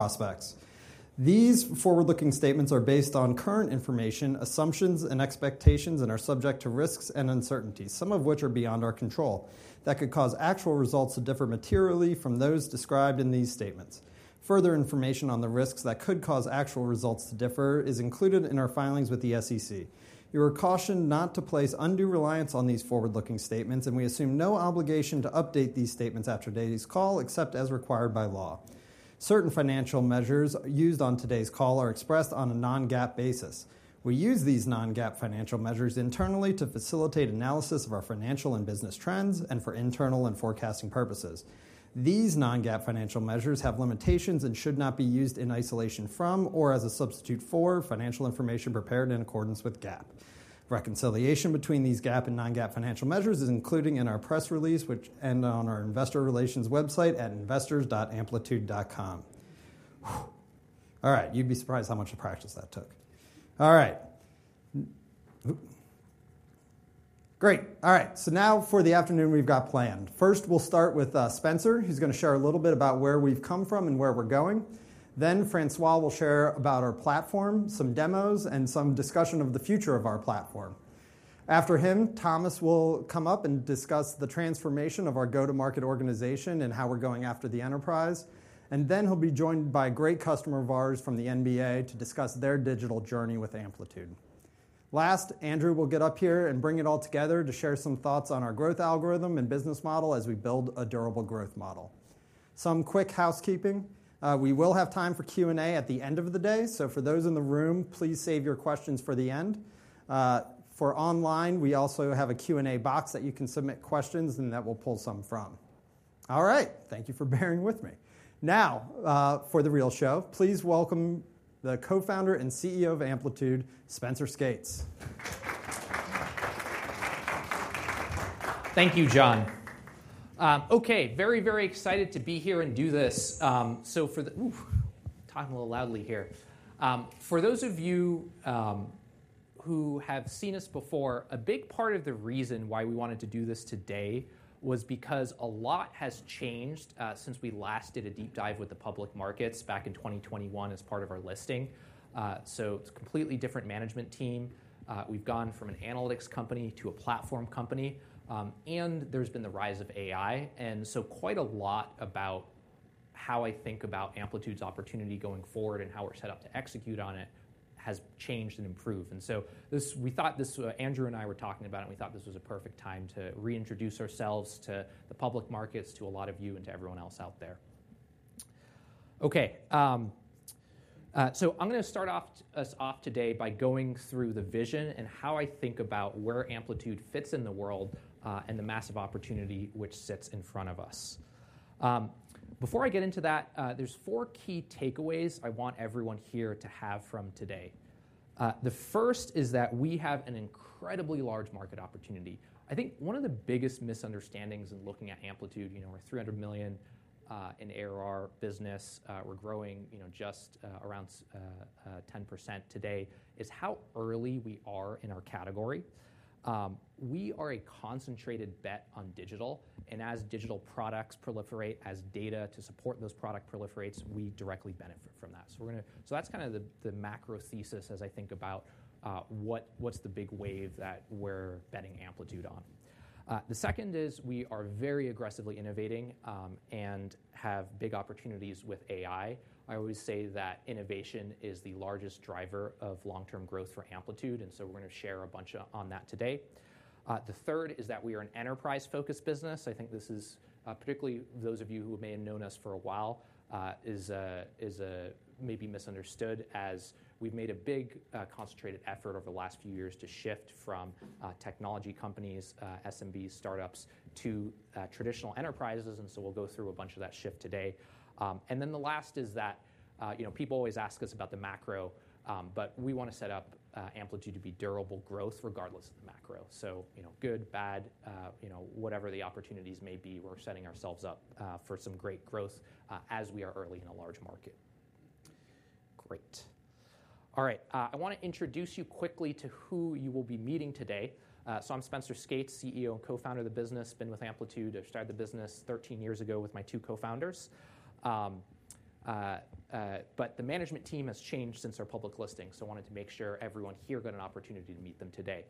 Prospects. These forward-looking statements are based on current information, assumptions, and expectations, and are subject to risks and uncertainties, some of which are beyond our control. That could cause actual results to differ materially from those described in these statements. Further information on the risks that could cause actual results to differ is included in our filings with the SEC. You are cautioned not to place undue reliance on these forward-looking statements, and we assume no obligation to update these statements after today's call, except as required by law. Certain financial measures used on today's call are expressed on a non-GAAP basis. We use these non-GAAP financial measures internally to facilitate analysis of our financial and business trends and for internal and forecasting purposes. These non-GAAP financial measures have limitations and should not be used in isolation from or as a substitute for financial information prepared in accordance with GAAP. Reconciliation between these GAAP and non-GAAP financial measures is included in our press release, which ends on our investor relations website at investors.amplitude.com. All right, you'd be surprised how much practice that took. All right. Great. All right, so now for the afternoon we've got planned. First, we'll start with Spenser. He's going to share a little bit about where we've come from and where we're going. Then Francois will share about our platform, some demos, and some discussion of the future of our platform. After him, Thomas will come up and discuss the transformation of our go-to-market organization and how we're going after the enterprise. He'll be joined by a great customer of ours from the NBA to discuss their digital journey with Amplitude. Last, Andrew will get up here and bring it all together to share some thoughts on our growth algorithm and business model as we build a durable growth model. Some quick housekeeping. We will have time for Q&A at the end of the day. For those in the room, please save your questions for the end. For online, we also have a Q&A box that you can submit questions, and that will pull some from. All right, thank you for bearing with me. Now, for the real show, please welcome the Co-founder and CEO of Amplitude, Spenser Skates. Thank you, John. OK, very, very excited to be here and do this. For those of you who have seen us before, a big part of the reason why we wanted to do this today was because a lot has changed since we last did a deep dive with the public markets back in 2021 as part of our listing. It is a completely different management team. We have gone from an analytics company to a platform company. There has been the rise of AI. Quite a lot about how I think about Amplitude's opportunity going forward and how we are set up to execute on it has changed and improved. We thought this—Andrew and I were talking about it, and we thought this was a perfect time to reintroduce ourselves to the public markets, to a lot of you, and to everyone else out there. OK, I'm going to start off today by going through the vision and how I think about where Amplitude fits in the world and the massive opportunity which sits in front of us. Before I get into that, there are four key takeaways I want everyone here to have from today. The first is that we have an incredibly large market opportunity. I think one of the biggest misunderstandings in looking at Amplitude, you know, our $300 million in ARR business, we're growing just around 10% today, is how early we are in our category. We are a concentrated bet on digital. As digital products proliferate, as data to support those products proliferates, we directly benefit from that. That is kind of the macro thesis as I think about what is the big wave that we are betting Amplitude on. The second is we are very aggressively innovating and have big opportunities with AI. I always say that innovation is the largest driver of long-term growth for Amplitude. We are going to share a bunch on that today. The third is that we are an enterprise-focused business. I think this is, particularly for those of you who may have known us for a while, maybe misunderstood, as we have made a big concentrated effort over the last few years to shift from technology companies, SMBs, startups, to traditional enterprises. We will go through a bunch of that shift today. The last is that people always ask us about the macro, but we want to set up Amplitude to be durable growth regardless of the macro. Good, bad, whatever the opportunities may be, we are setting ourselves up for some great growth as we are early in a large market. Great. All right, I want to introduce you quickly to who you will be meeting today. I'm Spenser Skates, CEO and Co-founder of the business. Been with Amplitude, started the business 13 years ago with my two co-founders. The management team has changed since our public listing, so I wanted to make sure everyone here got an opportunity to meet them today.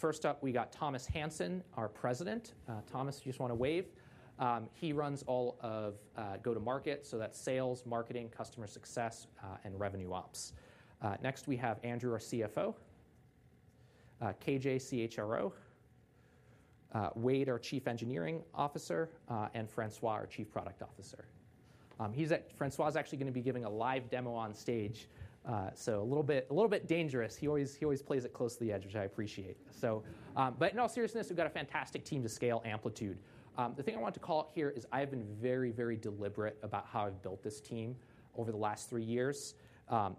First up, we got Thomas Hansen, our President. Thomas, you just want to wave. He runs all of go-to-market. That's sales, marketing, customer success, and revenue ops. Next, we have Andrew, our CFO, KJ, CHRO, Wade, our Chief Engineering Officer, and Francois, our Chief Product Officer. Francois is actually going to be giving a live demo on stage. A little bit dangerous. He always plays it close to the edge, which I appreciate. In all seriousness, we've got a fantastic team to scale Amplitude. The thing I want to call out here is I've been very, very deliberate about how I've built this team over the last three years.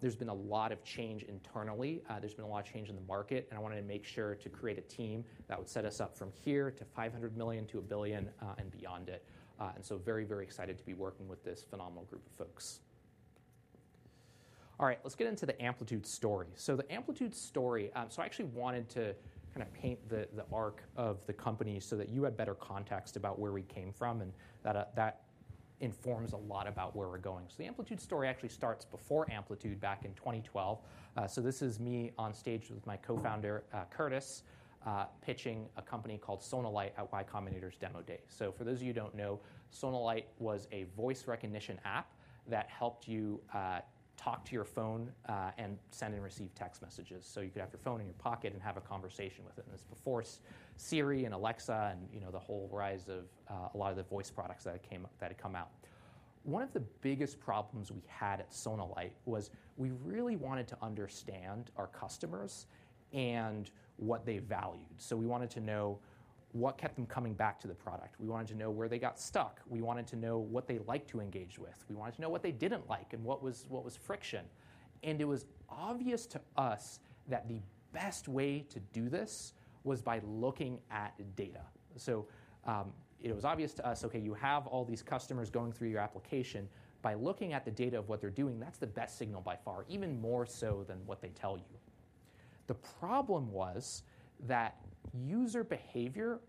There's been a lot of change internally. There's been a lot of change in the market. I wanted to make sure to create a team that would set us up from here to $500 million to a billion and beyond it. I am very, very excited to be working with this phenomenal group of folks. All right, let's get into the Amplitude story. The Amplitude story, I actually wanted to kind of paint the arc of the company so that you had better context about where we came from. That informs a lot about where we're going. The Amplitude story actually starts before Amplitude back in 2012. This is me on stage with my co-founder, Curtis, pitching a company called Sonalight at Y Combinator's Demo Day. For those of you who don't know, Sonalight was a voice recognition app that helped you talk to your phone and send and receive text messages. You could have your phone in your pocket and have a conversation with it. This is before Siri and Alexa and the whole rise of a lot of the voice products that had come out. One of the biggest problems we had at Sonalight was we really wanted to understand our customers and what they valued. We wanted to know what kept them coming back to the product. We wanted to know where they got stuck. We wanted to know what they liked to engage with. We wanted to know what they didn't like and what was friction. It was obvious to us that the best way to do this was by looking at data. It was obvious to us, OK, you have all these customers going through your application. By looking at the data of what they're doing, that's the best signal by far, even more so than what they tell you. The problem was that user behavior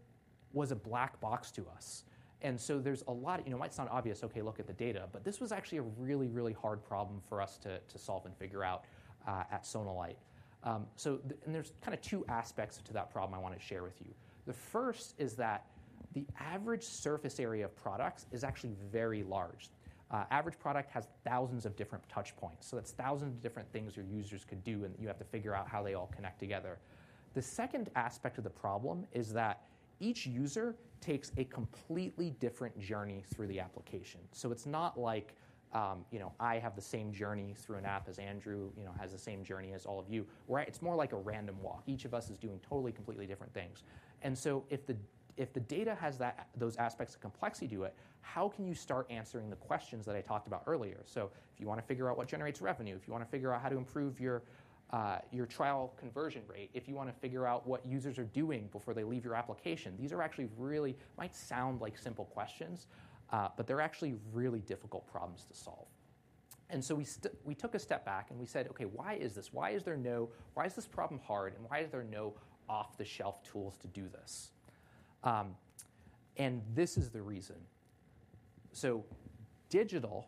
was a black box to us. There is a lot—it's not obvious, OK, look at the data. This was actually a really, really hard problem for us to solve and figure out at Sonalight. There are kind of two aspects to that problem I want to share with you. The first is that the average surface area of products is actually very large. The average product has thousands of different touch points. That is thousands of different things your users could do, and you have to figure out how they all connect together. The second aspect of the problem is that each user takes a completely different journey through the application. It is not like I have the same journey through an app as Andrew has the same journey as all of you. It is more like a random walk. Each of us is doing totally, completely different things. If the data has those aspects of complexity to it, how can you start answering the questions that I talked about earlier? If you want to figure out what generates revenue, if you want to figure out how to improve your trial conversion rate, if you want to figure out what users are doing before they leave your application, these are actually really—it might sound like simple questions, but they're actually really difficult problems to solve. We took a step back and we said, OK, why is this? Why is this problem hard? Why is there no off-the-shelf tools to do this? This is the reason. Digital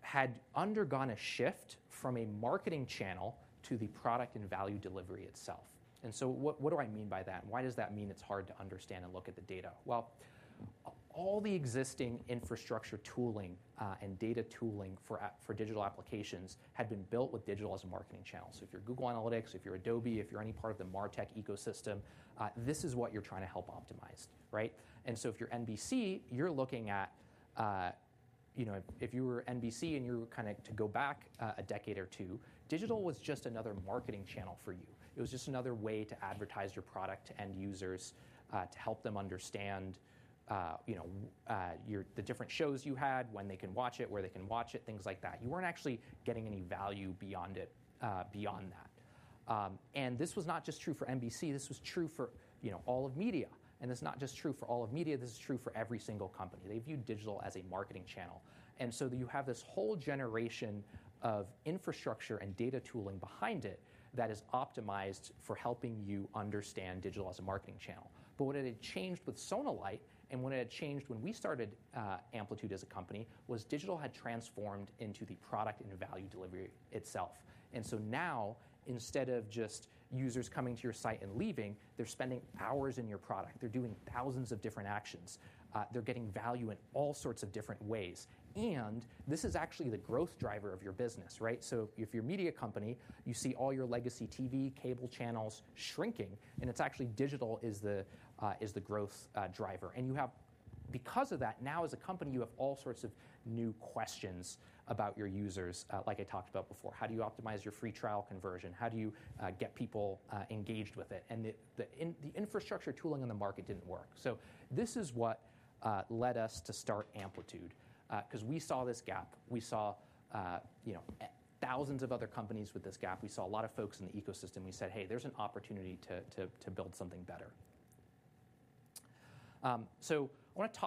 had undergone a shift from a marketing channel to the product and value delivery itself. What do I mean by that? Why does that mean it's hard to understand and look at the data? All the existing infrastructure tooling and data tooling for digital applications had been built with digital as a marketing channel. If you're Google Analytics, if you're Adobe, if you're any part of the MarTech ecosystem, this is what you're trying to help optimize. If you're NBC, you're looking at—if you were NBC and you were kind of to go back a decade or two, digital was just another marketing channel for you. It was just another way to advertise your product to end users, to help them understand the different shows you had, when they can watch it, where they can watch it, things like that. You weren't actually getting any value beyond that. This was not just true for NBC. This was true for all of media. It is not just true for all of media. This is true for every single company. They view digital as a marketing channel. You have this whole generation of infrastructure and data tooling behind it that is optimized for helping you understand digital as a marketing channel. What had changed with Sonalight and what had changed when we started Amplitude as a company was digital had transformed into the product and value delivery itself. Now, instead of just users coming to your site and leaving, they are spending hours in your product. They are doing thousands of different actions. They are getting value in all sorts of different ways. This is actually the growth driver of your business. If you are a media company, you see all your legacy TV cable channels shrinking. It is actually digital that is the growth driver. Because of that, now as a company, you have all sorts of new questions about your users, like I talked about before. How do you optimize your free trial conversion? How do you get people engaged with it? The infrastructure tooling in the market did not work. This is what led us to start Amplitude. We saw this gap. We saw thousands of other companies with this gap. We saw a lot of folks in the ecosystem. We said, hey, there is an opportunity to build something better. I want to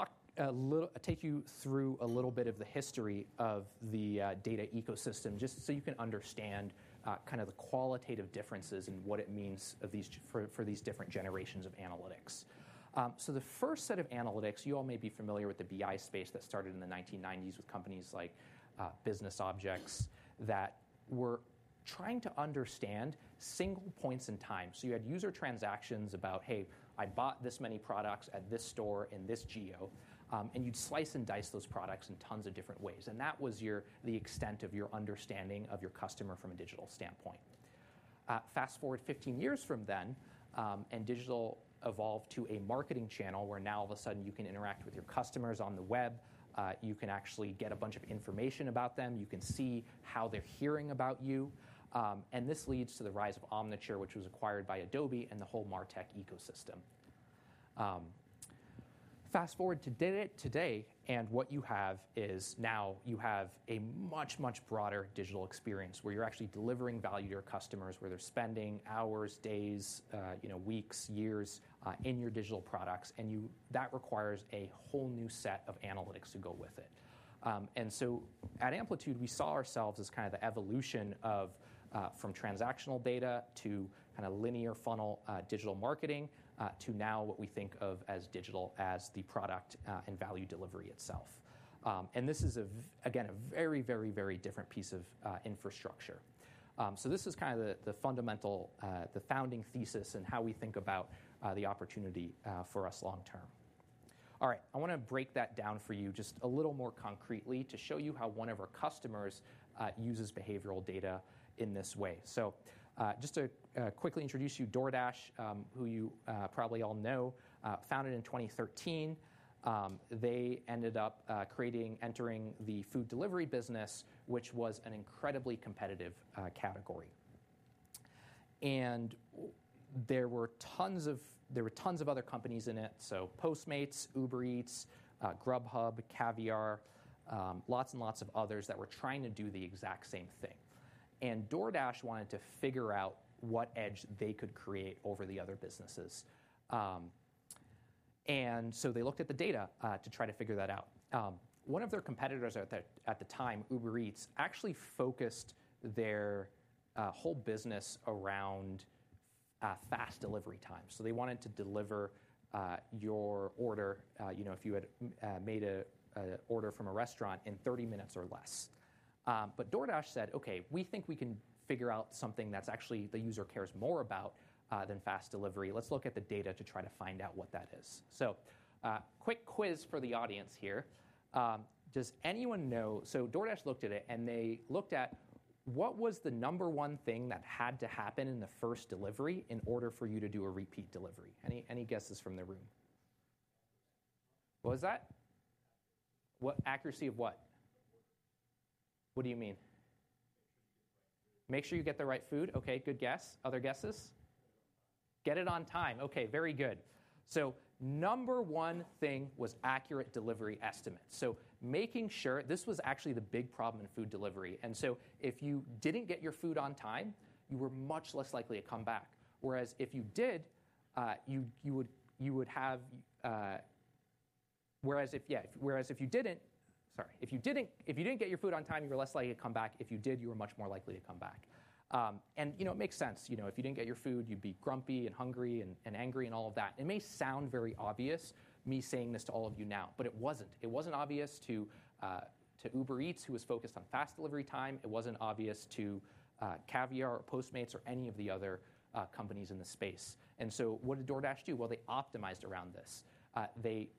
take you through a little bit of the history of the data ecosystem just so you can understand kind of the qualitative differences and what it means for these different generations of analytics. The first set of analytics, you all may be familiar with the BI space that started in the 1990s with companies like BusinessObjects that were trying to understand single points in time. You had user transactions about, hey, I bought this many products at this store in this geo. You'd slice and dice those products in tons of different ways. That was the extent of your understanding of your customer from a digital standpoint. Fast forward 15 years from then, and digital evolved to a marketing channel where now all of a sudden you can interact with your customers on the web. You can actually get a bunch of information about them. You can see how they're hearing about you. This leads to the rise of Omniture, which was acquired by Adobe and the whole MarTech ecosystem. Fast forward to today, and what you have is now you have a much, much broader digital experience where you're actually delivering value to your customers where they're spending hours, days, weeks, years in your digital products. That requires a whole new set of analytics to go with it. At Amplitude, we saw ourselves as kind of the evolution from transactional data to kind of linear funnel digital marketing to now what we think of as digital as the product and value delivery itself. This is, again, a very, very, very different piece of infrastructure. This is kind of the founding thesis and how we think about the opportunity for us long term. All right, I want to break that down for you just a little more concretely to show you how one of our customers uses behavioral data in this way. Just to quickly introduce you, DoorDash, who you probably all know, founded in 2013. They ended up entering the food delivery business, which was an incredibly competitive category. There were tons of other companies in it, so Postmates, Uber Eats, Grubhub, Caviar, lots and lots of others that were trying to do the exact same thing. DoorDash wanted to figure out what edge they could create over the other businesses. They looked at the data to try to figure that out. One of their competitors at the time, Uber Eats, actually focused their whole business around fast delivery time. They wanted to deliver your order if you had made an order from a restaurant in 30 minutes or less. DoorDash said, OK, we think we can figure out something that actually the user cares more about than fast delivery. Let's look at the data to try to find out what that is. Quick quiz for the audience here. Does anyone know? DoorDash looked at it, and they looked at what was the number one thing that had to happen in the first delivery in order for you to do a repeat delivery? Any guesses from the room? What was that? What accuracy of what? What do you mean? Make sure you get the right food. Make sure you get the right food. OK, good guess. Other guesses? Get it on time. OK, very good. Number one thing was accurate delivery estimates. Making sure this was actually the big problem in food delivery. If you did not get your food on time, you were much less likely to come back. Whereas if you did, you would have—whereas if you did not—sorry. If you didn't get your food on time, you were less likely to come back. If you did, you were much more likely to come back. It makes sense. If you didn't get your food, you'd be grumpy and hungry and angry and all of that. It may sound very obvious me saying this to all of you now, but it wasn't. It wasn't obvious to Uber Eats, who was focused on fast delivery time. It wasn't obvious to Caviar or Postmates or any of the other companies in the space. What did DoorDash do? They optimized around this. They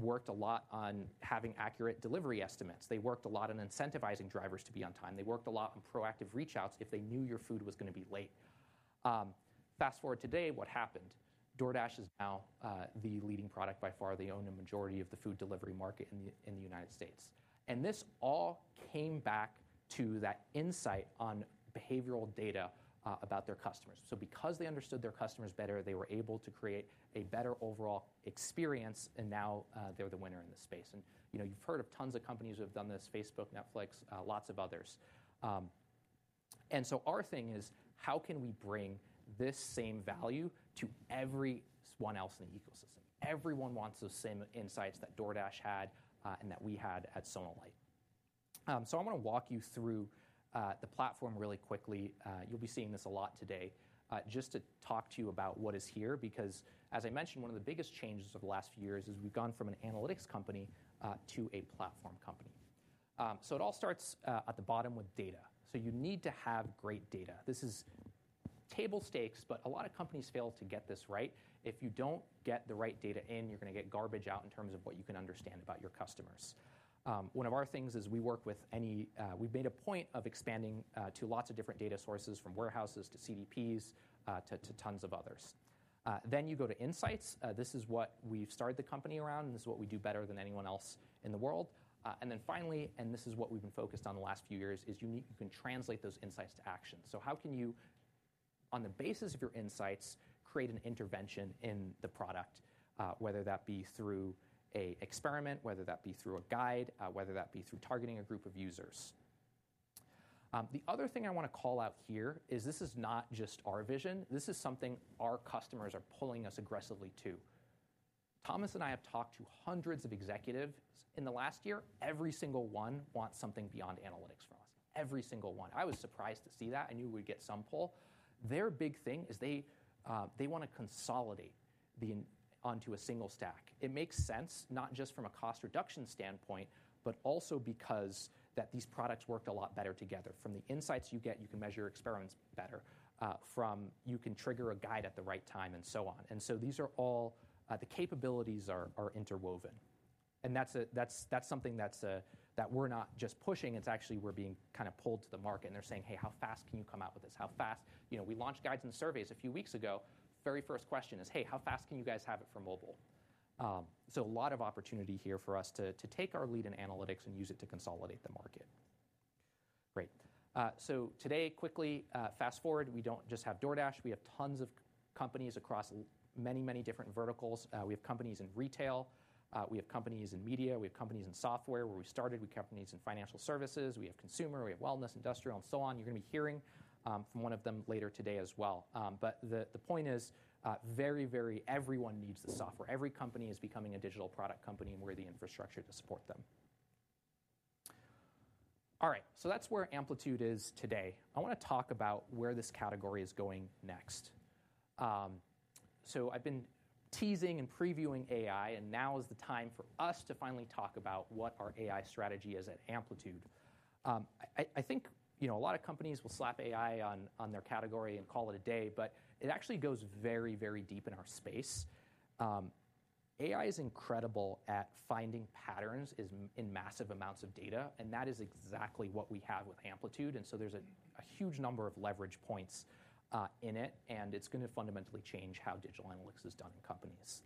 worked a lot on having accurate delivery estimates. They worked a lot on incentivizing drivers to be on time. They worked a lot on proactive reach-outs if they knew your food was going to be late. Fast forward to today, what happened? DoorDash is now the leading product by far. They own a majority of the food delivery market in the United States. This all came back to that insight on behavioral data about their customers. Because they understood their customers better, they were able to create a better overall experience. Now they are the winner in this space. You have heard of tons of companies who have done this: Facebook, Netflix, lots of others. Our thing is, how can we bring this same value to everyone else in the ecosystem? Everyone wants those same insights that DoorDash had and that we had at Sonalight. I want to walk you through the platform really quickly. You will be seeing this a lot today just to talk to you about what is here. Because, as I mentioned, one of the biggest changes over the last few years is we've gone from an analytics company to a platform company. It all starts at the bottom with data. You need to have great data. This is table stakes, but a lot of companies fail to get this right. If you don't get the right data in, you're going to get garbage out in terms of what you can understand about your customers. One of our things is we work with any—we've made a point of expanding to lots of different data sources, from warehouses to CDPs to tons of others. You go to insights. This is what we started the company around, and this is what we do better than anyone else in the world. Finally, and this is what we've been focused on the last few years, you can translate those insights to action. How can you, on the basis of your insights, create an intervention in the product, whether that be through an experiment, whether that be through a guide, whether that be through targeting a group of users? The other thing I want to call out here is this is not just our vision. This is something our customers are pulling us aggressively to. Thomas and I have talked to hundreds of executives in the last year. Every single one wants something beyond analytics from us. Every single one. I was surprised to see that. I knew we would get some pull. Their big thing is they want to consolidate onto a single stack. It makes sense, not just from a cost reduction standpoint, but also because these products worked a lot better together. From the insights you get, you can measure experiments better. You can trigger a guide at the right time and so on. These are all the capabilities that are interwoven. That's something that we're not just pushing. Actually, we're being kind of pulled to the market. They're saying, hey, how fast can you come out with this? How fast? We launched Guides and Surveys a few weeks ago. Very first question is, hey, how fast can you guys have it for mobile? A lot of opportunity here for us to take our lead in analytics and use it to consolidate the market. Great. Today, quickly, fast forward, we don't just have DoorDash. We have tons of companies across many, many different verticals. We have companies in retail. We have companies in media. We have companies in software. Where we started, we have companies in financial services. We have consumer. We have wellness, industrial, and so on. You're going to be hearing from one of them later today as well. The point is, very, very everyone needs the software. Every company is becoming a digital product company and we're the infrastructure to support them. All right, that's where Amplitude is today. I want to talk about where this category is going next. I've been teasing and previewing AI, and now is the time for us to finally talk about what our AI strategy is at Amplitude. I think a lot of companies will slap AI on their category and call it a day. It actually goes very, very deep in our space. AI is incredible at finding patterns in massive amounts of data. That is exactly what we have with Amplitude. There is a huge number of leverage points in it. It is going to fundamentally change how digital analytics is done in companies.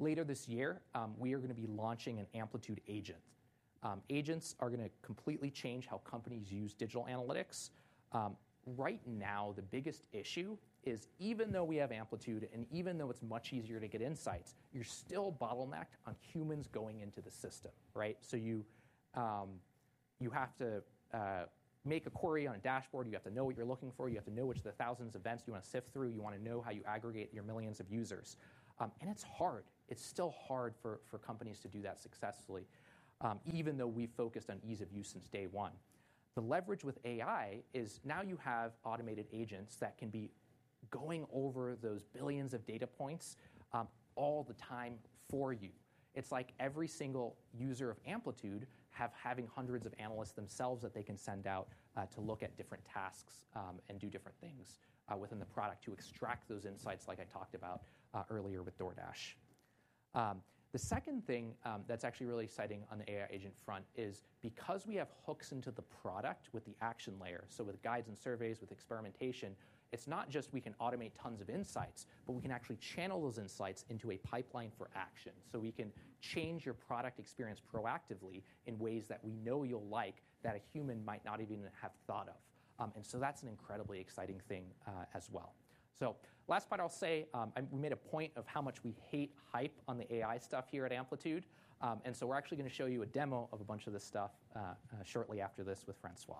Later this year, we are going to be launching an Amplitude Agent. Agents are going to completely change how companies use digital analytics. Right now, the biggest issue is even though we have Amplitude, and even though it is much easier to get insights, you are still bottlenecked on humans going into the system. You have to make a query on a dashboard. You have to know what you are looking for. You have to know which of the thousands of events you want to sift through. You want to know how you aggregate your millions of users. It is hard. It's still hard for companies to do that successfully, even though we've focused on ease of use since day one. The leverage with AI is now you have automated agents that can be going over those billions of data points all the time for you. It's like every single user of Amplitude having hundreds of analysts themselves that they can send out to look at different tasks and do different things within the product to extract those insights like I talked about earlier with DoorDash. The second thing that's actually really exciting on the AI agent front is because we have hooks into the product with the action layer, so with Guides and Surveys, with experimentation, it's not just we can automate tons of insights, but we can actually channel those insights into a pipeline for action. We can change your product experience proactively in ways that we know you'll like that a human might not even have thought of. That's an incredibly exciting thing as well. Last part I'll say, we made a point of how much we hate hype on the AI stuff here at Amplitude. We're actually going to show you a demo of a bunch of this stuff shortly after this with Francois.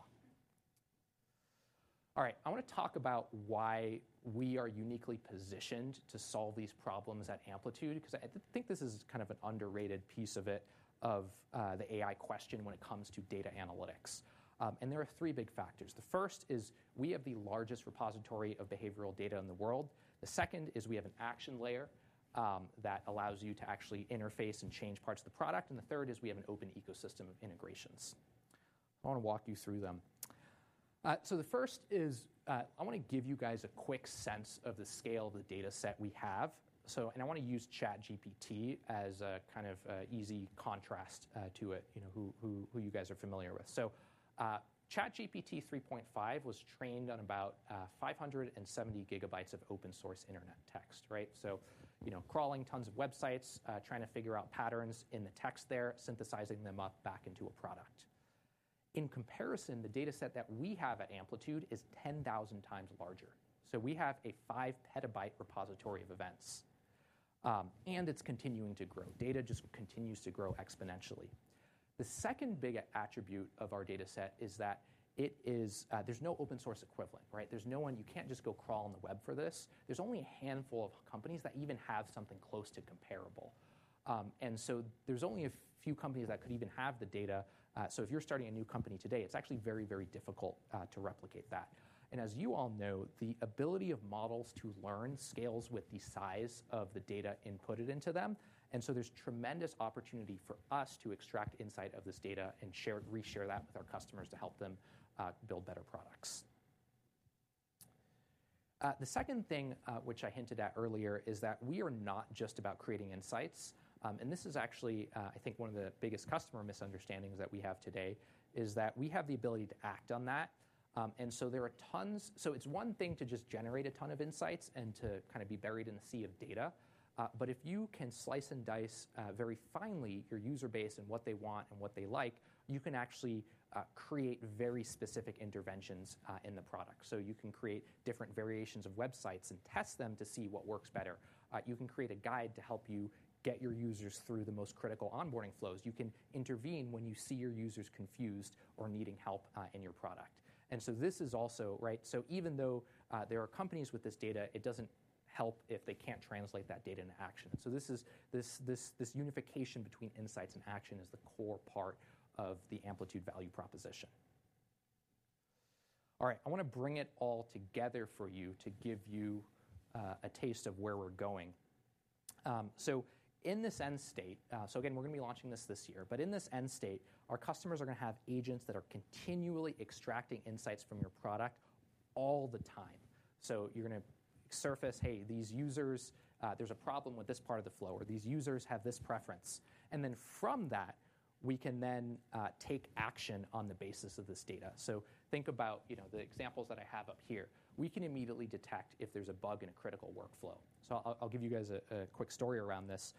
All right, I want to talk about why we are uniquely-positioned to solve these problems at Amplitude. I think this is kind of an underrated piece of it, of the AI question when it comes to data analytics. There are three big factors. The first is we have the largest repository of behavioral data in the world. The second is we have an action layer that allows you to actually interface and change parts of the product. The third is we have an open ecosystem of integrations. I want to walk you through them. The first is I want to give you guys a quick sense of the scale of the data set we have. I want to use ChatGPT as a kind of easy contrast to who you guys are familiar with. ChatGPT 3.5 was trained on about 570 GB of open source internet text. Crawling tons of websites, trying to figure out patterns in the text there, synthesizing them up back into a product. In comparison, the data set that we have at Amplitude is 10,000x larger. We have a 5 PB repository of events. It is continuing to grow. Data just continues to grow exponentially. The second big attribute of our data set is that there's no open source equivalent. There's no one, you can't just go crawl on the web for this. There's only a handful of companies that even have something close to comparable. There's only a few companies that could even have the data. If you're starting a new company today, it's actually very, very difficult to replicate that. As you all know, the ability of models to learn scales with the size of the data inputted into them. There's tremendous opportunity for us to extract insight of this data and reshare that with our customers to help them build better products. The second thing which I hinted at earlier is that we are not just about creating insights. This is actually, I think, one of the biggest customer misunderstandings that we have today is that we have the ability to act on that. There are tons—so it's one thing to just generate a ton of insights and to kind of be buried in a sea of data. If you can slice and dice very finely your user base and what they want and what they like, you can actually create very specific interventions in the product. You can create different variations of websites and test them to see what works better. You can create a guide to help you get your users through the most critical onboarding flows. You can intervene when you see your users confused or needing help in your product. This is also--even though there are companies with this data, it doesn't help if they can't translate that data into action. This unification between insights and action is the core part of the Amplitude value proposition. All right, I want to bring it all together for you to give you a taste of where we're going. In this end state--again, we're going to be launching this this year. In this end state, our customers are going to have agents that are continually extracting insights from your product all the time. You're going to surface, hey, these users, there's a problem with this part of the flow, or these users have this preference. From that, we can then take action on the basis of this data. Think about the examples that I have up here. We can immediately detect if there's a bug in a critical workflow. I'll give you guys a quick story around this.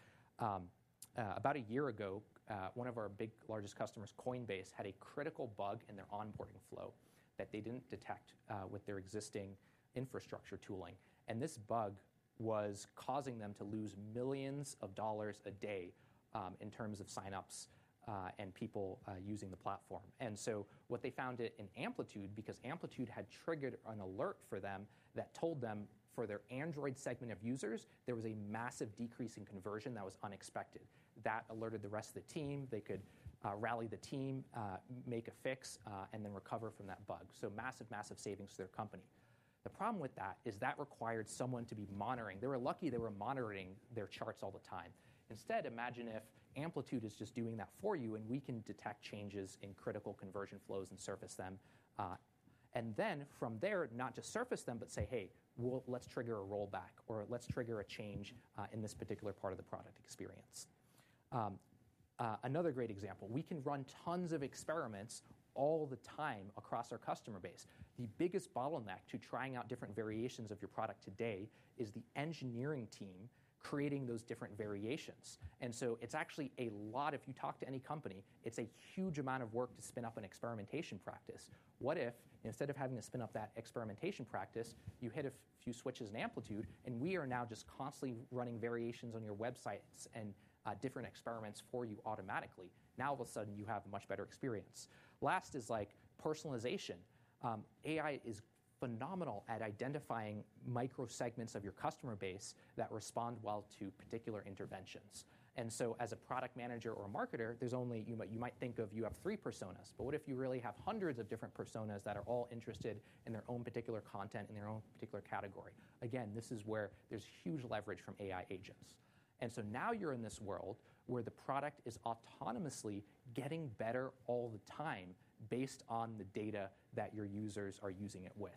About a year ago, one of our largest customers, Coinbase, had a critical bug in their onboarding flow that they didn't detect with their existing infrastructure tooling. This bug was causing them to lose millions of dollars a day in terms of sign-ups and people using the platform. What they found in Amplitude, because Amplitude had triggered an alert for them that told them for their Android segment of users, there was a massive decrease in conversion that was unexpected. That alerted the rest of the team. They could rally the team, make a fix, and then recover from that bug. Massive, massive savings to their company. The problem with that is that required someone to be monitoring. They were lucky they were monitoring their charts all the time. Instead, imagine if Amplitude is just doing that for you, and we can detect changes in critical conversion flows and surface them. From there, not just surface them, but say, hey, let's trigger a rollback, or let's trigger a change in this particular part of the product experience. Another great example, we can run tons of experiments all the time across our customer base. The biggest bottleneck to trying out different variations of your product today is the engineering team creating those different variations. It's actually a lot—if you talk to any company, it's a huge amount of work to spin up an experimentation practice. What if instead of having to spin up that experimentation practice, you hit a few switches in Amplitude, and we are now just constantly running variations on your websites and different experiments for you automatically? Now, all of a sudden, you have much better experience. Last is personalization. AI is phenomenal at identifying micro-segments of your customer base that respond well to particular interventions. As a product manager or marketer, you might think of you have three personas. What if you really have hundreds of different personas that are all interested in their own particular content and their own particular category? Again, this is where there's huge leverage from AI agents. Now you're in this world where the product is autonomously getting better all the time based on the data that your users are using it with.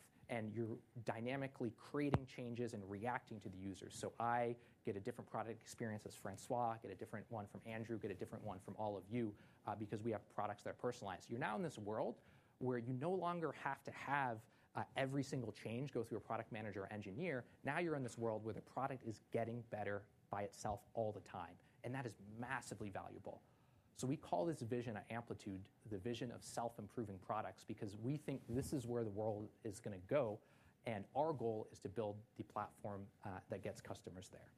You are dynamically creating changes and reacting to the users. I get a different product experience as Francois, get a different one from Andrew, get a different one from all of you because we have products that are personalized. You are now in this world where you no longer have to have every single change go through a product manager or engineer. You are now in this world where the product is getting better by itself all the time. That is massively valuable. We call this vision at Amplitude the vision of self-improving products because we think this is where the world is going to go. Our goal is to build the platform that gets customers there.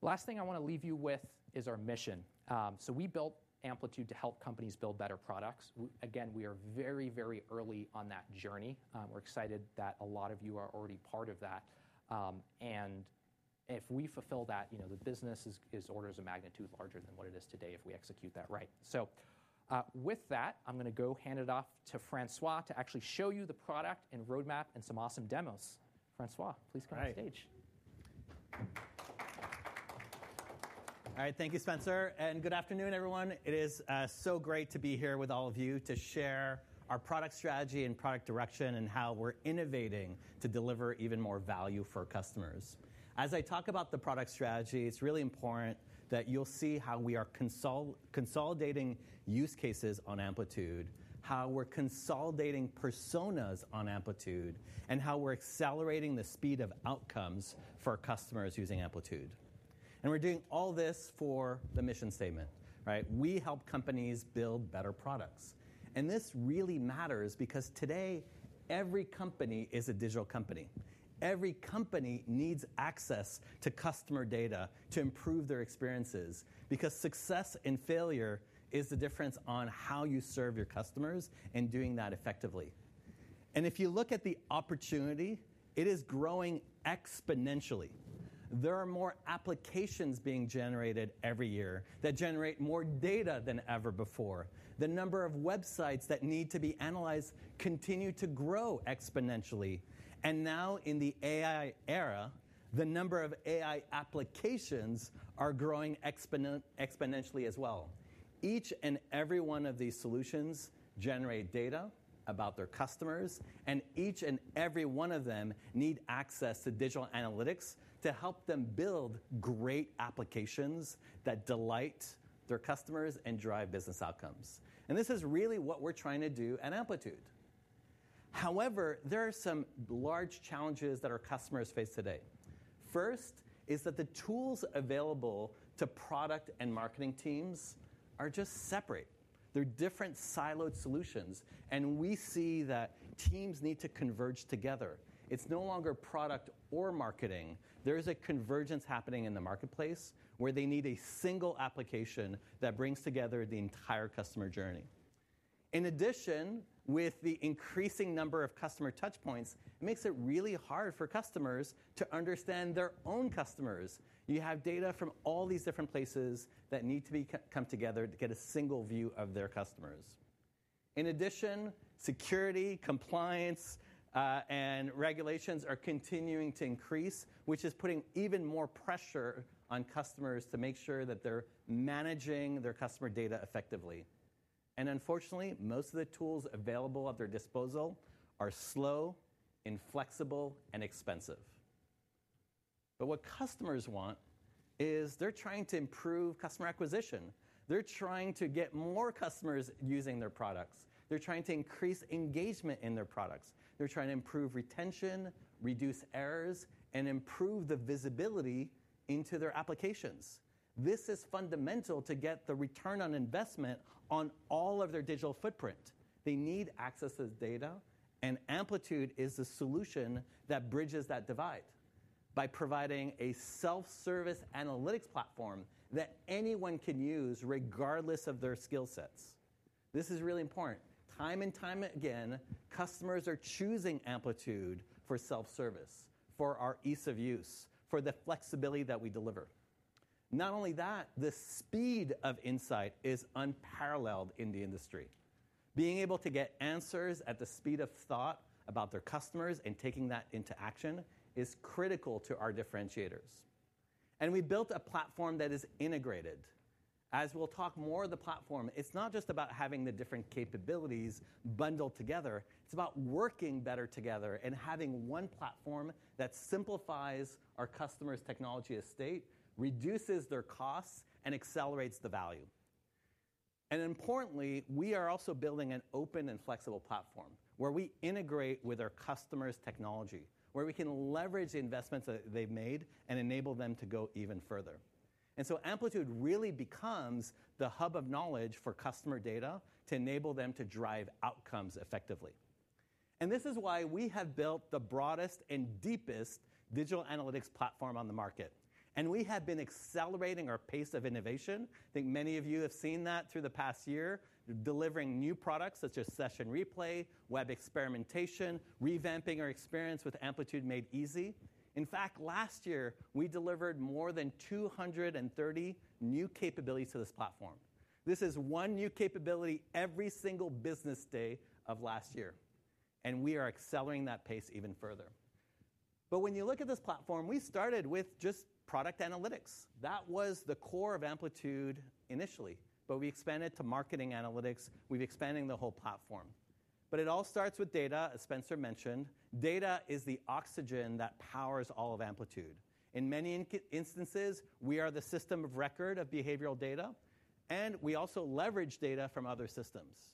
The last thing I want to leave you with is our mission. We built Amplitude to help companies build better products. Again, we are very, very early on that journey. We're excited that a lot of you are already part of that. If we fulfill that, the business is orders of magnitude larger than what it is today if we execute that right. With that, I'm going to go hand it off to Francois to actually show you the product and roadmap and some awesome demos. Francois, please come on stage. All right. All right, thank you, Spenser. And good afternoon, everyone. It is so great to be here with all of you to share our product strategy and product direction and how we're innovating to deliver even more value for customers. As I talk about the product strategy, it's really important that you'll see how we are consolidating use cases on Amplitude, how we're consolidating personas on Amplitude, and how we're accelerating the speed of outcomes for customers using Amplitude. And we're doing all this for the mission statement. We help companies build better products. And this really matters because today, every company is a digital company. Every company needs access to customer data to improve their experiences because success and failure is the difference on how you serve your customers and doing that effectively. And if you look at the opportunity, it is growing exponentially. There are more applications being generated every year that generate more data than ever before. The number of websites that need to be analyzed continues to grow exponentially. Now in the AI era, the number of AI applications is growing exponentially as well. Each and every one of these solutions generates data about their customers. Each and every one of them needs access to digital analytics to help them build great applications that delight their customers and drive business outcomes. This is really what we're trying to do at Amplitude. However, there are some large challenges that our customers face today. First is that the tools available to product and marketing teams are just separate. They're different siloed solutions. We see that teams need to converge together. It's no longer product or marketing. There is a convergence happening in the marketplace where they need a single application that brings together the entire customer journey. In addition, with the increasing number of customer touchpoints, it makes it really hard for customers to understand their own customers. You have data from all these different places that need to come together to get a single view of their customers. In addition, security, compliance, and regulations are continuing to increase, which is putting even more pressure on customers to make sure that they're managing their customer data effectively. Unfortunately, most of the tools available at their disposal are slow, inflexible, and expensive. What customers want is they're trying to improve customer acquisition. They're trying to get more customers using their products. They're trying to increase engagement in their products. They're trying to improve retention, reduce errors, and improve the visibility into their applications. This is fundamental to get the return on investment on all of their digital footprint. They need access to data. Amplitude is the solution that bridges that divide by providing a self-service analytics platform that anyone can use regardless of their skill sets. This is really important. Time and time again, customers are choosing Amplitude for self-service, for our ease of use, for the flexibility that we deliver. Not only that, the speed of insight is unparalleled in the industry. Being able to get answers at the speed of thought about their customers and taking that into action is critical to our differentiators. We built a platform that is integrated. As we'll talk more of the platform, it's not just about having the different capabilities bundled together. is about working better together and having one platform that simplifies our customers' technology estate, reduces their costs, and accelerates the value. Importantly, we are also building an open and flexible platform where we integrate with our customers' technology, where we can leverage the investments that they have made and enable them to go even further. Amplitude really becomes the hub of knowledge for customer data to enable them to drive outcomes effectively. This is why we have built the broadest and deepest digital analytics platform on the market. We have been accelerating our pace of innovation. I think many of you have seen that through the past year, delivering new products such as Session Replay, Web Experimentation, revamping our experience with Amplitude Made Easy. In fact, last year, we delivered more than 230 new capabilities to this platform. This is one new capability every single business day of last year. We are accelerating that pace even further. When you look at this platform, we started with just product analytics. That was the core of Amplitude initially. We expanded to marketing analytics. We have expanded the whole platform. It all starts with data, as Spenser mentioned. Data is the oxygen that powers all of Amplitude. In many instances, we are the system of record of behavioral data. We also leverage data from other systems.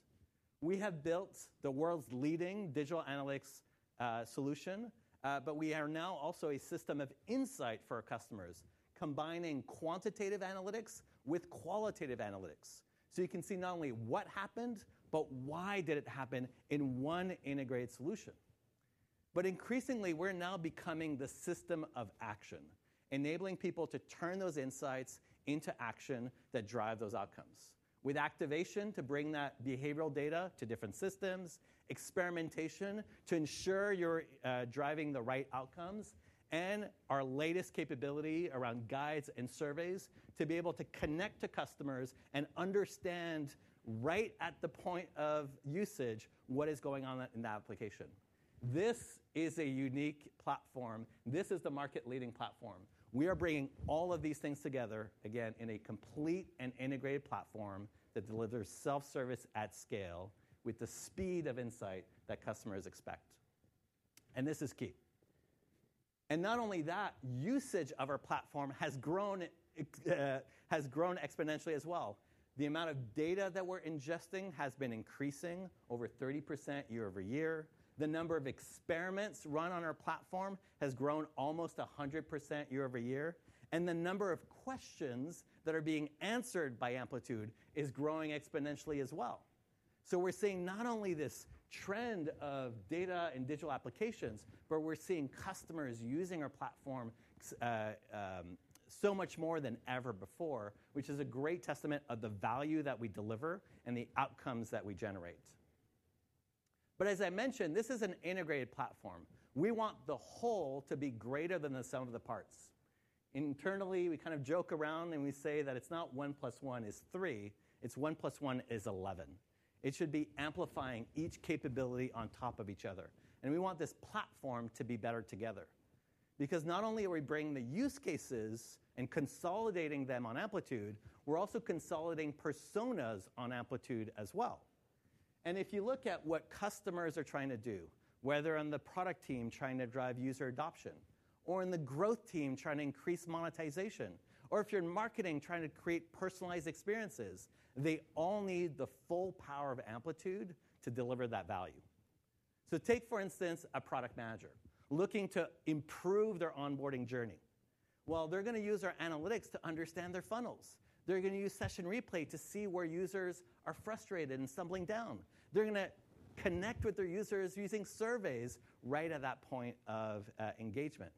We have built the world's leading digital analytics solution. We are now also a system of insight for our customers, combining quantitative analytics with qualitative analytics. You can see not only what happened, but why did it happen in one integrated solution. Increasingly, we're now becoming the system of action, enabling people to turn those insights into action that drive those outcomes, with activation to bring that behavioral data to different systems, experimentation to ensure you're driving the right outcomes, and our latest capability around guides and surveys to be able to connect to customers and understand right at the point of usage what is going on in the application. This is a unique platform. This is the market-leading platform. We are bringing all of these things together, again, in a complete and integrated platform that delivers self-service at scale with the speed of insight that customers expect. This is key. Not only that, usage of our platform has grown exponentially as well. The amount of data that we're ingesting has been increasing over 30% year-over-year. The number of experiments run on our platform has grown almost 100% year-over-year. The number of questions that are being answered by Amplitude is growing exponentially as well. We are seeing not only this trend of data and digital applications, but we are seeing customers using our platform so much more than ever before, which is a great testament of the value that we deliver and the outcomes that we generate. As I mentioned, this is an integrated platform. We want the whole to be greater than the sum of the parts. Internally, we kind of joke around and we say that it is not 1+1 is 3. It is 1+1 is 11. It should be amplifying each capability on top of each other. We want this platform to be better together. Because not only are we bringing the use cases and consolidating them on Amplitude, we are also consolidating personas on Amplitude as well. If you look at what customers are trying to do, whether on the product team trying to drive user adoption, or in the growth team trying to increase monetization, or if you are in marketing trying to create personalized experiences, they all need the full power of Amplitude to deliver that value. Take, for instance, a product manager looking to improve their onboarding journey. They are going to use our analytics to understand their funnels. They are going to use Session Replay to see where users are frustrated and stumbling down. They are going to connect with their users using surveys right at that point of engagement.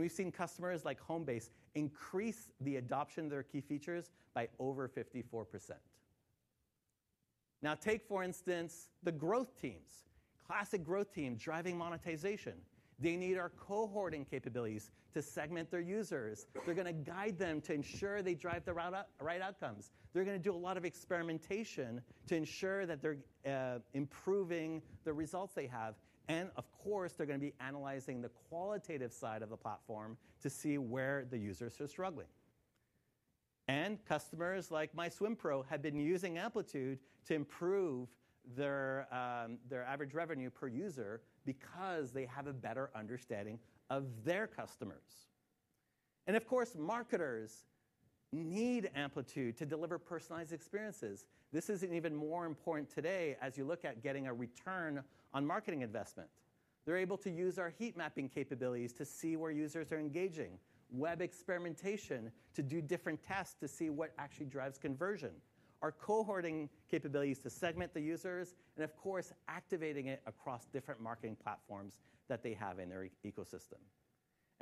We have seen customers like Homebase increase the adoption of their key features by over 54%. Now, take, for instance, the growth teams. Classic growth team driving monetization. They need our cohorting capabilities to segment their users. They are going to guide them to ensure they drive the right outcomes. They are going to do a lot of experimentation to ensure that they are improving the results they have. Of course, they are going to be analyzing the qualitative side of the platform to see where the users are struggling. Customers like MySwimPro have been using Amplitude to improve their average revenue per user because they have a better understanding of their customers. Of course, marketers need Amplitude to deliver personalized experiences. This is even more important today as you look at getting a return on marketing investment. They're able to use our heat mapping capabilities to see where users are engaging, web experimentation to do different tasks to see what actually drives conversion, our cohorting capabilities to segment the users, and of course, activating it across different marketing platforms that they have in their ecosystem.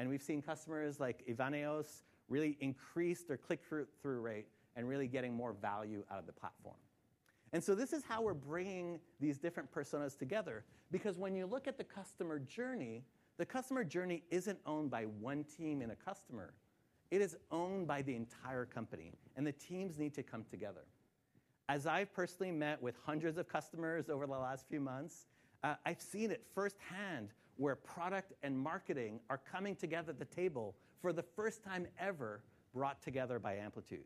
We've seen customers like Evaneos really increase their click-through rate and really getting more value out of the platform. This is how we're bringing these different personas together. When you look at the customer journey, the customer journey isn't owned by one team and a customer. It is owned by the entire company. The teams need to come together. As I've personally met with hundreds of customers over the last few months, I've seen it firsthand where product and marketing are coming together at the table for the first time ever brought together by Amplitude.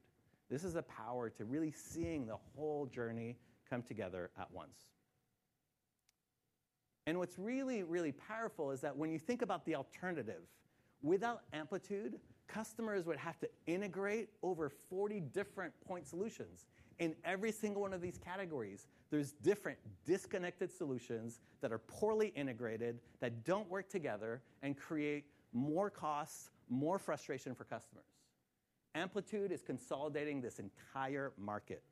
This is a power to really seeing the whole journey come together at once. What's really, really powerful is that when you think about the alternative, without Amplitude, customers would have to integrate over 40 different point solutions. In every single one of these categories, there's different disconnected solutions that are poorly integrated, that don't work together, and create more costs, more frustration for customers. Amplitude is consolidating this entire market.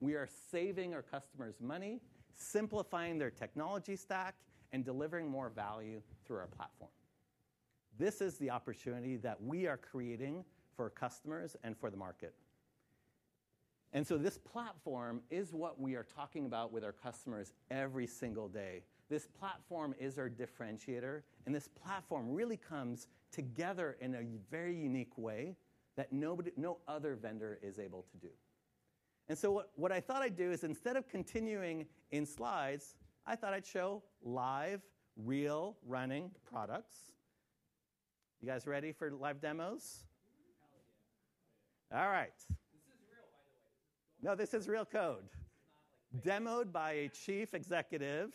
We are saving our customers money, simplifying their technology stack, and delivering more value through our platform. This is the opportunity that we are creating for customers and for the market. This platform is what we are talking about with our customers every single day. This platform is our differentiator. This platform really comes together in a very unique way that no other vendor is able to do. What I thought I'd do is instead of continuing in slides, I thought I'd show live, real running products. You guys ready for live demos? All right. This is real, by the way. No, this is real code. Demoed by a chief executive.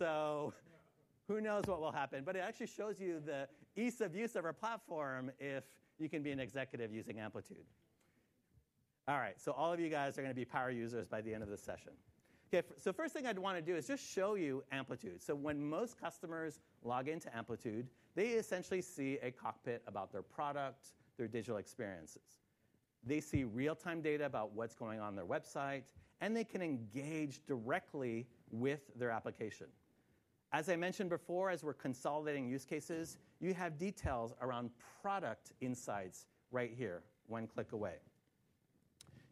Who knows what will happen? It actually shows you the ease of use of our platform if you can be an executive using Amplitude. All right. All of you guys are going to be power users by the end of this session. First thing I'd want to do is just show you Amplitude. When most customers log into Amplitude, they essentially see a cockpit about their product, their digital experiences. They see real-time data about what's going on their website. They can engage directly with their application. As I mentioned before, as we're consolidating use cases, you have details around product insights right here, one click away.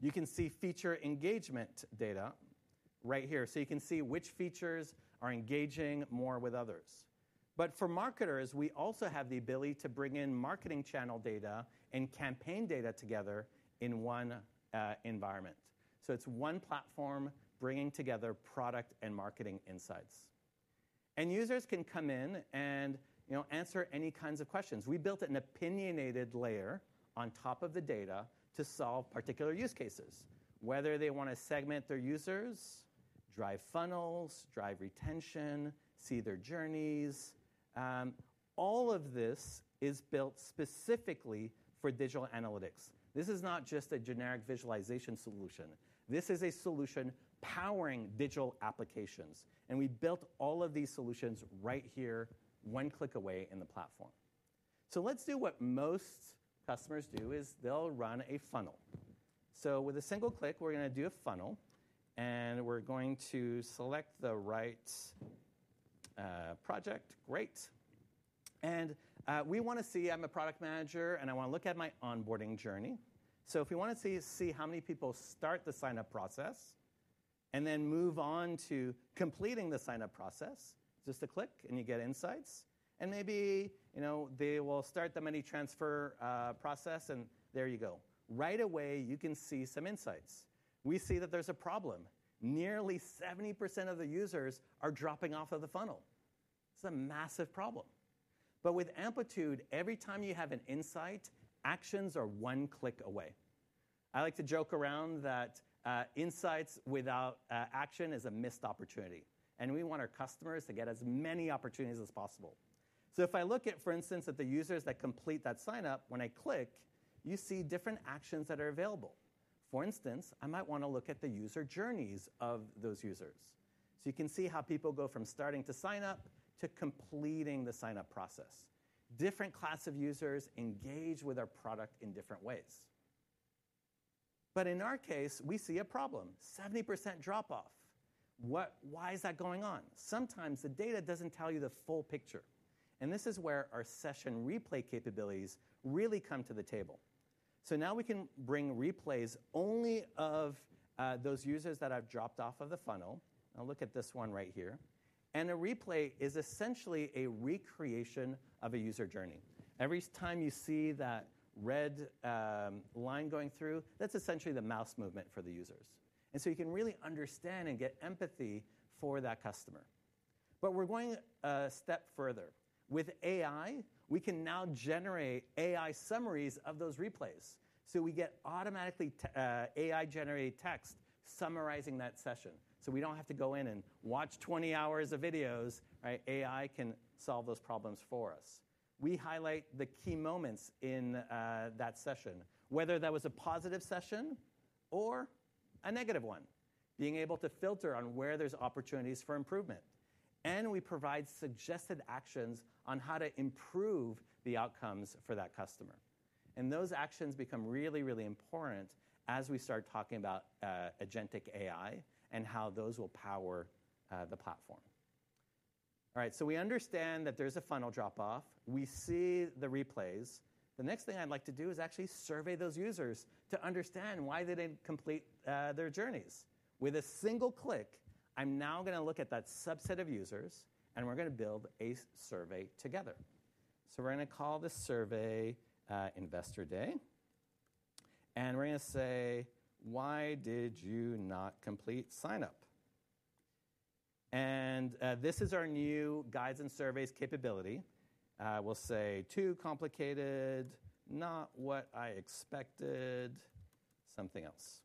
You can see feature engagement data right here. You can see which features are engaging more with others. For marketers, we also have the ability to bring in marketing channel data and campaign data together in one environment. It is one platform bringing together product and marketing insights. Users can come in and answer any kinds of questions. We built an opinionated layer on top of the data to solve particular use cases, whether they want to segment their users, drive funnels, drive retention, see their journeys. All of this is built specifically for digital analytics. This is not just a generic visualization solution. This is a solution powering digital applications. We built all of these solutions right here, one click away in the platform. Let's do what most customers do, they'll run a funnel. With a single click, we're going to do a funnel, and we're going to select the right project. Great. We want to see, I'm a product manager, and I want to look at my onboarding journey. If we want to see how many people start the sign-up process and then move on to completing the sign-up process, just a click and you get insights. Maybe they will start the money transfer process, and there you go. Right away, you can see some insights. We see that there's a problem. Nearly 70% of the users are dropping off of the funnel. It's a massive problem. With Amplitude, every time you have an insight, actions are one click away. I like to joke around that insights without action is a missed opportunity. We want our customers to get as many opportunities as possible. If I look at, for instance, the users that complete that sign-up, when I click, you see different actions that are available. For instance, I might want to look at the user journeys of those users. You can see how people go from starting to sign up to completing the sign-up process. Different classes of users engage with our product in different ways. In our case, we see a problem, 70% drop-off. Why is that going on? Sometimes the data does not tell you the full picture. This is where our Session Replay capabilities really come to the table. Now we can bring replays only of those users that have dropped off of the funnel. I will look at this one right here. A replay is essentially a recreation of a user journey. Every time you see that red line going through, that's essentially the mouse movement for the users. You can really understand and get empathy for that customer. We're going a step further. With AI, we can now generate AI summaries of those replays. We get automatically AI-generated text summarizing that session. We don't have to go in and watch 20 hours of videos. AI can solve those problems for us. We highlight the key moments in that session, whether that was a positive session or a negative one, being able to filter on where there's opportunities for improvement. We provide suggested actions on how to improve the outcomes for that customer. Those actions become really, really important as we start talking about agentic AI and how those will power the platform. All right. We understand that there's a funnel drop-off. We see the replays. The next thing I'd like to do is actually survey those users to understand why they didn't complete their journeys. With a single click, I'm now going to look at that subset of users. We are going to build a survey together. We are going to call this survey Investor Day. We are going to say, why did you not complete sign-up? This is our new Guides and Surveys capability. We will say too complicated, not what I expected, something else.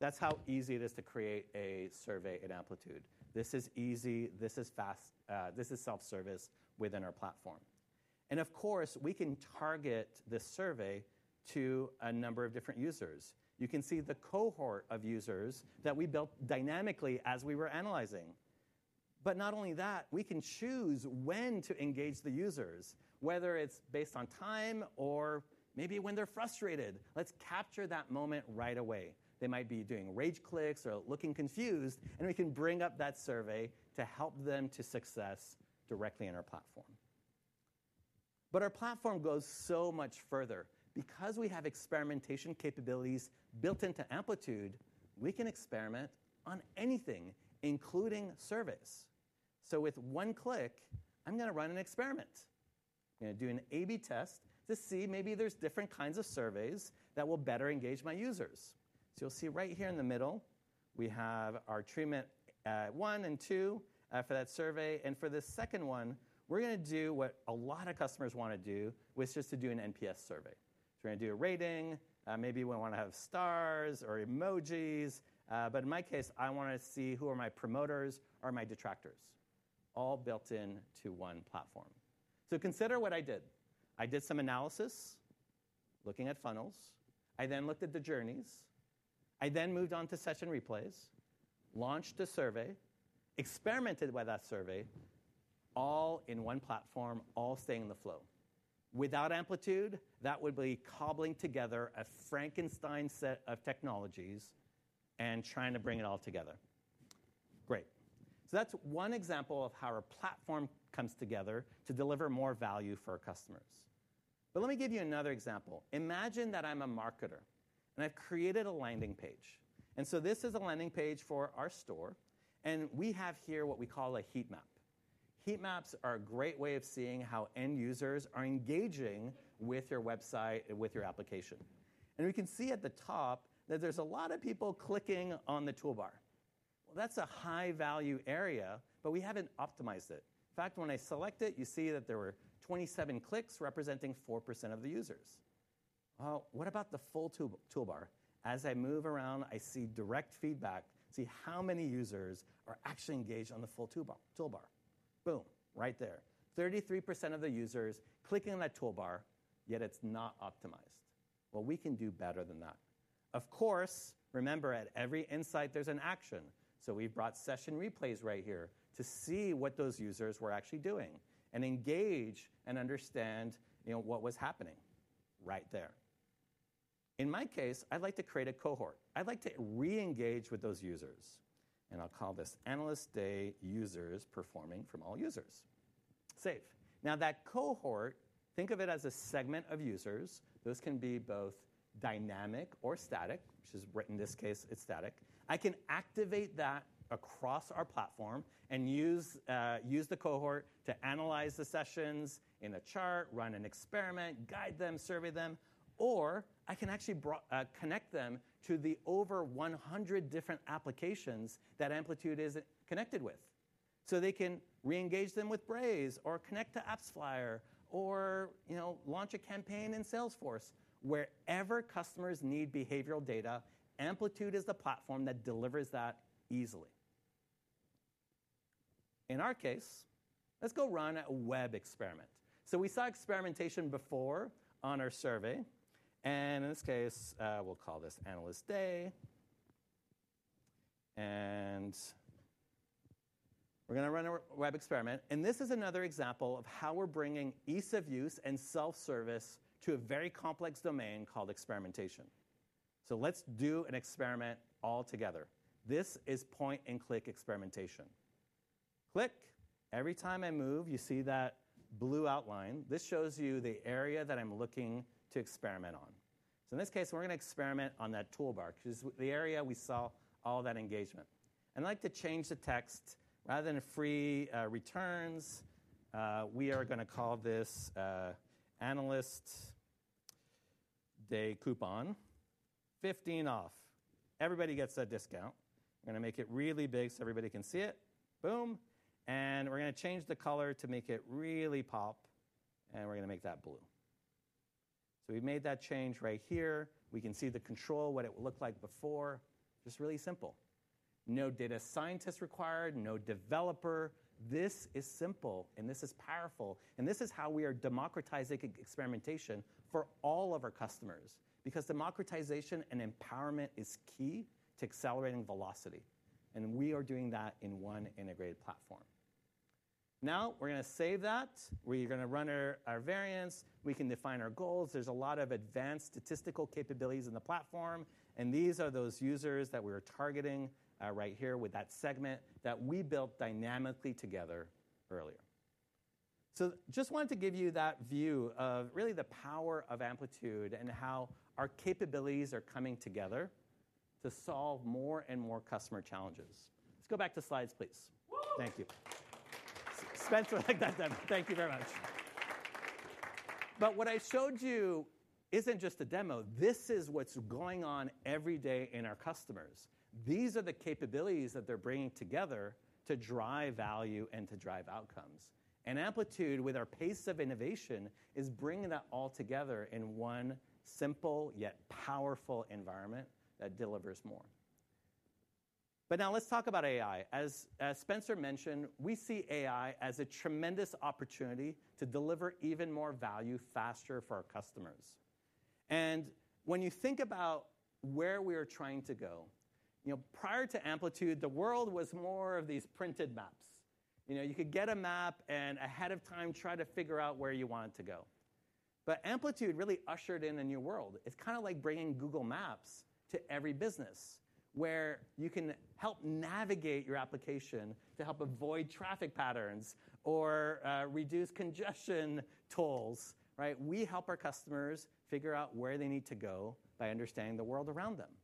That is how easy it is to create a survey at Amplitude. This is easy. This is fast. This is self-service within our platform. Of course, we can target this survey to a number of different users. You can see the cohort of users that we built dynamically as we were analyzing. Not only that, we can choose when to engage the users, whether it's based on time or maybe when they're frustrated. Let's capture that moment right away. They might be doing rage clicks or looking confused. We can bring up that survey to help them to success directly in our platform. Our platform goes so much further. Because we have experimentation capabilities built into Amplitude, we can experiment on anything, including surveys. With one click, I'm going to run an experiment. I'm going to do an A/B test to see maybe there's different kinds of surveys that will better engage my users. You'll see right here in the middle, we have our treatment one and two for that survey. For this second one, we're going to do what a lot of customers want to do, which is to do an NPS survey. We're going to do a rating. Maybe we want to have stars or emojis. In my case, I want to see who are my promoters or my detractors, all built into one platform. Consider what I did. I did some analysis looking at funnels. I then looked at the journeys. I then moved on to session replays, launched a survey, experimented with that survey, all in one platform, all staying in the flow. Without Amplitude, that would be cobbling together a Frankenstein set of technologies and trying to bring it all together. Great. That's one example of how our platform comes together to deliver more value for our customers. Let me give you another example. Imagine that I'm a marketer. I've created a landing page. This is a landing page for our store. We have here what we call a heatmap. Heatmaps are a great way of seeing how end users are engaging with your website and with your application. We can see at the top that there is a lot of people clicking on the toolbar. That is a high-value area. We have not optimized it. In fact, when I select it, you see that there were 27 clicks representing 4% of the users. What about the full toolbar? As I move around, I see direct feedback. See how many users are actually engaged on the full toolbar. Boom, right there. 33% of the users clicking on that toolbar, yet it is not optimized. We can do better than that. Of course, remember, at every insight, there is an action. We've brought session replays right here to see what those users were actually doing and engage and understand what was happening right there. In my case, I'd like to create a cohort. I'd like to re-engage with those users. And I'll call this Analyst Day Users Performing from All Users. Save. Now that cohort, think of it as a segment of users. Those can be both dynamic or static, which is in this case, it's static. I can activate that across our platform and use the cohort to analyze the sessions in a chart, run an experiment, guide them, survey them. Or I can actually connect them to the over 100 different applications that Amplitude is connected with. They can re-engage them with Braze or connect to AppsFlyer or launch a campaign in Salesforce. Wherever customers need behavioral data, Amplitude is the platform that delivers that easily. In our case, let's go run a web experiment. We saw experimentation before on our survey. In this case, we'll call this Analyst Day. We're going to run a web experiment. This is another example of how we're bringing ease of use and self-service to a very complex domain called experimentation. Let's do an experiment all together. This is point and click experimentation. Click. Every time I move, you see that blue outline. This shows you the area that I'm looking to experiment on. In this case, we're going to experiment on that toolbar because it's the area we saw all that engagement. I'd like to change the text. Rather than free returns, we are going to call this Analyst Day Coupon, 15% off. Everybody gets that discount. I'm going to make it really big so everybody can see it. Boom. We are going to change the color to make it really pop. We are going to make that blue. We have made that change right here. We can see the control, what it looked like before. Just really simple. No data scientist required, no developer. This is simple. This is powerful. This is how we are democratizing experimentation for all of our customers. Democratization and empowerment is key to accelerating velocity. We are doing that in one integrated platform. Now we are going to save that. We are going to run our variants. We can define our goals. There are a lot of advanced statistical capabilities in the platform. These are those users that we were targeting right here with that segment that we built dynamically together earlier. Just wanted to give you that view of really the power of Amplitude and how our capabilities are coming together to solve more and more customer challenges. Let's go back to slides, please. Thank you. Spenser, thank you very much. What I showed you isn't just a demo. This is what's going on every day in our customers. These are the capabilities that they're bringing together to drive value and to drive outcomes. Amplitude, with our pace of innovation, is bringing that all together in one simple yet powerful environment that delivers more. Now let's talk about AI. As Spenser mentioned, we see AI as a tremendous opportunity to deliver even more value faster for our customers. When you think about where we are trying to go, prior to Amplitude, the world was more of these printed maps. You could get a map and ahead of time try to figure out where you wanted to go. But Amplitude really ushered in a new world. It's kind of like bringing Google Maps to every business where you can help navigate your application to help avoid traffic patterns or reduce congestion tolls. We help our customers figure out where they need to go by understanding the world around them.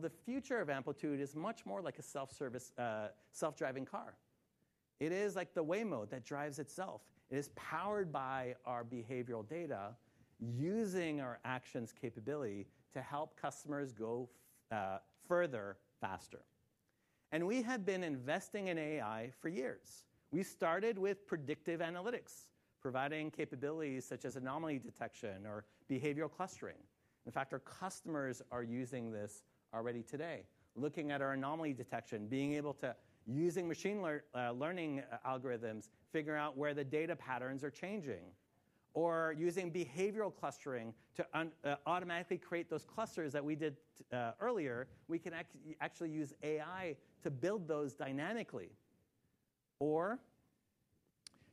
The future of Amplitude is much more like a self-driving car. It is like the Waymo that drives itself. It is powered by our behavioral data using our actions capability to help customers go further faster. We have been investing in AI for years. We started with predictive analytics, providing capabilities such as anomaly detection or behavioral clustering. In fact, our customers are using this already today, looking at our anomaly detection, being able to, using machine learning algorithms, figure out where the data patterns are changing. Or using behavioral clustering to automatically create those clusters that we did earlier, we can actually use AI to build those dynamically. Or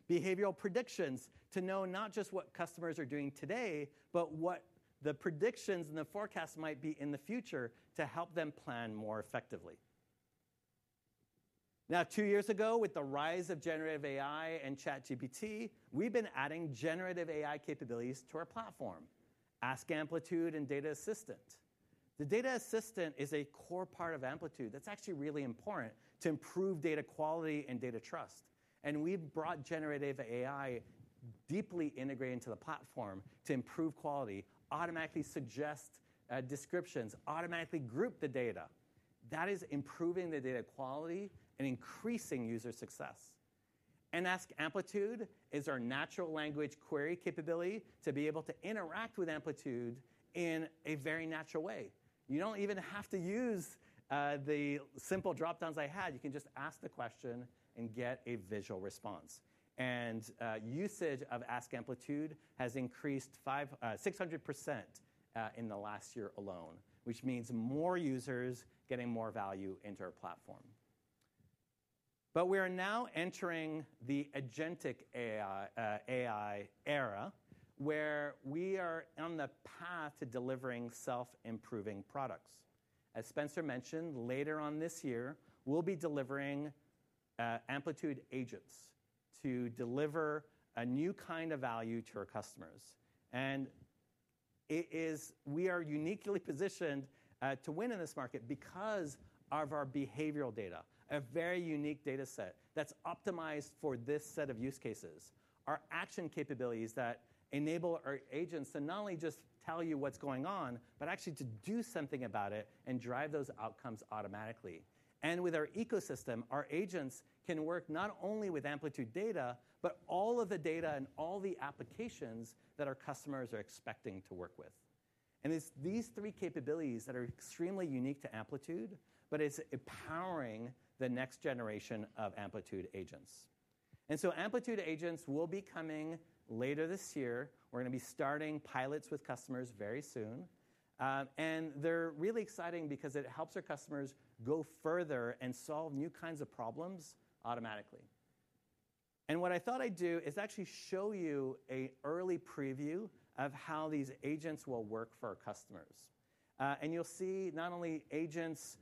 behavioral predictions to know not just what customers are doing today, but what the predictions and the forecast might be in the future to help them plan more effectively. Now, two years ago, with the rise of generative AI and ChatGPT, we've been adding generative AI capabilities to our platform, Ask Amplitude and Data Assistant. The Data Assistant is a core part of Amplitude. That's actually really important to improve data quality and data trust. We've brought generative AI deeply integrated into the platform to improve quality, automatically suggest descriptions, automatically group the data. That is improving the data quality and increasing user success. Ask Amplitude is our natural language query capability to be able to interact with Amplitude in a very natural way. You do not even have to use the simple dropdowns I had. You can just ask the question and get a visual response. Usage of Ask Amplitude has increased 600% in the last year alone, which means more users getting more value into our platform. We are now entering the agentic AI era where we are on the path to delivering self-improving products. As Spenser mentioned, later on this year, we will be delivering Amplitude Agents to deliver a new kind of value to our customers. We are uniquely-positioned to win in this market because of our behavioral data, a very unique data set that's optimized for this set of use cases, our action capabilities that enable our agents to not only just tell you what's going on, but actually to do something about it and drive those outcomes automatically. With our ecosystem, our agents can work not only with Amplitude data, but all of the data and all the applications that our customers are expecting to work with. These three capabilities are extremely unique to Amplitude, but it's empowering the next generation of Amplitude Agents will be coming later this year. We're going to be starting pilots with customers very soon. They're really exciting because it helps our customers go further and solve new kinds of problems automatically. What I thought I'd do is actually show you an early preview of how these agents will work for our customers. You'll see not only agents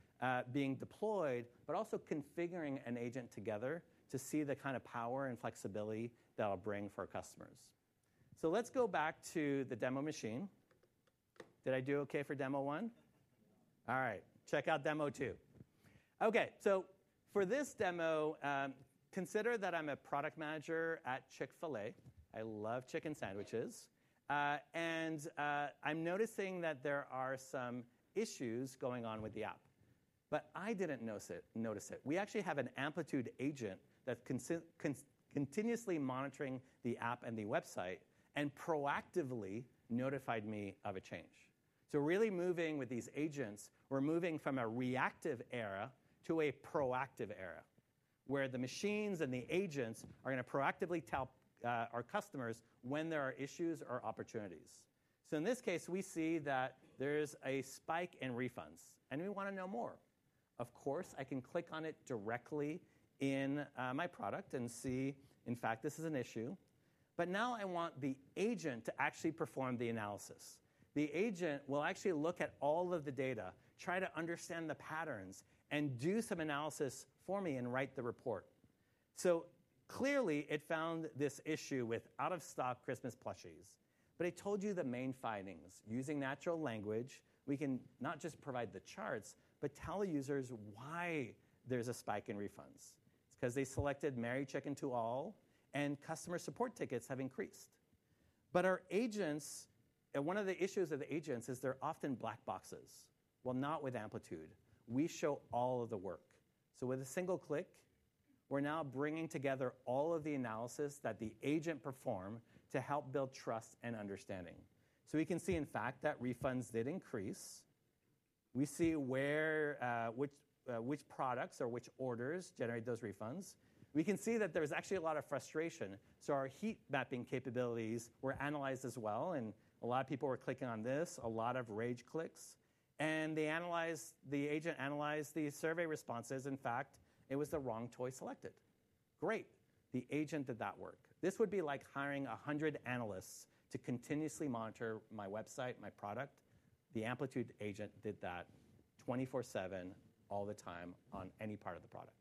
being deployed, but also configuring an agent together to see the kind of power and flexibility that I'll bring for our customers. Let's go back to the demo machine. Did I do OK for demo one? All right. Check out demo two. For this demo, consider that I'm a product manager at Chick-fil-A. I love chicken sandwiches. I'm noticing that there are some issues going on with the app. I didn't notice it. We actually have an Amplitude Agent that's continuously monitoring the app and the website and proactively notified me of a change. Really moving with these agents, we're moving from a reactive era to a proactive era where the machines and the agents are going to proactively tell our customers when there are issues or opportunities. In this case, we see that there is a spike in refunds. We want to know more. Of course, I can click on it directly in my product and see, in fact, this is an issue. Now I want the agent to actually perform the analysis. The agent will actually look at all of the data, try to understand the patterns, and do some analysis for me and write the report. Clearly, it found this issue with out-of-stock Christmas plushies. I told you the main findings. Using natural language, we can not just provide the charts, but tell the users why there's a spike in refunds. It's because they selected Marry Me Chicken to all, and customer support tickets have increased. Our agents, one of the issues of the agents is they're often black boxes. Not with Amplitude. We show all of the work. With a single click, we're now bringing together all of the analysis that the agent performed to help build trust and understanding. We can see, in fact, that refunds did increase. We see which products or which orders generate those refunds. We can see that there was actually a lot of frustration. Our heat mapping capabilities were analyzed as well. A lot of people were clicking on this, a lot of rage clicks. The agent analyzed the survey responses. In fact, it was the wrong toy selected. Great. The agent did that work. This would be like hiring 100 analysts to continuously monitor my website, my product. The Amplitude Agent did that 24/7, all the time on any part of the product.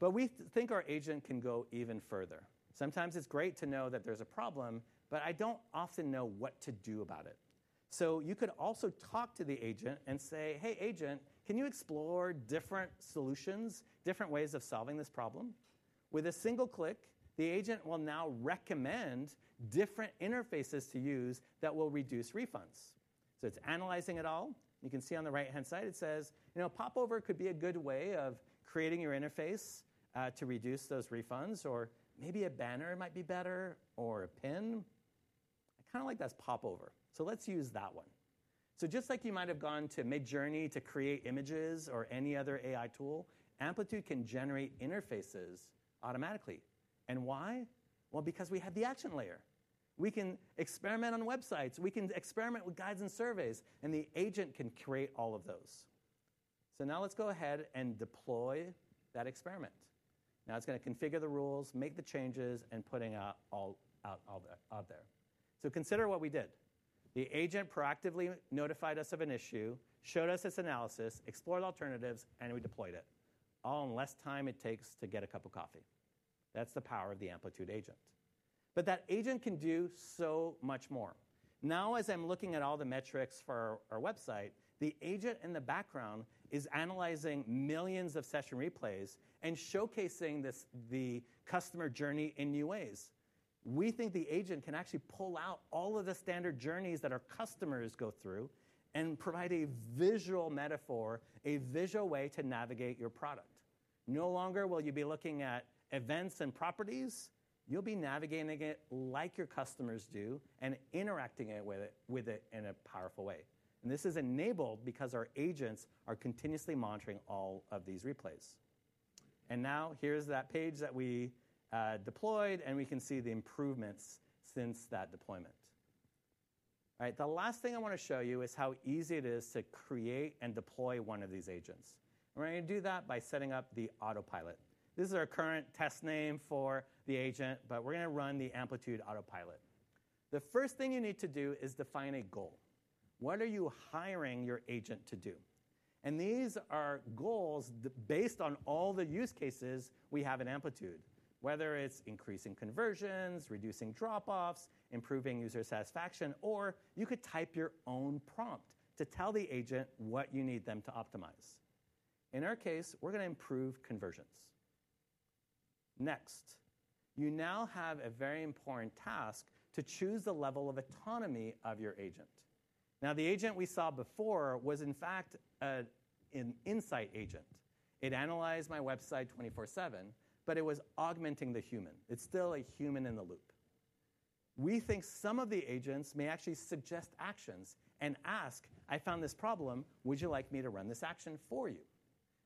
We think our agent can go even further. Sometimes it's great to know that there's a problem, but I don't often know what to do about it. You could also talk to the agent and say, hey, agent, can you explore different solutions, different ways of solving this problem? With a single click, the agent will now recommend different interfaces to use that will reduce refunds. It's analyzing it all. You can see on the right-hand side, it says, popover could be a good way of creating your interface to reduce those refunds. Maybe a banner might be better, or a pin. I kind of like that as popover. Let's use that one. Just like you might have gone to Midjourney to create images or any other AI tool, Amplitude can generate interfaces automatically. Why? Because we have the action layer. We can experiment on websites. We can experiment with guides and surveys. The agent can create all of those. Now let's go ahead and deploy that experiment. Now it is going to configure the rules, make the changes, and put it out there. Consider what we did. The agent proactively notified us of an issue, showed us its analysis, explored alternatives, and we deployed it, all in less time it takes to get a cup of coffee. That is the power of the Amplitude Agent. That agent can do so much more. Now, as I'm looking at all the metrics for our website, the agent in the background is analyzing millions of session replays and showcasing the customer journey in new ways. We think the agent can actually pull out all of the standard journeys that our customers go through and provide a visual metaphor, a visual way to navigate your product. No longer will you be looking at events and properties. You'll be navigating it like your customers do and interacting with it in a powerful way. This is enabled because our agents are continuously monitoring all of these replays. Now here's that page that we deployed. We can see the improvements since that deployment. The last thing I want to show you is how easy it is to create and deploy one of these agents. We're going to do that by setting up the Autopilot. This is our current test name for the agent. We are going to run the Amplitude Autopilot. The first thing you need to do is define a goal. What are you hiring your agent to do? These are goals based on all the use cases we have in Amplitude, whether it is increasing conversions, reducing drop-offs, improving user satisfaction, or you could type your own prompt to tell the agent what you need them to optimize. In our case, we are going to improve conversions. Next, you now have a very important task to choose the level of autonomy of your agent. The agent we saw before was, in fact, an insight agent. It analyzed my website 24/7, but it was augmenting the human. It is still a human in the loop. We think some of the agents may actually suggest actions and ask, I found this problem. Would you like me to run this action for you?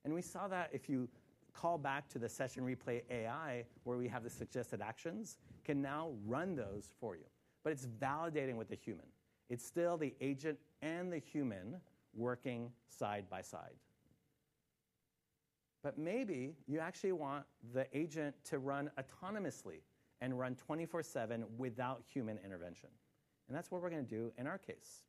We saw that if you call back to the Session Replay AI, where we have the suggested actions, it can now run those for you. It is validating with the human. It is still the agent and the human working side by side. Maybe you actually want the agent to run autonomously and run 24/7 without human intervention. That is what we are going to do in our case.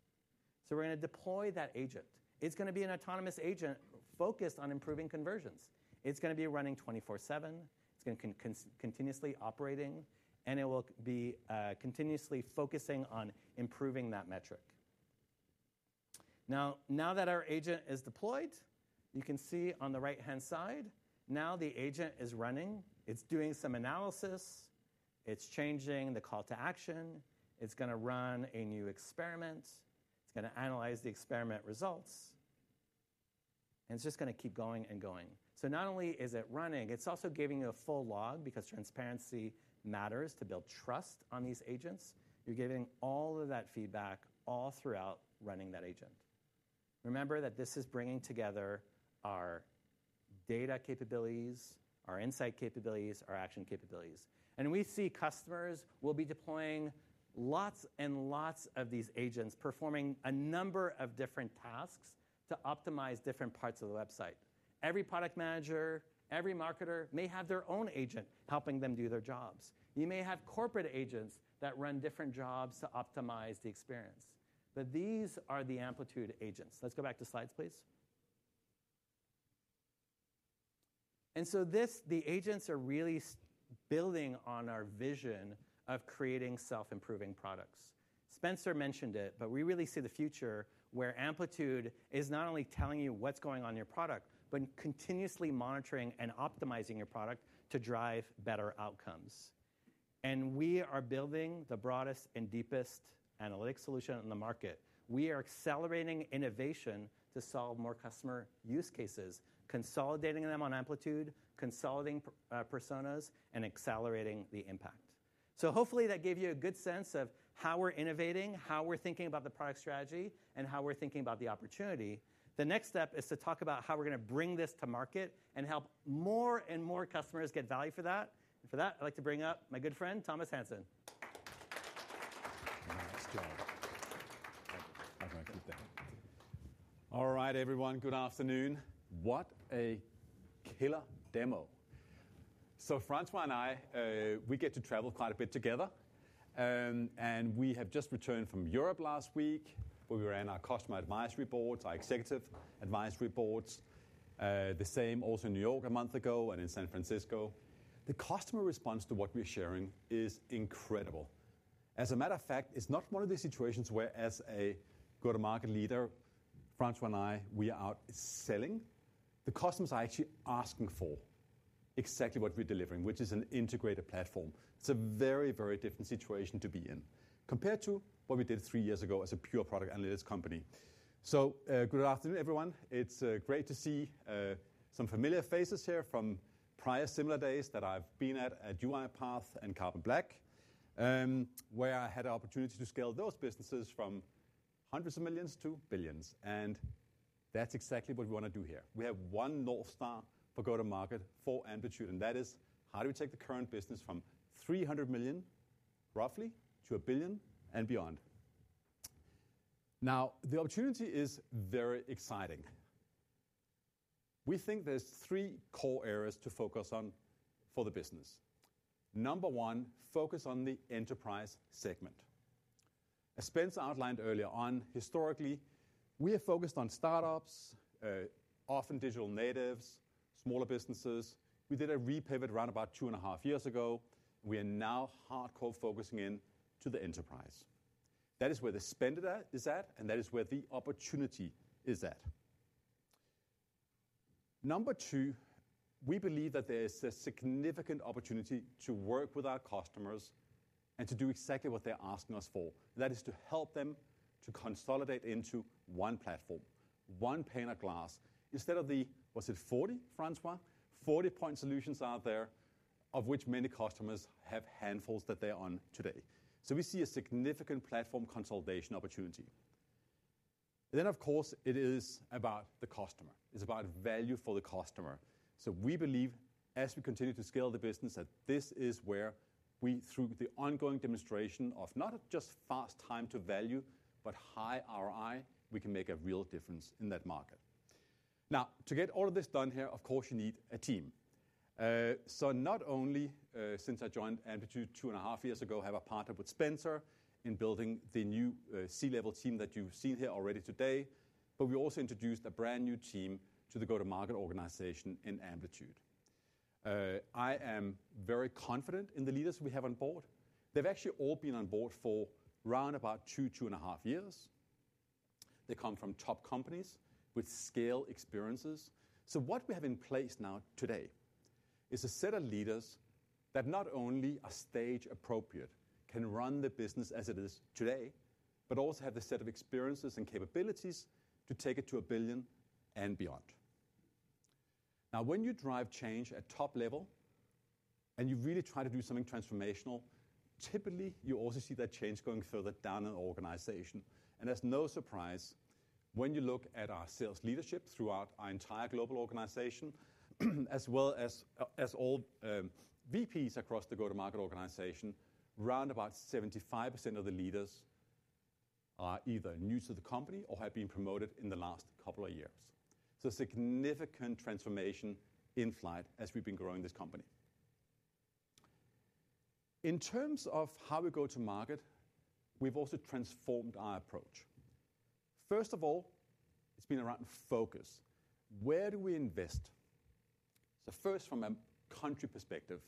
We are going to deploy that agent. It is going to be an autonomous agent focused on improving conversions. It is going to be running 24/7. It is going to be continuously operating. It will be continuously focusing on improving that metric. Now that our agent is deployed, you can see on the right-hand side, the agent is running. It is doing some analysis. It is changing the call to action. It's going to run a new experiment. It's going to analyze the experiment results. It's just going to keep going and going. Not only is it running, it's also giving you a full log because transparency matters to build trust on these agents. You're giving all of that feedback all throughout running that agent. Remember that this is bringing together our data capabilities, our insight capabilities, our action capabilities. We see customers will be deploying lots and lots of these agents performing a number of different tasks to optimize different parts of the website. Every product manager, every marketer may have their own agent helping them do their jobs. You may have corporate agents that run different jobs to optimize the experience. These are Amplitude Agents. let's go back to slides, please. The agents are really building on our vision of creating self-improving products. Spenser mentioned it, but we really see the future where Amplitude is not only telling you what's going on in your product, but continuously monitoring and optimizing your product to drive better outcomes. We are building the broadest and deepest analytics solution on the market. We are accelerating innovation to solve more customer use cases, consolidating them on Amplitude, consolidating personas, and accelerating the impact. Hopefully, that gave you a good sense of how we're innovating, how we're thinking about the product strategy, and how we're thinking about the opportunity. The next step is to talk about how we're going to bring this to market and help more and more customers get value for that. For that, I'd like to bring up my good friend, Thomas Hansen. All right, everyone. Good afternoon. What a killer demo. Francois and I, we get to travel quite a bit together. We have just returned from Europe last week, where we ran our customer advisory boards, our executive advisory boards, the same also in New York a month ago and in San Francisco. The customer response to what we're sharing is incredible. As a matter of fact, it's not one of these situations where, as a go-to-market leader, Francois and I, we are out selling. The customers are actually asking for exactly what we're delivering, which is an integrated platform. It's a very, very different situation to be in compared to what we did three years ago as a pure product analytics company. Good afternoon, everyone. It's great to see some familiar faces here from prior similar days that I've been at UiPath and Carbon Black, where I had an opportunity to scale those businesses from hundreds of millions to billions. That's exactly what we want to do here. We have one North Star for go-to-market for Amplitude. That is, how do we take the current business from $300 million, roughly, to a billion and beyond? The opportunity is very exciting. We think there's three core areas to focus on for the business. Number one, focus on the enterprise segment. As Spenser outlined earlier on, historically, we have focused on startups, often digital natives, smaller businesses. We did a repivot around about two and a half years ago. We are now hardcore focusing into the enterprise. That is where the spend is at. That is where the opportunity is at. Number two, we believe that there is a significant opportunity to work with our customers and to do exactly what they're asking us for. That is to help them to consolidate into one platform, one pane of glass instead of the, was it 40, Francois? 40-point solutions out there, of which many customers have handfuls that they're on today. We see a significant platform consolidation opportunity. It is about the customer. It's about value for the customer. We believe, as we continue to scale the business, that this is where we, through the ongoing demonstration of not just fast time to value, but high ROI, can make a real difference in that market. To get all of this done here, of course, you need a team. Not only, since I joined Amplitude two and a half years ago, I have partnered with Spenser in building the new C-level team that you've seen here already today, but we also introduced a brand new team to the go-to-market organization in Amplitude. I am very confident in the leaders we have on board. They've actually all been on board for around about two, two and a half years. They come from top companies with scale experiences. What we have in place now today is a set of leaders that not only are stage-appropriate, can run the business as it is today, but also have the set of experiences and capabilities to take it to a billion and beyond. Now, when you drive change at top level and you really try to do something transformational, typically, you also see that change going further down in the organization. As no surprise, when you look at our sales leadership throughout our entire global organization, as well as all VPs across the go-to-market organization, around about 75% of the leaders are either new to the company or have been promoted in the last couple of years. Significant transformation in flight as we've been growing this company. In terms of how we go to market, we've also transformed our approach. First of all, it's been around focus. Where do we invest? First, from a country perspective,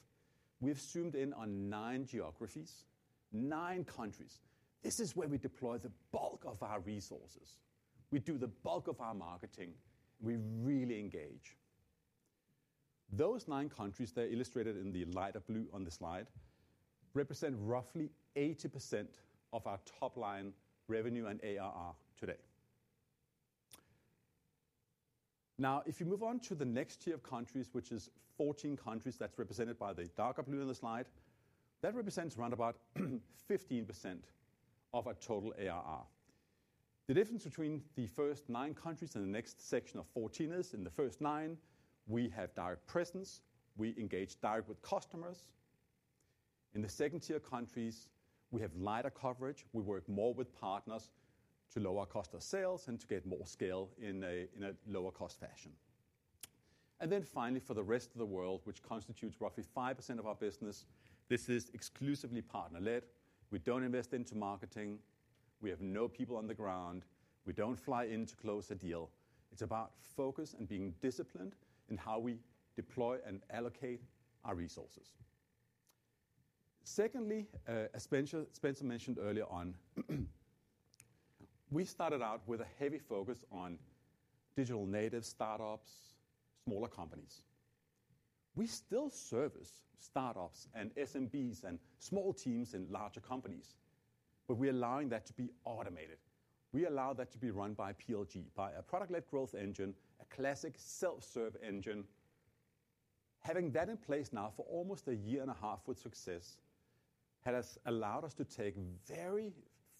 we've zoomed in on nine geographies, nine countries. This is where we deploy the bulk of our resources. We do the bulk of our marketing. We really engage. Those nine countries, they're illustrated in the lighter blue on the slide, represent roughly 80% of our top-line revenue and ARR today. Now, if you move on to the next tier of countries, which is 14 countries that's represented by the darker blue on the slide, that represents around about 15% of our total ARR. The difference between the first nine countries and the next section of 14 is, in the first nine, we have direct presence. We engage directly with customers. In the second tier of countries, we have lighter coverage. We work more with partners to lower cost of sales and to get more scale in a lower-cost fashion. Finally, for the rest of the world, which constitutes roughly 5% of our business, this is exclusively partner-led. We don't invest into marketing. We have no people on the ground. We don't fly in to close a deal. It's about focus and being disciplined in how we deploy and allocate our resources. Secondly, as Spenser mentioned earlier on, we started out with a heavy focus on digital native startups, smaller companies. We still service startups and SMBs and small teams in larger companies. We are allowing that to be automated. We allow that to be run by PLG, by a product-led growth engine, a classic self-serve engine. Having that in place now for almost a year and a half with success has allowed us to take very,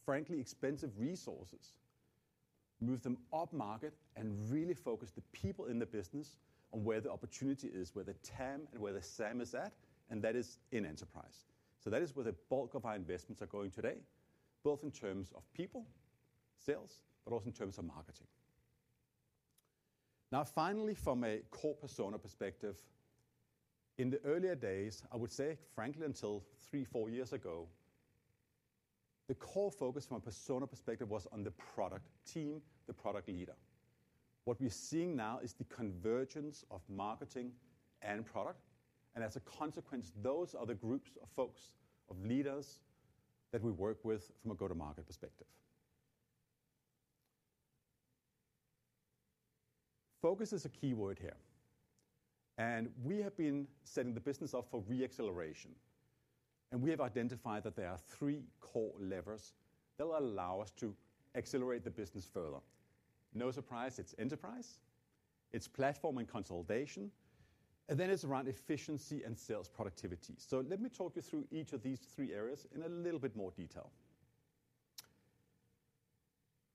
frankly, expensive resources, move them up market, and really focus the people in the business on where the opportunity is, where the TAM and where the SAM is at. That is in enterprise. That is where the bulk of our investments are going today, both in terms of people, sales, but also in terms of marketing. Now, finally, from a core persona perspective, in the earlier days, I would say, frankly, until three, four years ago, the core focus from a persona perspective was on the product team, the product leader. What we're seeing now is the convergence of marketing and product. As a consequence, those are the groups of folks, of leaders that we work with from a go-to-market perspective. Focus is a key word here. We have been setting the business up for re-acceleration. We have identified that there are three core levers that will allow us to accelerate the business further. No surprise, it's enterprise. It's platform and consolidation. Then it's around efficiency and sales productivity. Let me talk you through each of these three areas in a little bit more detail.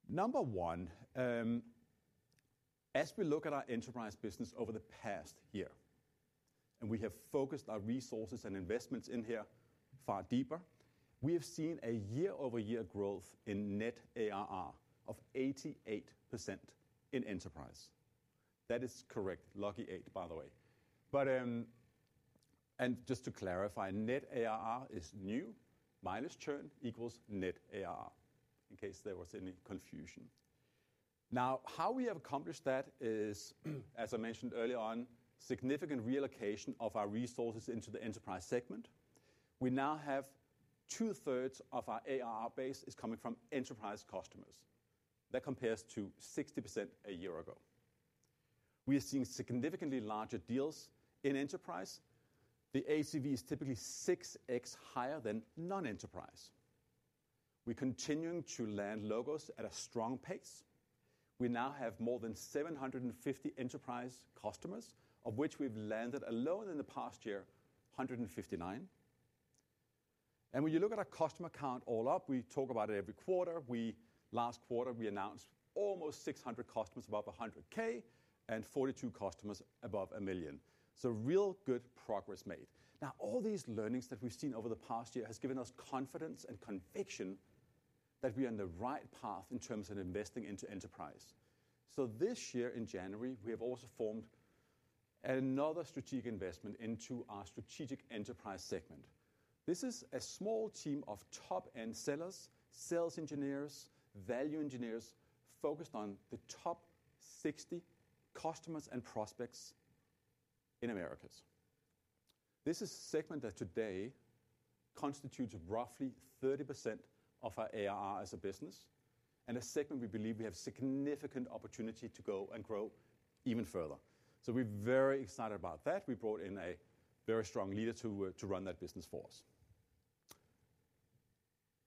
Number one, as we look at our enterprise business over the past year, and we have focused our resources and investments in here far deeper, we have seen a year-over-year growth in net ARR of 88% in enterprise. That is correct. Lucky eight, by the way. Just to clarify, net ARR is new minus churn equals net ARR, in case there was any confusion. Now, how we have accomplished that is, as I mentioned earlier on, significant reallocation of our resources into the enterprise segment. We now have two-thirds of our ARR base coming from enterprise customers. That compares to 60% a year ago. We are seeing significantly larger deals in enterprise. The ACV is typically 6x higher than non-enterprise. We're continuing to land logos at a strong pace. We now have more than 750 enterprise customers, of which we've landed alone in the past year, 159. When you look at our customer count all up, we talk about it every quarter. Last quarter, we announced almost 600 customers above $100,000 and 42 customers above $1 million. Real good progress made. Now, all these learnings that we've seen over the past year have given us confidence and conviction that we are on the right path in terms of investing into enterprise. This year, in January, we have also formed another strategic investment into our strategic enterprise segment. This is a small team of top-end sellers, sales engineers, value engineers focused on the top 60 customers and prospects in Americas. This is a segment that today constitutes roughly 30% of our ARR as a business and a segment we believe we have significant opportunity to go and grow even further. We are very excited about that. We brought in a very strong leader to run that business for us.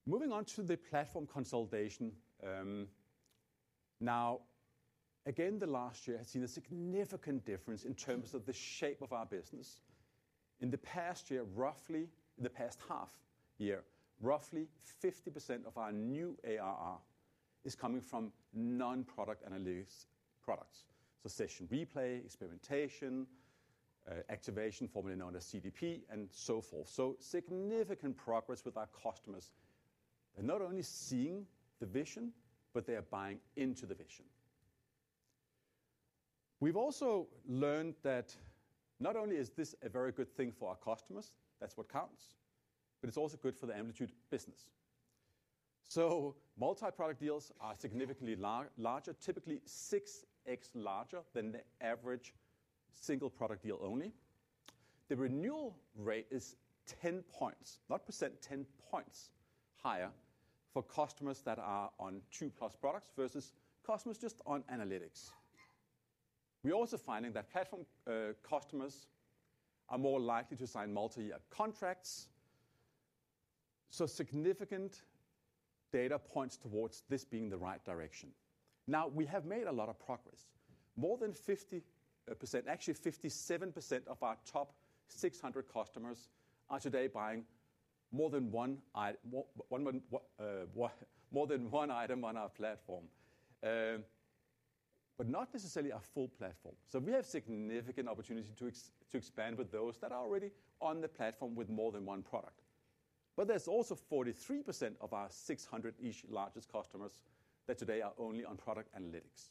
Moving on to the platform consolidation. Now, again, the last year has seen a significant difference in terms of the shape of our business. In the past year, roughly, in the past half year, roughly 50% of our new ARR is coming from non-product analytics products. Session Replay, Experimentation, Activation, formerly known as CDP, and so forth. Significant progress with our customers. They are not only seeing the vision, but they are buying into the vision. We have also learned that not only is this a very good thing for our customers, that is what counts, but it is also good for the Amplitude business. Multi-product deals are significantly larger, typically 6x larger than the average single product deal only. The renewal rate is 10 points, not percent, 10 points higher for customers that are on two-plus products versus customers just on analytics. We're also finding that platform customers are more likely to sign multi-year contracts. Significant data points towards this being the right direction. Now, we have made a lot of progress. More than 50%, actually 57% of our top 600 customers are today buying more than one item on our platform, but not necessarily our full platform. We have significant opportunity to expand with those that are already on the platform with more than one product. There's also 43% of our 600-ish largest customers that today are only on product analytics.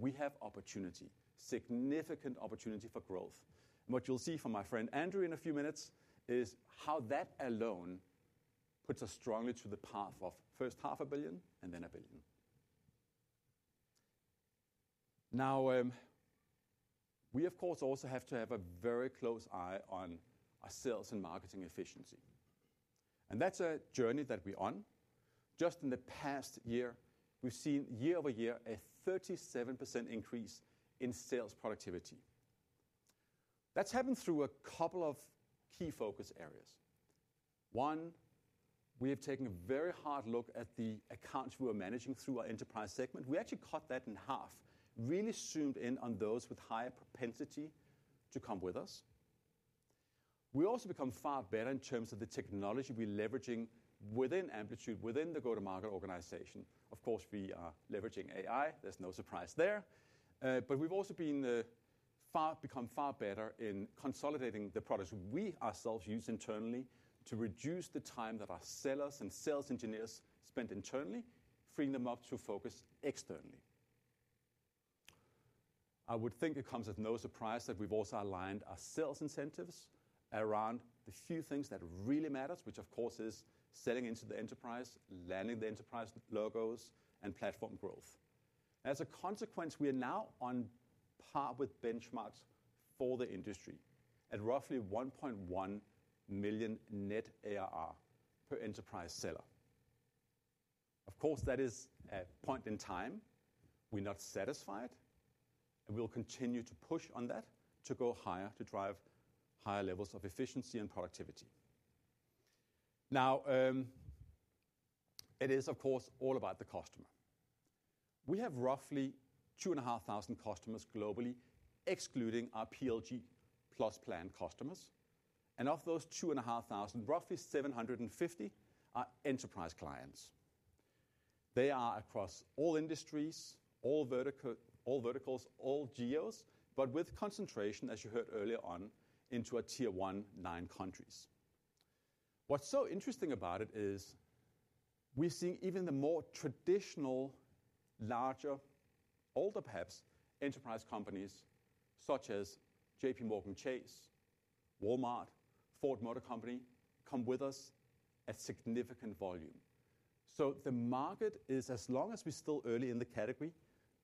We have opportunity, significant opportunity for growth. What you'll see from my friend Andrew in a few minutes is how that alone puts us strongly to the path of first $500,000,000 and then $1 billion. Now, we, of course, also have to have a very close eye on our sales and marketing efficiency. That is a journey that we're on. Just in the past year, we've seen year-over-year a 37% increase in sales productivity. That's happened through a couple of key focus areas. One, we have taken a very hard look at the accounts we were managing through our enterprise segment. We actually cut that in half, really zoomed in on those with higher propensity to come with us. We also become far better in terms of the technology we're leveraging within Amplitude, within the go-to-market organization. Of course, we are leveraging AI. There's no surprise there. We have also become far better in consolidating the products we ourselves use internally to reduce the time that our sellers and sales engineers spend internally, freeing them up to focus externally. I would think it comes as no surprise that we have also aligned our sales incentives around the few things that really matter, which, of course, is selling into the enterprise, landing the enterprise logos, and platform growth. As a consequence, we are now on par with benchmarks for the industry at roughly $1.1 million net ARR per enterprise seller. Of course, that is a point in time we are not satisfied. We will continue to push on that to go higher, to drive higher levels of efficiency and productivity. Now, it is, of course, all about the customer. We have roughly 2,500 customers globally, excluding our PLG Plus plan customers. Of those 2,500, roughly 750 are enterprise clients. They are across all industries, all verticals, all geos, but with concentration, as you heard earlier on, into our tier-one nine countries. What is so interesting about it is we are seeing even the more traditional, larger, older perhaps enterprise companies such as JPMorgan Chase, Walmart, Ford Motor Company come with us at significant volume. The market is, as long as we are still early in the category,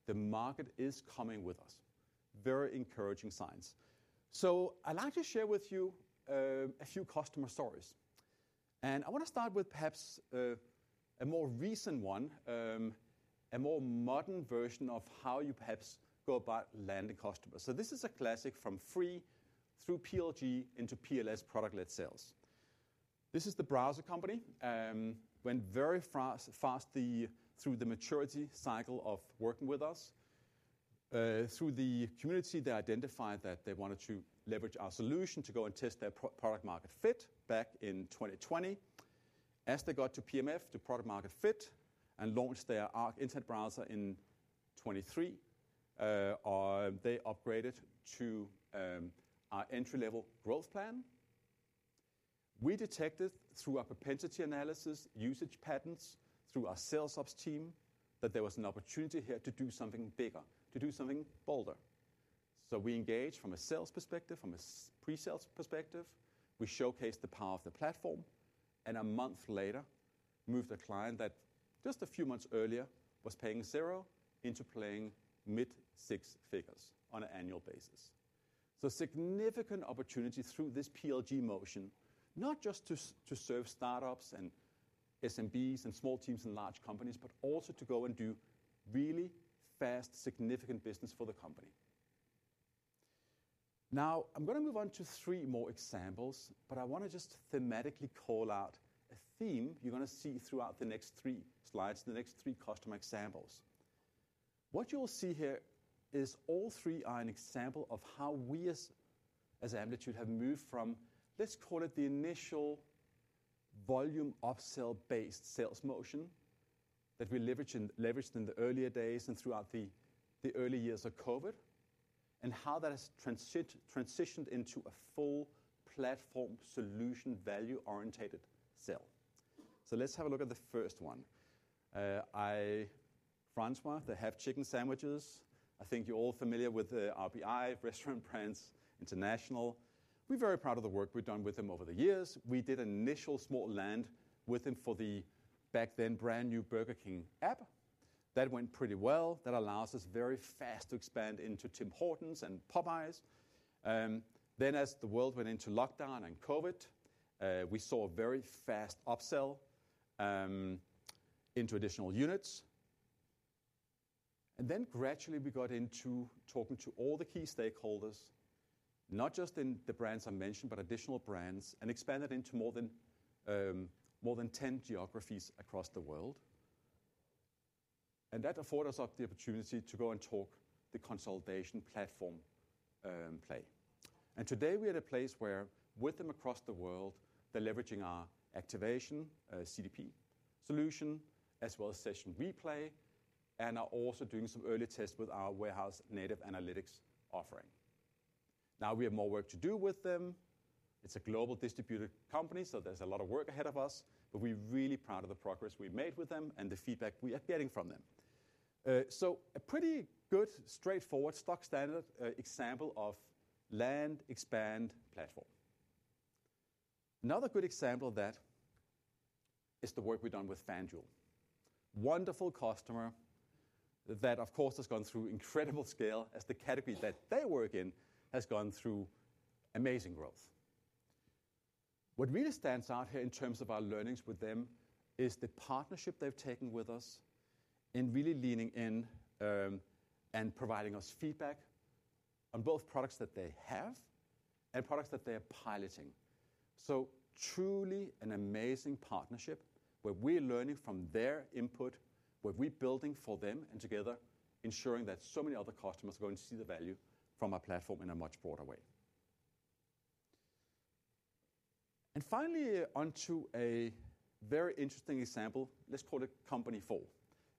the market is coming with us. Very encouraging signs. I would like to share with you a few customer stories. I want to start with perhaps a more recent one, a more modern version of how you perhaps go about landing customers. This is a classic from free through PLG into PLS product-led sales. This is The Browser Company. Went very fast through the maturity cycle of working with us. Through the community, they identified that they wanted to leverage our solution to go and test their product-market fit back in 2020. As they got to PMF, to product-market fit, and launched their Arc internet browser in 2023, they upgraded to our entry-level growth plan. We detected through our propensity analysis, usage patterns through our sales ops team that there was an opportunity here to do something bigger, to do something bolder. We engaged from a sales perspective, from a pre-sales perspective. We showcased the power of the platform. A month later, moved a client that just a few months earlier was paying zero into paying mid-six figures on an annual basis. Significant opportunity through this PLG motion, not just to serve startups and SMBs and small teams and large companies, but also to go and do really fast, significant business for the company. Now, I'm going to move on to three more examples, but I want to just thematically call out a theme you're going to see throughout the next three slides, the next three customer examples. What you'll see here is all three are an example of how we as Amplitude have moved from, let's call it the initial volume upsell-based sales motion that we leveraged in the earlier days and throughout the early years of COVID, and how that has transitioned into a full platform solution value-orientated sale. Let's have a look at the first one. Francois, the half-chicken sandwiches. I think you're all familiar with the RBI, Restaurant Brands International. We're very proud of the work we've done with them over the years. We did an initial small land with them for the back then brand new Burger King app. That went pretty well. That allowed us very fast to expand into Tim Hortons and Popeyes. As the world went into lockdown and COVID, we saw a very fast upsell into additional units. Gradually, we got into talking to all the key stakeholders, not just in the brands I mentioned, but additional brands, and expanded into more than 10 geographies across the world. That afforded us the opportunity to go and talk the consolidation platform play. Today, we are at a place where, with them across the world, they're leveraging our activation, CDP solution, as well as Session Replay, and are also doing some early tests with our warehouse native analytics offering. Now, we have more work to do with them. It's a global distributed company, so there's a lot of work ahead of us. We're really proud of the progress we've made with them and the feedback we are getting from them. A pretty good, straightforward, stock-standard example of land, expand platform. Another good example of that is the work we've done with FanDuel. Wonderful customer that, of course, has gone through incredible scale as the category that they work in has gone through amazing growth. What really stands out here in terms of our learnings with them is the partnership they've taken with us in really leaning in and providing us feedback on both products that they have and products that they are piloting. Truly an amazing partnership where we're learning from their input, what we're building for them, and together ensuring that so many other customers are going to see the value from our platform in a much broader way. Finally, onto a very interesting example, let's call it company four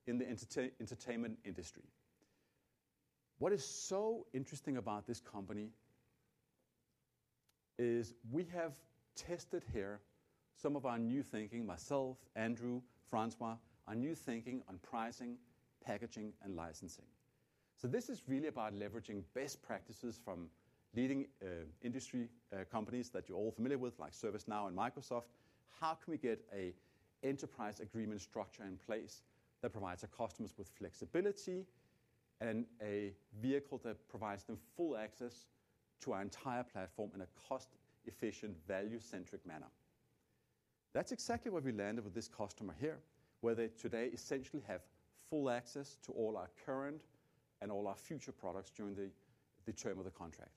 in the entertainment industry. What is so interesting about this company is we have tested here some of our new thinking, myself, Andrew, Francois, our new thinking on pricing, packaging, and licensing. This is really about leveraging best practices from leading industry companies that you're all familiar with, like ServiceNow and Microsoft. How can we get an enterprise agreement structure in place that provides our customers with flexibility and a vehicle that provides them full access to our entire platform in a cost-efficient, value-centric manner? That's exactly what we landed with this customer here, where they today essentially have full access to all our current and all our future products during the term of the contract.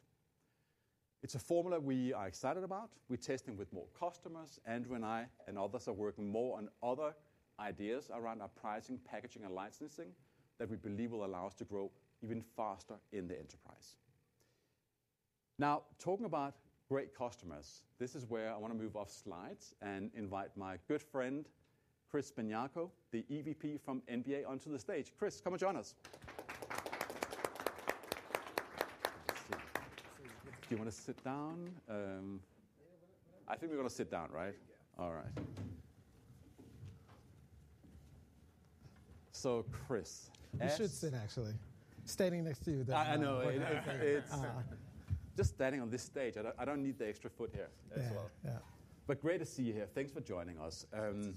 It's a formula we are excited about. We're testing with more customers. Andrew and I and others are working more on other ideas around our pricing, packaging, and licensing that we believe will allow us to grow even faster in the enterprise. Now, talking about great customers, this is where I want to move off slides and invite my good friend, Chris Benyarko, the EVP from NBA, onto the stage. Chris, come and join us. Do you want to sit down? I think we're going to sit down, right? Yeah. All right. So, Chris. You should sit, actually. Standing next to you. I know. Just standing on this stage. I don't need the extra foot here as well. Great to see you here. Thanks for joining us. Perhaps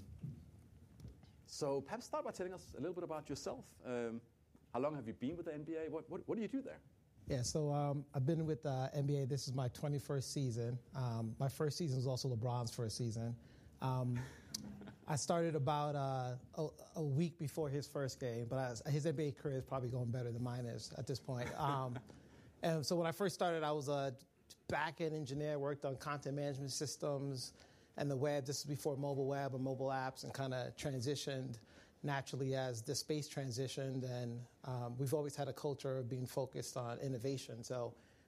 start by telling us a little bit about yourself. How long have you been with the NBA? What do you do there? Yeah. I've been with the NBA. This is my 21st season. My first season was also LeBron's first season. I started about a week before his first game, but his NBA career is probably going better than mine is at this point. When I first started, I was a backend engineer. I worked on content management systems and the web just before mobile web and mobile apps and kind of transitioned naturally as the space transitioned. We've always had a culture of being focused on innovation.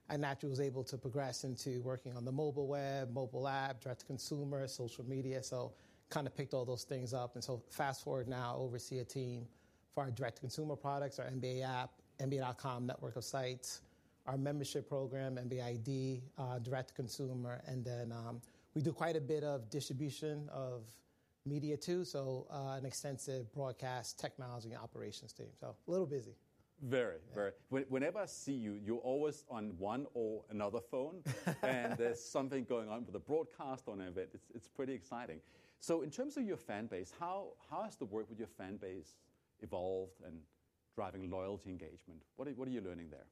I naturally was able to progress into working on the mobile web, mobile app, direct-to-consumer, social media. Kind of picked all those things up. Fast forward now, oversee a team for our direct-to-consumer products, our NBA app, nba.com network of sites, our membership program, NBID, direct-to-consumer. We do quite a bit of distribution of media too, so an extensive broadcast technology operations team. A little busy. Very, very. Whenever I see you, you're always on one or another phone. There's something going on with the broadcast on an event. It's pretty exciting. In terms of your fan base, how has the work with your fan base evolved in driving loyalty engagement? What are you learning there?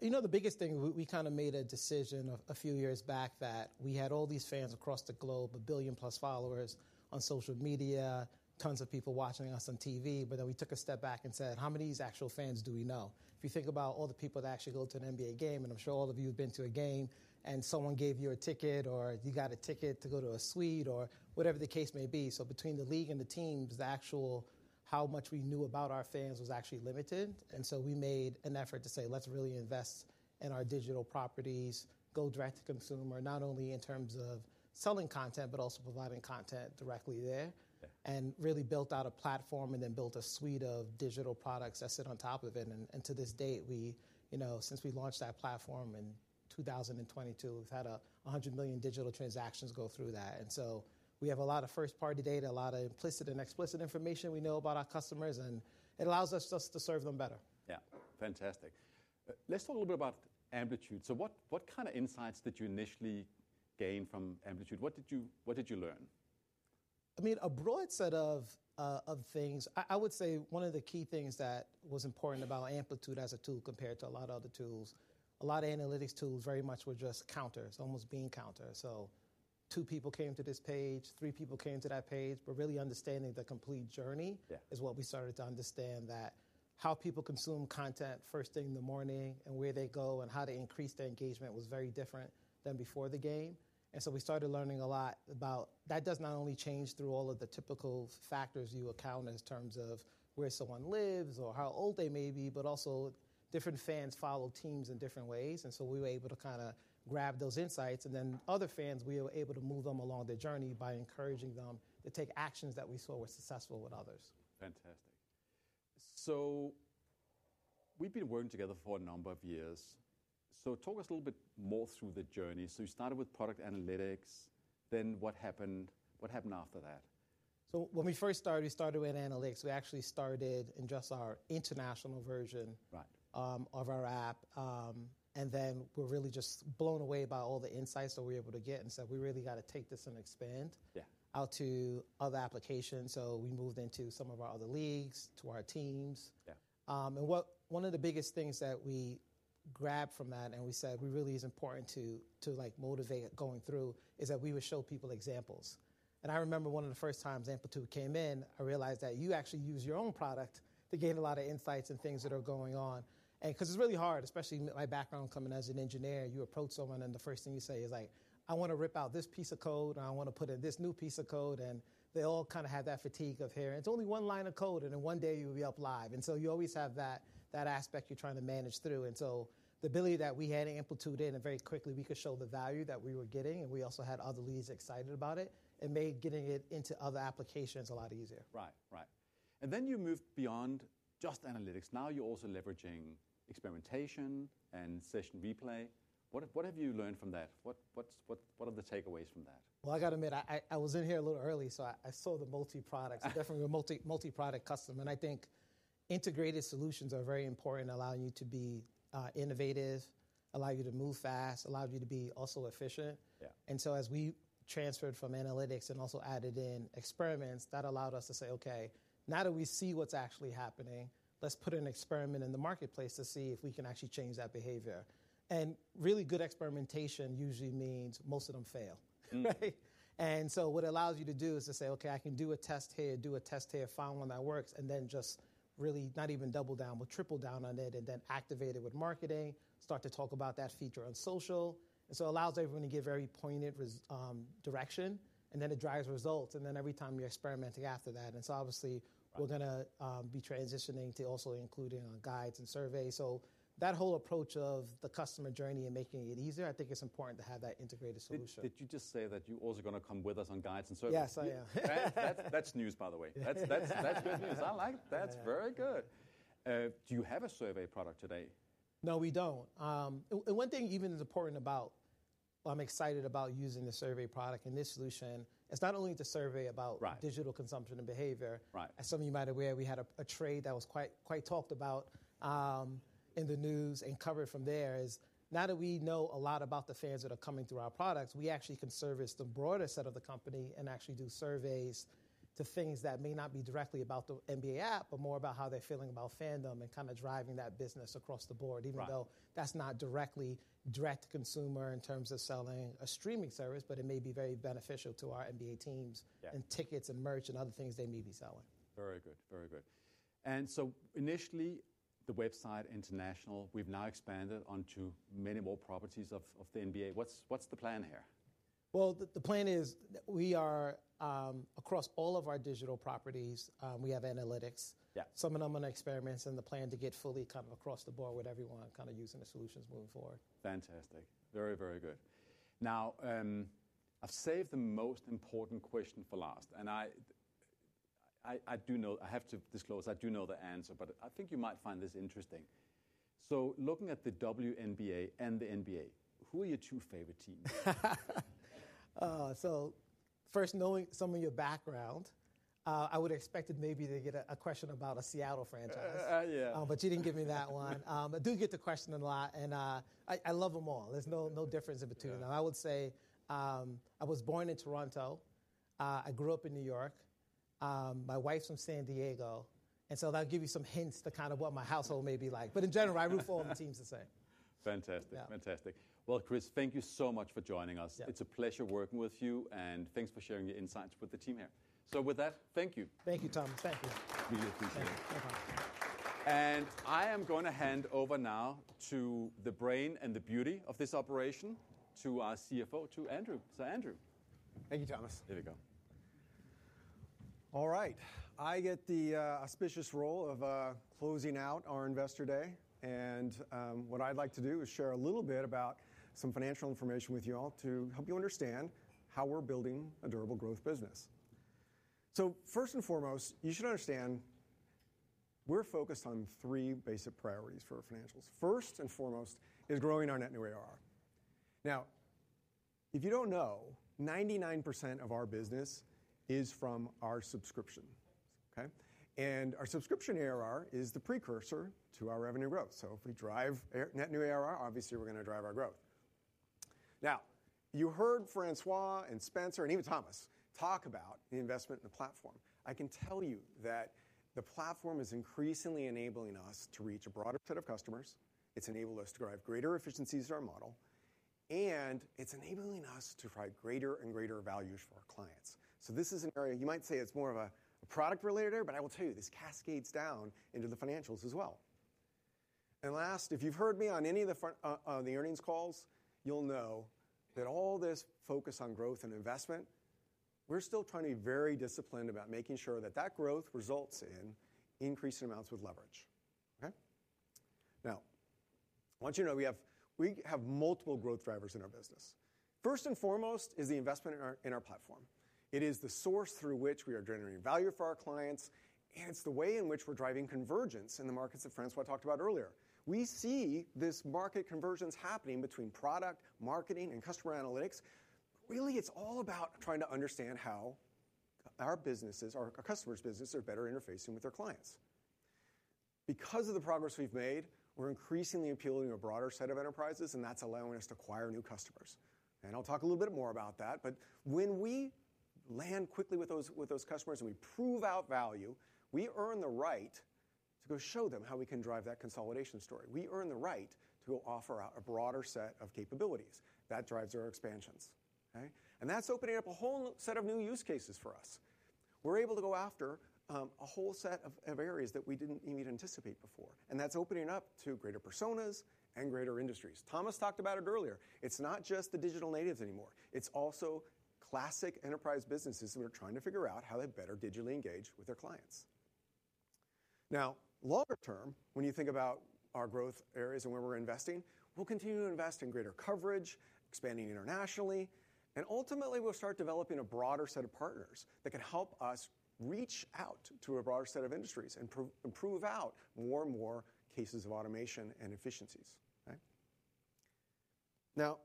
You know, the biggest thing, we kind of made a decision a few years back that we had all these fans across the globe, 1 billion+ followers on social media, tons of people watching us on TV. Then we took a step back and said, how many of these actual fans do we know? If you think about all the people that actually go to an NBA game, and I'm sure all of you have been to a game, and someone gave you a ticket or you got a ticket to go to a suite or whatever the case may be. Between the league and the teams, the actual how much we knew about our fans was actually limited. We made an effort to say, let's really invest in our digital properties, go direct-to-consumer, not only in terms of selling content, but also providing content directly there, and really built out a platform and then built a suite of digital products that sit on top of it. To this date, since we launched that platform in 2022, we have had 100 million digital transactions go through that. We have a lot of first-party data, a lot of implicit and explicit information we know about our customers. It allows us to serve them better. Yeah. Fantastic. Let's talk a little bit about Amplitude. What kind of insights did you initially gain from Amplitude? What did you learn? I mean, a broad set of things. I would say one of the key things that was important about Amplitude as a tool compared to a lot of other tools, a lot of analytics tools very much were just counters, almost bean counters. Two people came to this page, three people came to that page. Really understanding the complete journey is what we started to understand, that how people consume content first thing in the morning and where they go and how to increase their engagement was very different than before the game. We started learning a lot about that does not only change through all of the typical factors you account in terms of where someone lives or how old they may be, but also different fans follow teams in different ways. We were able to kind of grab those insights. Other fans, we were able to move them along their journey by encouraging them to take actions that we saw were successful with others. Fantastic. We have been working together for a number of years. Talk us a little bit more through the journey. You started with product analytics. Then what happened after that? When we first started, we started with analytics. We actually started in just our international version of our app. We were really just blown away by all the insights that we were able to get. We really got to take this and expand out to other applications. We moved into some of our other leagues, to our teams. One of the biggest things that we grabbed from that, and we said we really is important to motivate going through, is that we would show people examples. I remember one of the first times Amplitude came in, I realized that you actually use your own product to gain a lot of insights and things that are going on. Because it's really hard, especially my background coming as an engineer. You approach someone, and the first thing you say is like, I want to rip out this piece of code, and I want to put in this new piece of code. They all kind of have that fatigue of, hey, it's only one line of code, and in one day you'll be up live. You always have that aspect you're trying to manage through. The ability that we had in Amplitude, and very quickly we could show the value that we were getting. We also had other leads excited about it. It made getting it into other applications a lot easier. Right, right. You moved beyond just analytics. Now you're also leveraging experimentation and Session Replay. What have you learned from that? What are the takeaways from that? I got to admit, I was in here a little early, so I saw the multi-products. Definitely a multi-product customer. I think integrated solutions are very important, allowing you to be innovative, allow you to move fast, allow you to be also efficient. As we transferred from analytics and also added in experiments, that allowed us to say, OK, now that we see what's actually happening, let's put an experiment in the marketplace to see if we can actually change that behavior. Really good experimentation usually means most of them fail. What it allows you to do is to say, OK, I can do a test here, do a test here, find one that works, and then just really not even double down, but triple down on it, and then activate it with marketing, start to talk about that feature on social. It allows everyone to get very pointed direction, and then it drives results. Every time you're experimenting after that. Obviously, we're going to be transitioning to also including Guides and Surveys. That whole approach of the customer journey and making it easier, I think it's important to have that integrated solution. Did you just say that you're also going to come with us on Guides and Surveys? Yes, I am. That's news, by the way. That's good news. I like that. That's very good. Do you have a survey product today? No, we don't. One thing even is important about, I'm excited about using the survey product in this solution, it's not only to survey about digital consumption and behavior. As some of you might be aware, we had a trade that was quite talked about in the news and covered from there is now that we know a lot about the fans that are coming through our products, we actually can service the broader set of the company and actually do surveys to things that may not be directly about the NBA app, but more about how they're feeling about fandom and kind of driving that business across the board, even though that's not directly direct-to-consumer in terms of selling a streaming service, but it may be very beneficial to our NBA teams and tickets and merch and other things they may be selling. Very good, very good. Initially, the website international, we've now expanded onto many more properties of the NBA. What's the plan here? The plan is we are across all of our digital properties, we have analytics, some of them on experiments, and the plan to get fully kind of across the board with everyone kind of using the solutions moving forward. Fantastic. Very, very good. Now, I have saved the most important question for last. I have to disclose, I do know the answer, but I think you might find this interesting. Looking at the WNBA and the NBA, who are your two favorite teams? First, knowing some of your background, I would have expected maybe to get a question about a Seattle franchise. You did not give me that one. I do get the question a lot. I love them all. There is no difference in between them. I would say I was born in Toronto. I grew up in New York. My wife's from San Diego. That'll give you some hints to kind of what my household may be like. In general, I root for all the teams the same. Fantastic, fantastic. Chris, thank you so much for joining us. It's a pleasure working with you. Thanks for sharing your insights with the team here. With that, thank you. Thank you, Tom. Thank you. Really appreciate it. I am going to hand over now to the brain and the beauty of this operation to our CFO, to Andrew. Andrew. Thank you, Thomas. Here we go. All right. I get the auspicious role of closing out our Investor Day. What I'd like to do is share a little bit about some financial information with you all to help you understand how we're building a durable growth business. First and foremost, you should understand we're focused on three basic priorities for our financials. First and foremost is growing our net new ARR. Now, if you don't know, 99% of our business is from our subscription. And our subscription ARR is the precursor to our revenue growth. If we drive net new ARR, obviously we're going to drive our growth. You heard Francois and Spenser and even Thomas talk about the investment in the platform. I can tell you that the platform is increasingly enabling us to reach a broader set of customers. It's enabled us to drive greater efficiencies to our model. It's enabling us to provide greater and greater values for our clients. This is an area you might say it's more of a product-related area, but I will tell you this cascades down into the financials as well. If you've heard me on any of the earnings calls, you'll know that all this focus on growth and investment, we're still trying to be very disciplined about making sure that that growth results in increasing amounts with leverage. I want you to know we have multiple growth drivers in our business. First and foremost is the investment in our platform. It is the source through which we are generating value for our clients. It's the way in which we're driving convergence in the markets that Francois talked about earlier. We see this market convergence happening between product, marketing, and customer analytics. Really, it's all about trying to understand how our businesses, our customers' businesses, are better interfacing with their clients. Because of the progress we've made, we're increasingly appealing to a broader set of enterprises, and that's allowing us to acquire new customers. I'll talk a little bit more about that. When we land quickly with those customers and we prove out value, we earn the right to go show them how we can drive that consolidation story. We earn the right to go offer a broader set of capabilities that drives our expansions. That's opening up a whole set of new use cases for us. We're able to go after a whole set of areas that we didn't even anticipate before. That's opening up to greater personas and greater industries. Thomas talked about it earlier. It's not just the digital natives anymore. It's also classic enterprise businesses that are trying to figure out how they better digitally engage with their clients. Now, longer term, when you think about our growth areas and where we're investing, we'll continue to invest in greater coverage, expanding internationally. Ultimately, we'll start developing a broader set of partners that can help us reach out to a broader set of industries and prove out more and more cases of automation and efficiencies. Now,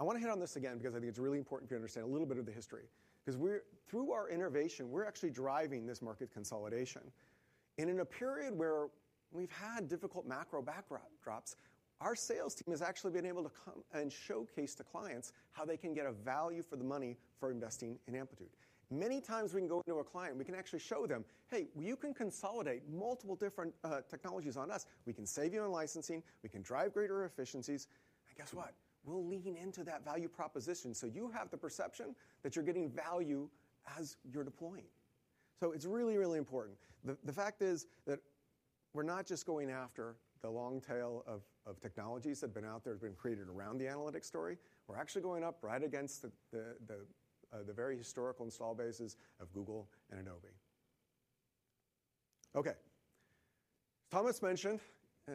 I want to hit on this again because I think it's really important for you to understand a little bit of the history. Because through our innovation, we're actually driving this market consolidation. In a period where we've had difficult macro backdrops, our sales team has actually been able to come and showcase to clients how they can get a value for the money for investing in Amplitude. Many times we can go into a client, we can actually show them, hey, you can consolidate multiple different technologies on us. We can save you on licensing. We can drive greater efficiencies. And guess what? We'll lean into that value proposition so you have the perception that you're getting value as you're deploying. It is really, really important. The fact is that we're not just going after the long tail of technologies that have been out there, that have been created around the analytics story. We're actually going up right against the very historical install bases of Google and Adobe. OK, Thomas mentioned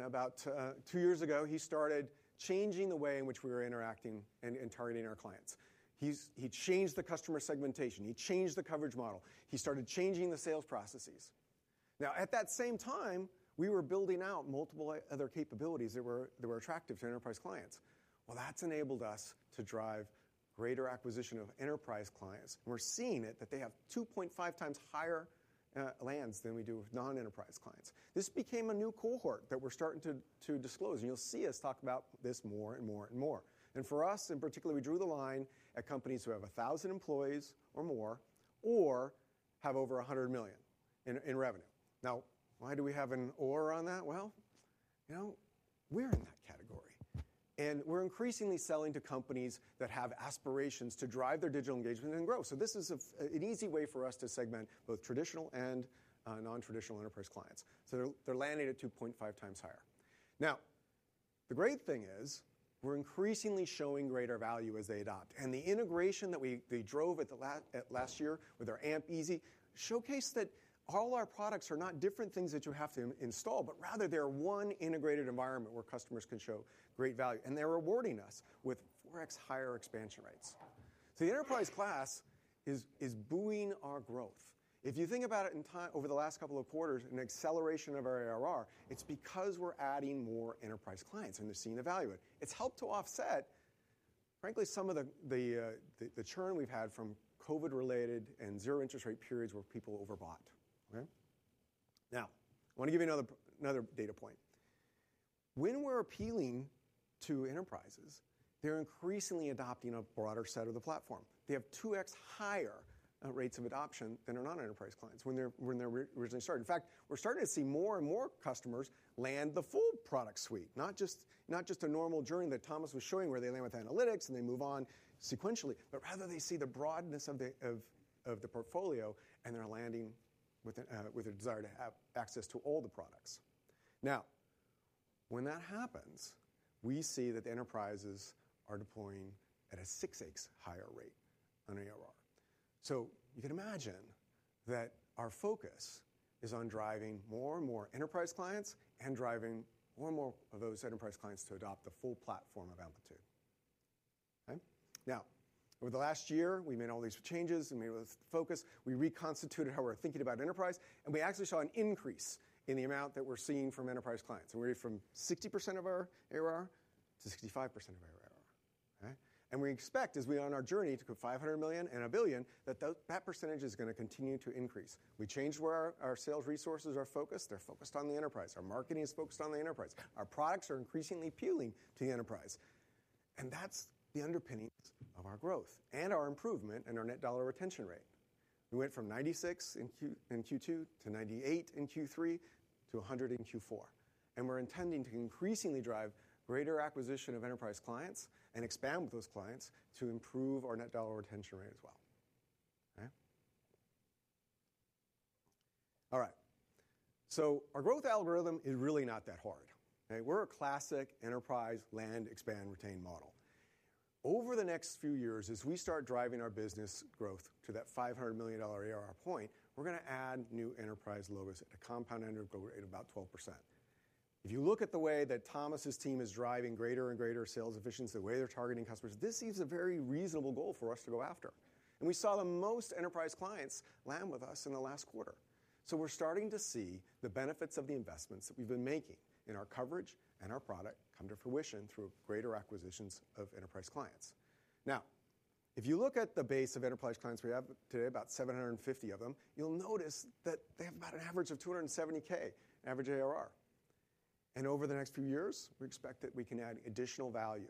about two years ago, he started changing the way in which we were interacting and targeting our clients. He changed the customer segmentation. He changed the coverage model. He started changing the sales processes. At that same time, we were building out multiple other capabilities that were attractive to enterprise clients. That has enabled us to drive greater acquisition of enterprise clients. We're seeing it that they have 2.5x higher lands than we do with non-enterprise clients. This became a new cohort that we're starting to disclose. You'll see us talk about this more and more and more. For us in particular, we drew the line at companies who have 1,000 employees or more or have over $100 million in revenue. Now, why do we have an OR on that? We're in that category. We're increasingly selling to companies that have aspirations to drive their digital engagement and grow. This is an easy way for us to segment both traditional and non-traditional enterprise clients. They're landing at 2.5x higher. The great thing is we're increasingly showing greater value as they adopt. The integration that they drove at last year with our Amp Easy showcased that all our products are not different things that you have to install, but rather they're one integrated environment where customers can show great value. They're rewarding us with 4x higher expansion rates. The enterprise class is buoying our growth. If you think about it over the last couple of quarters, an acceleration of our ARR, it's because we're adding more enterprise clients and they're seeing the value in it. It's helped to offset, frankly, some of the churn we've had from COVID-related and zero interest rate periods where people overbought. I want to give you another data point. When we're appealing to enterprises, they're increasingly adopting a broader set of the platform. They have 2x higher rates of adoption than our non-enterprise clients when they originally started. In fact, we're starting to see more and more customers land the full product suite, not just a normal journey that Thomas was showing where they land with analytics and they move on sequentially. Rather, they see the broadness of the portfolio and they're landing with a desire to have access to all the products. Now, when that happens, we see that the enterprises are deploying at a 6x higher rate on ARR. You can imagine that our focus is on driving more and more enterprise clients and driving more and more of those enterprise clients to adopt the full platform of Amplitude. Over the last year, we made all these changes. We made all this focus. We reconstituted how we're thinking about enterprise. We actually saw an increase in the amount that we're seeing from enterprise clients. We went from 60% of our ARR to 65% of our ARR. We expect, as we are on our journey to $500 million and $1 billion, that that percentage is going to continue to increase. We changed where our sales resources are focused. They're focused on the enterprise. Our marketing is focused on the enterprise. Our products are increasingly appealing to the enterprise. That is the underpinnings of our growth and our improvement in our net dollar retention rate. We went from 96% in Q2 to 98% in Q3 to 100% in Q4. We are intending to increasingly drive greater acquisition of enterprise clients and expand with those clients to improve our net dollar retention rate as well. Our growth algorithm is really not that hard. We're a classic enterprise land, expand, retain model. Over the next few years, as we start driving our business growth to that $500 million ARR point, we're going to add new enterprise logos at a compound annual growth rate of about 12%. If you look at the way that Thomas's team is driving greater and greater sales efficiency, the way they're targeting customers, this seems a very reasonable goal for us to go after. We saw the most enterprise clients land with us in the last quarter. We are starting to see the benefits of the investments that we've been making in our coverage and our product come to fruition through greater acquisitions of enterprise clients. Now, if you look at the base of enterprise clients we have today, about 750 of them, you'll notice that they have about an average of $270,000 average ARR. Over the next few years, we expect that we can add additional value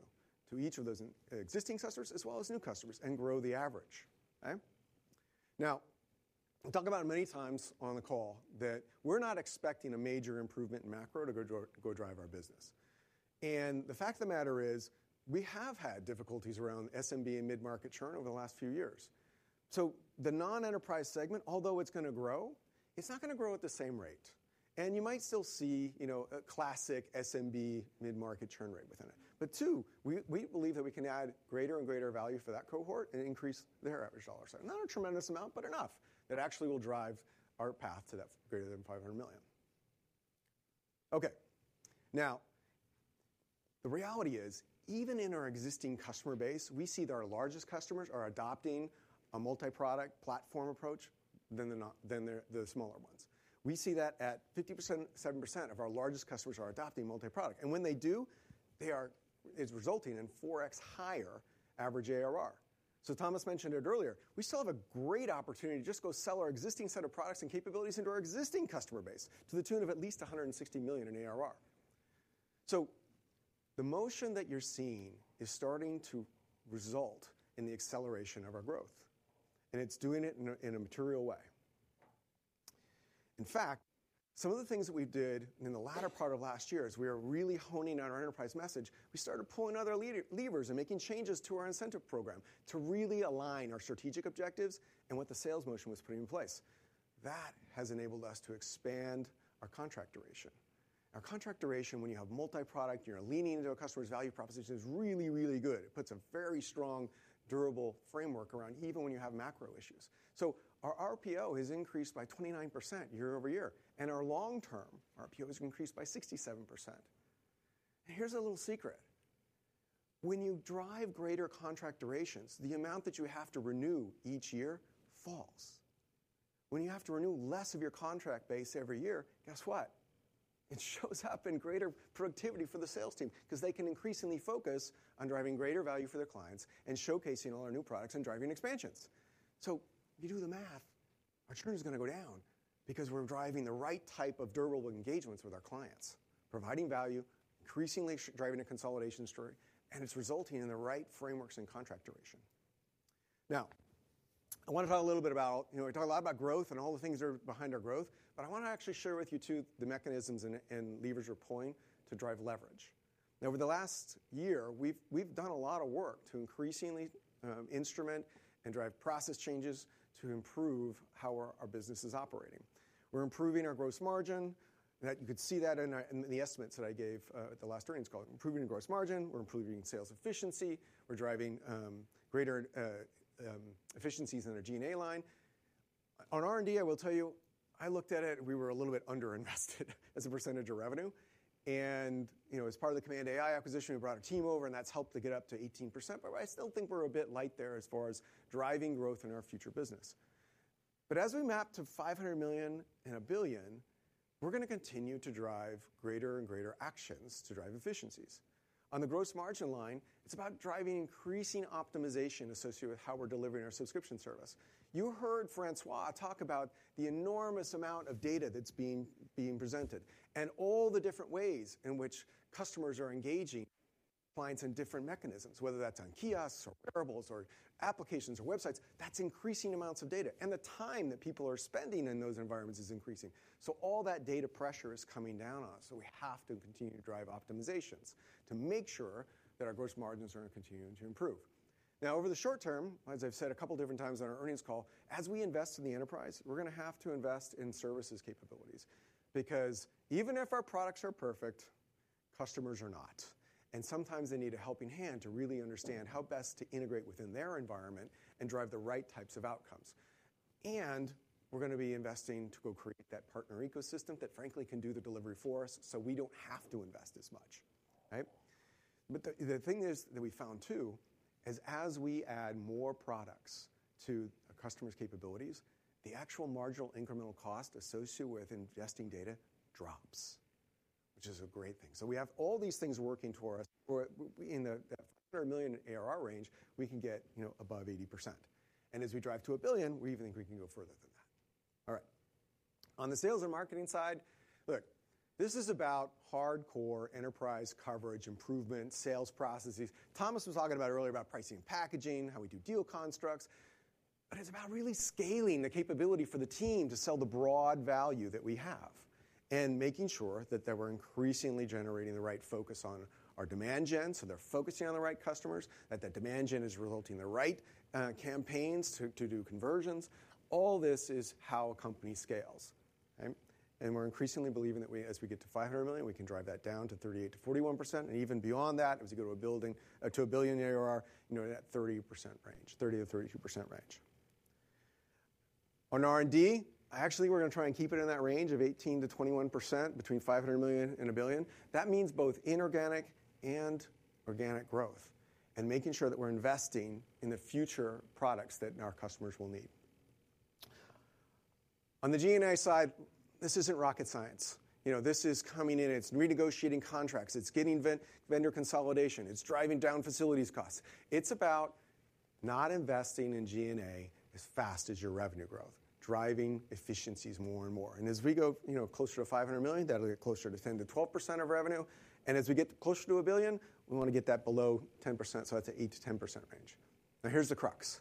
to each of those existing customers as well as new customers and grow the average. We talk about it many times on the call that we're not expecting a major improvement in macro to go drive our business. The fact of the matter is we have had difficulties around SMB and mid-market churn over the last few years. The non-enterprise segment, although it's going to grow, is not going to grow at the same rate. You might still see a classic SMB mid-market churn rate within it. We believe that we can add greater and greater value for that cohort and increase their average dollar size. Not a tremendous amount, but enough that actually will drive our path to that greater than $500 million. OK, now, the reality is even in our existing customer base, we see that our largest customers are adopting a multi-product platform approach than the smaller ones. We see that at 57% of our largest customers are adopting multi-product. When they do, it's resulting in 4x higher average ARR. Thomas mentioned it earlier. We still have a great opportunity to just go sell our existing set of products and capabilities into our existing customer base to the tune of at least $160 million in ARR. The motion that you're seeing is starting to result in the acceleration of our growth. It's doing it in a material way. In fact, some of the things that we did in the latter part of last year as we were really honing on our enterprise message, we started pulling other levers and making changes to our incentive program to really align our strategic objectives and what the sales motion was putting in place. That has enabled us to expand our contract duration. Our contract duration, when you have multi-product, you're leaning into a customer's value proposition, is really, really good. It puts a very strong, durable framework around even when you have macro issues. Our RPO has increased by 29% year-over-year. Our long-term RPO has increased by 67%. Here's a little secret. When you drive greater contract durations, the amount that you have to renew each year falls. When you have to renew less of your contract base every year, guess what? It shows up in greater productivity for the sales team because they can increasingly focus on driving greater value for their clients and showcasing all our new products and driving expansions. If you do the math, our churn is going to go down because we're driving the right type of durable engagements with our clients, providing value, increasingly driving a consolidation story. It's resulting in the right frameworks and contract duration. Now, I want to talk a little bit about we talk a lot about growth and all the things that are behind our growth. I want to actually share with you too the mechanisms and levers we're pulling to drive leverage. Over the last year, we've done a lot of work to increasingly instrument and drive process changes to improve how our business is operating. We're improving our gross margin. You could see that in the estimates that I gave at the last earnings call. Improving the gross margin. We're improving sales efficiency. We're driving greater efficiencies in our G&A line. On R&D, I will tell you, I looked at it. We were a little bit underinvested as a percentage of revenue. As part of the Command AI acquisition, we brought a team over. That's helped to get up to 18%. I still think we're a bit light there as far as driving growth in our future business. As we map to $500 million and $1 billion, we're going to continue to drive greater and greater actions to drive efficiencies. On the gross margin line, it's about driving increasing optimization associated with how we're delivering our subscription service. You heard Francois talk about the enormous amount of data that's being presented and all the different ways in which customers are engaging clients in different mechanisms, whether that's on kiosks or wearables or applications or websites. That is increasing amounts of data. The time that people are spending in those environments is increasing. All that data pressure is coming down on us. We have to continue to drive optimizations to make sure that our gross margins are continuing to improve. Now, over the short term, as I've said a couple of different times on our earnings call, as we invest in the enterprise, we're going to have to invest in services capabilities. Because even if our products are perfect, customers are not. Sometimes they need a helping hand to really understand how best to integrate within their environment and drive the right types of outcomes. We're going to be investing to go create that partner ecosystem that, frankly, can do the delivery for us so we don't have to invest as much. The thing is that we found too is as we add more products to a customer's capabilities, the actual marginal incremental cost associated with investing data drops, which is a great thing. We have all these things working toward us. In that $500 million ARR range, we can get above 80%. As we drive to $1 billion, we even think we can go further than that. All right, on the sales and marketing side, look, this is about hardcore enterprise coverage improvement, sales processes. Thomas was talking about earlier about pricing packaging, how we do deal constructs. It is about really scaling the capability for the team to sell the broad value that we have and making sure that we're increasingly generating the right focus on our demand gen. So they're focusing on the right customers. That demand gen is resulting in the right campaigns to do conversions. All this is how a company scales. We're increasingly believing that as we get to $500 million, we can drive that down to 38%-41%. Even beyond that, as we go to $1 billion ARR, that 30% range, 30%-32% range. On R&D, actually, we're going to try and keep it in that range of 18%-21% between $500 million and $1 billion. That means both inorganic and organic growth and making sure that we're investing in the future products that our customers will need. On the G&A side, this isn't rocket science. This is coming in. It's renegotiating contracts. It's getting vendor consolidation. It's driving down facilities costs. It's about not investing in G&A as fast as your revenue growth, driving efficiencies more and more. As we go closer to $500 million, that'll get closer to 10%-12% of revenue. As we get closer to $1 billion, we want to get that below 10%. That's an 8%-10% range. Now, here's the crux.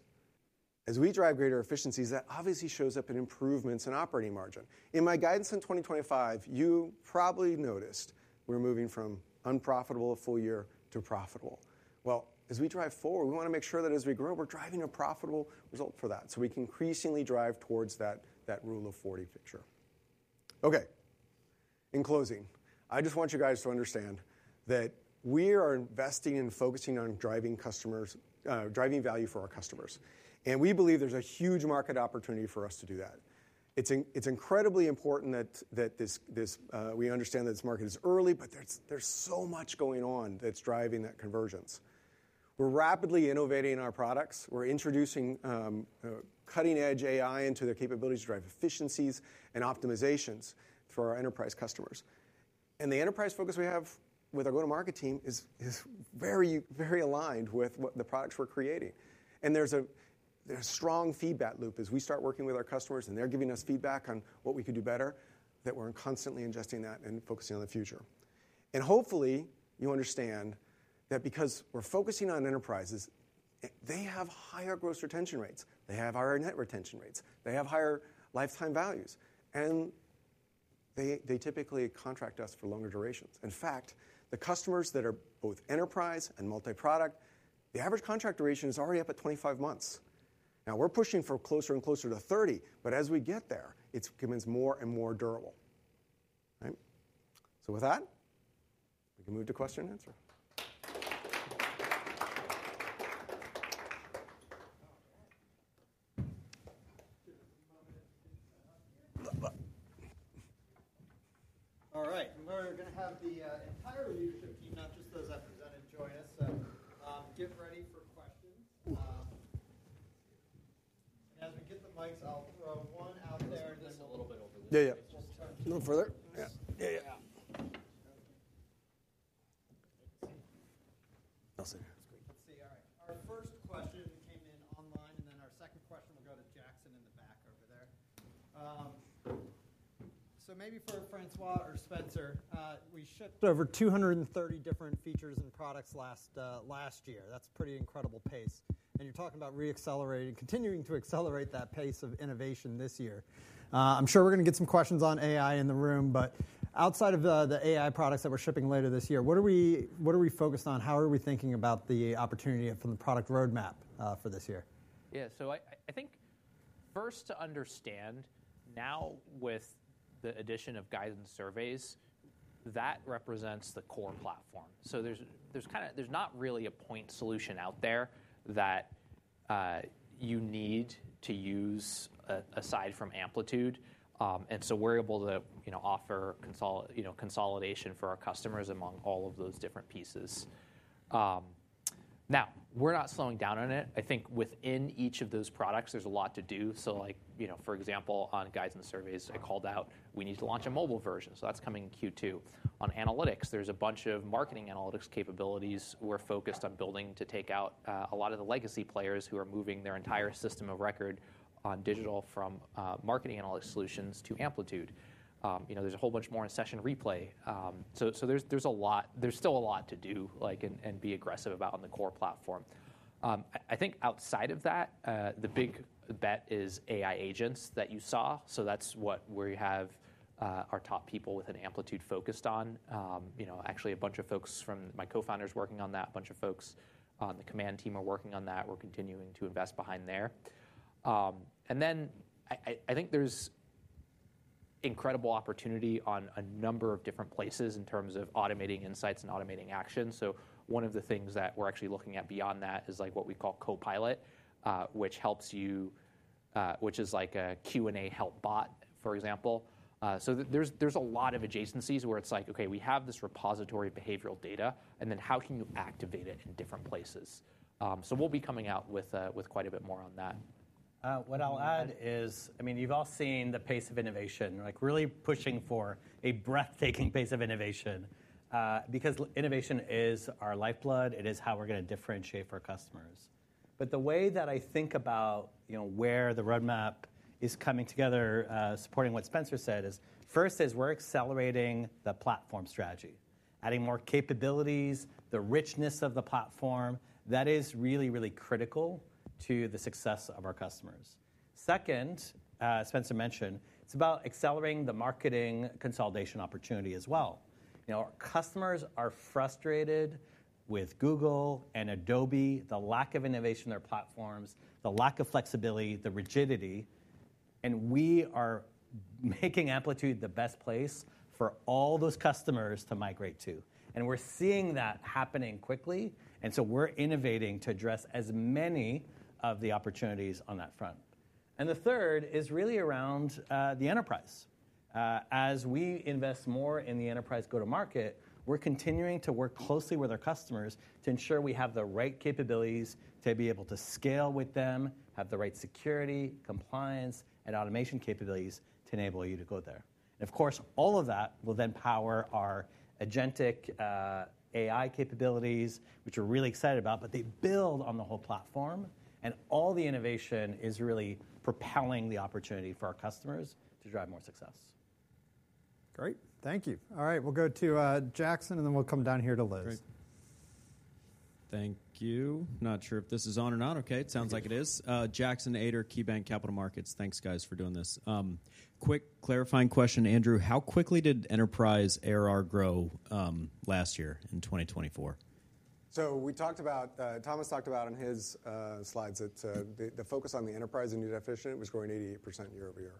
As we drive greater efficiencies, that obviously shows up in improvements in operating margin. In my guidance in 2025, you probably noticed we're moving from unprofitable full year to profitable. As we drive forward, we want to make sure that as we grow, we're driving a profitable result for that so we can increasingly drive towards that Rule of 40 picture. OK, in closing, I just want you guys to understand that we are investing and focusing on driving value for our customers. We believe there's a huge market opportunity for us to do that. It's incredibly important that we understand that this market is early, but there's so much going on that's driving that convergence. We're rapidly innovating our products. We're introducing cutting-edge AI into their capabilities to drive efficiencies and optimizations for our enterprise customers. The enterprise focus we have with our go-to-market team is very, very aligned with the products we're creating. There's a strong feedback loop as we start working with our customers and they're giving us feedback on what we could do better that we're constantly ingesting that and focusing on the future. Hopefully, you understand that because we're focusing on enterprises, they have higher gross retention rates. They have higher net retention rates. They have higher lifetime values. And they typically contract us for longer durations. In fact, the customers that are both enterprise and multi-product, the average contract duration is already up at 25 months. Now, we're pushing for closer and closer to 30. But as we get there, it becomes more and more durable. So with that, we can move to question and answer. All right, we're going to have the entire leadership team, not just those I presented, join us. Get ready for questions. And as we get the mics, I'll throw one out there. This one's a little bit over. Yeah, yeah. Just turn it. No further. Yeah, yeah. I can see. I'll sit here. That's great. Let's see. All right, our first question came in online. And then our second question will go to Jackson in the back over there. Maybe for Francois or Spenser, we should over 230 different features and products last year. That's pretty incredible pace. You're talking about re-accelerating, continuing to accelerate that pace of innovation this year. I'm sure we're going to get some questions on AI in the room. Outside of the AI products that we're shipping later this year, what are we focused on? How are we thinking about the opportunity from the product roadmap for this year? Yeah, I think first to understand, now with the addition of Guides and Surveys, that represents the core platform. There's not really a point solution out there that you need to use aside from Amplitude. We're able to offer consolidation for our customers among all of those different pieces. We're not slowing down on it. I think within each of those products, there's a lot to do. For example, on Guides and Surveys, I called out we need to launch a mobile version. That is coming in Q2. On analytics, there is a bunch of marketing analytics capabilities we are focused on building to take out a lot of the legacy players who are moving their entire system of record on digital from marketing analytics solutions to Amplitude. There is a whole bunch more in Session Replay. There is still a lot to do and be aggressive about on the core platform. I think outside of that, the big bet is AI agents that you saw. That is where we have our top people within Amplitude focused on. Actually, a bunch of folks from my co-founders are working on that, a bunch of folks on the command team are working on that. We are continuing to invest behind there. I think there's incredible opportunity on a number of different places in terms of automating insights and automating actions. One of the things that we're actually looking at beyond that is what we call Copilot, which is like a Q&A help bot, for example. There are a lot of adjacencies where it's like, OK, we have this repository of behavioral data. How can you activate it in different places? We will be coming out with quite a bit more on that. What I'll add is, I mean, you've all seen the pace of innovation, really pushing for a breathtaking pace of innovation. Because innovation is our lifeblood. It is how we're going to differentiate for our customers. The way that I think about where the roadmap is coming together, supporting what Spenser said, is first, we're accelerating the platform strategy, adding more capabilities, the richness of the platform. That is really, really critical to the success of our customers. Second, Spenser mentioned, it's about accelerating the marketing consolidation opportunity as well. Customers are frustrated with Google and Adobe, the lack of innovation in their platforms, the lack of flexibility, the rigidity. We are making Amplitude the best place for all those customers to migrate to. We're seeing that happening quickly. We're innovating to address as many of the opportunities on that front. The third is really around the enterprise. As we invest more in the enterprise go-to-market, we're continuing to work closely with our customers to ensure we have the right capabilities to be able to scale with them, have the right security, compliance, and automation capabilities to enable you to go there. Of course, all of that will then power our agentic AI capabilities, which we're really excited about. They build on the whole platform. All the innovation is really propelling the opportunity for our customers to drive more success. Great. Thank you. All right, we'll go to Jackson. Then we'll come down here to Liz. Thank you. Not sure if this is on or not. OK, it sounds like it is. Jackson Ader, KeyBanc Capital Markets. Thanks, guys, for doing this. Quick clarifying question, Andrew. How quickly did enterprise ARR grow last year in 2024? We talked about, Thomas talked about on his slides that the focus on the enterprise and new definition was growing 88% year-over-year.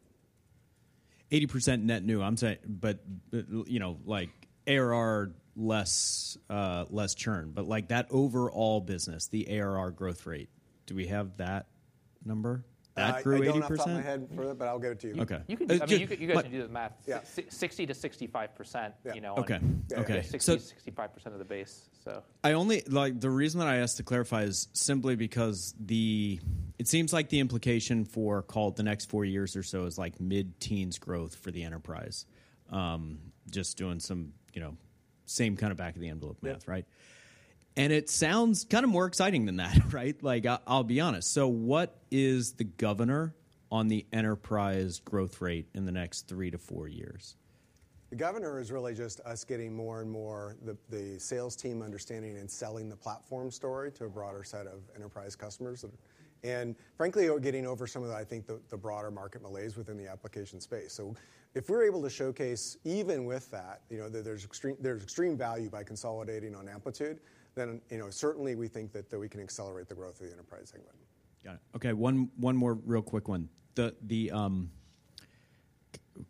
80% net new. But ARR less churn. That overall business, the ARR growth rate, do we have that number? That grew 80%? I'll pop ahead for that. I'll give it to you. OK. You guys should do the math. 60%-65%. OK. 60%-65% of the base. The reason that I asked to clarify is simply because it seems like the implication for, call it the next four years or so, is like mid-teens growth for the enterprise, just doing some same kind of back-of-the-envelope math. Right? It sounds kind of more exciting than that. Right? I'll be honest. What is the governor on the enterprise growth rate in the next three to four years? The governor is really just us getting more and more the sales team understanding and selling the platform story to a broader set of enterprise customers. Frankly, getting over some of, I think, the broader market malaise within the application space. If we're able to showcase even with that, there's extreme value by consolidating on Amplitude, then certainly we think that we can accelerate the growth of the enterprise segment. Got it. OK, one more real quick one.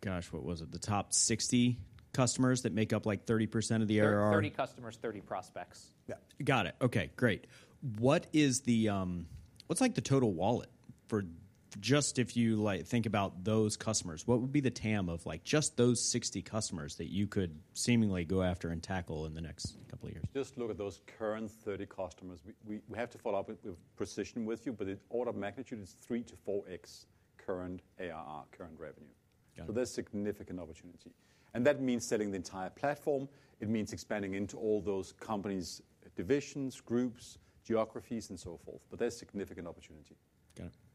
Gosh, what was it? The top 60 customers that make up like 30% of the ARR? 30 customers, 30 prospects. Yeah. Got it. OK, great. What's like the total wallet for just if you think about those customers? What would be the TAM of just those 60 customers that you could seemingly go after and tackle in the next couple of years? Just look at those current 30 customers. We have to follow up with precision with you. The order of magnitude is 3x-4x current ARR, current revenue. There is significant opportunity. That means selling the entire platform. It means expanding into all those companies, divisions, groups, geographies, and so forth. There is significant opportunity. Got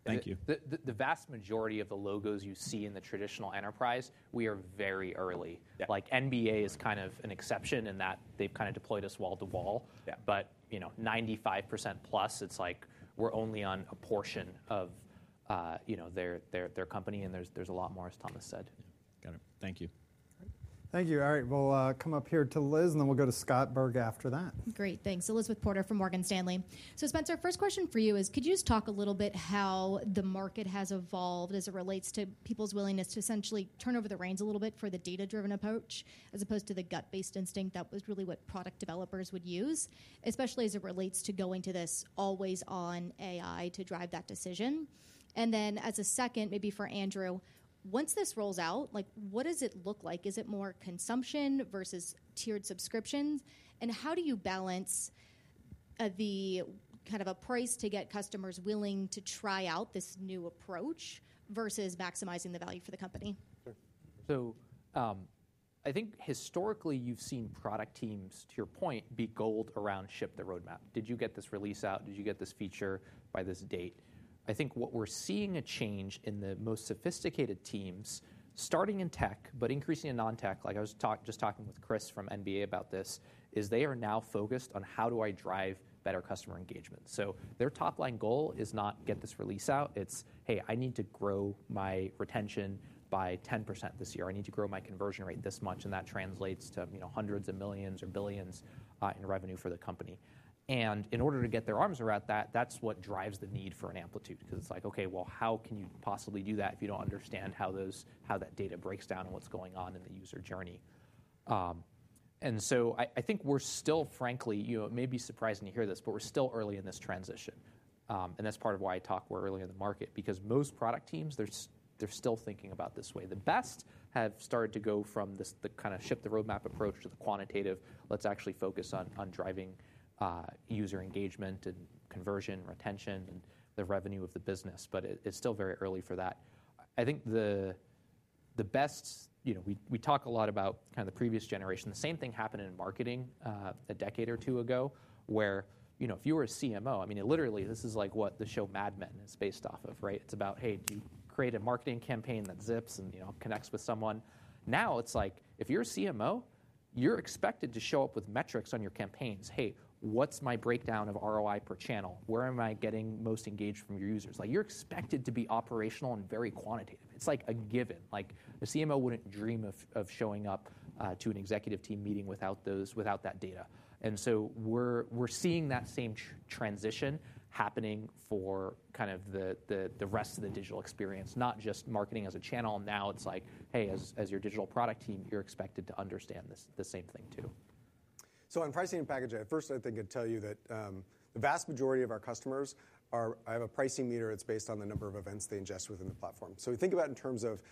it. Thank you. The vast majority of the logos you see in the traditional enterprise, we are very early. NBA is kind of an exception in that they have kind of deployed us wall to wall. 95%+, it is like we are only on a portion of their company. There is a lot more, as Thomas said. Got it. Thank you. Thank you. All right, we will come up here to Liz. Then we will go to Scott Berg after that. Great. Thanks. Elizabeth Porter from Morgan Stanley. Spenser, first question for you is, could you just talk a little bit how the market has evolved as it relates to people's willingness to essentially turn over the reins a little bit for the data-driven approach as opposed to the gut-based instinct? That was really what product developers would use, especially as it relates to going to this always-on AI to drive that decision? As a second, maybe for Andrew, once this rolls out, what does it look like? Is it more consumption versus tiered subscriptions? How do you balance the kind of a price to get customers willing to try out this new approach versus maximizing the value for the company? I think historically, you've seen product teams, to your point, be gold around ship the roadmap. Did you get this release out? Did you get this feature by this date? I think what we're seeing a change in the most sophisticated teams, starting in tech but increasing in non-tech, like I was just talking with Chris from NBA about this, is they are now focused on how do I drive better customer engagement. Their top-line goal is not get this release out. It's, hey, I need to grow my retention by 10% this year. I need to grow my conversion rate this much. That translates to hundreds of millions or billions in revenue for the company. In order to get their arms around that, that's what drives the need for an Amplitude. Because it's like, OK, how can you possibly do that if you don't understand how that data breaks down and what's going on in the user journey? I think we're still, frankly, it may be surprising to hear this, but we're still early in this transition. That's part of why I talk we're early in the market. Because most product teams, they're still thinking about this way. The best have started to go from the kind of ship the roadmap approach to the quantitative, let's actually focus on driving user engagement and conversion retention and the revenue of the business. It's still very early for that. I think the best, we talk a lot about kind of the previous generation. The same thing happened in marketing a decade or two ago, where if you were a CMO, I mean, literally, this is like what the show "Mad Men" is based off of. Right? It's about, hey, do you create a marketing campaign that zips and connects with someone? Now it's like, if you're a CMO, you're expected to show up with metrics on your campaigns. Hey, what's my breakdown of ROI per channel? Where am I getting most engaged from your users? You're expected to be operational and very quantitative. It's like a given. A CMO wouldn't dream of showing up to an executive team meeting without that data. We're seeing that same transition happening for kind of the rest of the digital experience, not just marketing as a channel. Now it's like, hey, as your digital product team, you're expected to understand the same thing too. On pricing and packaging, first, I think I'd tell you that the vast majority of our customers have a pricing meter that's based on the number of events they ingest within the platform. We think about it in terms of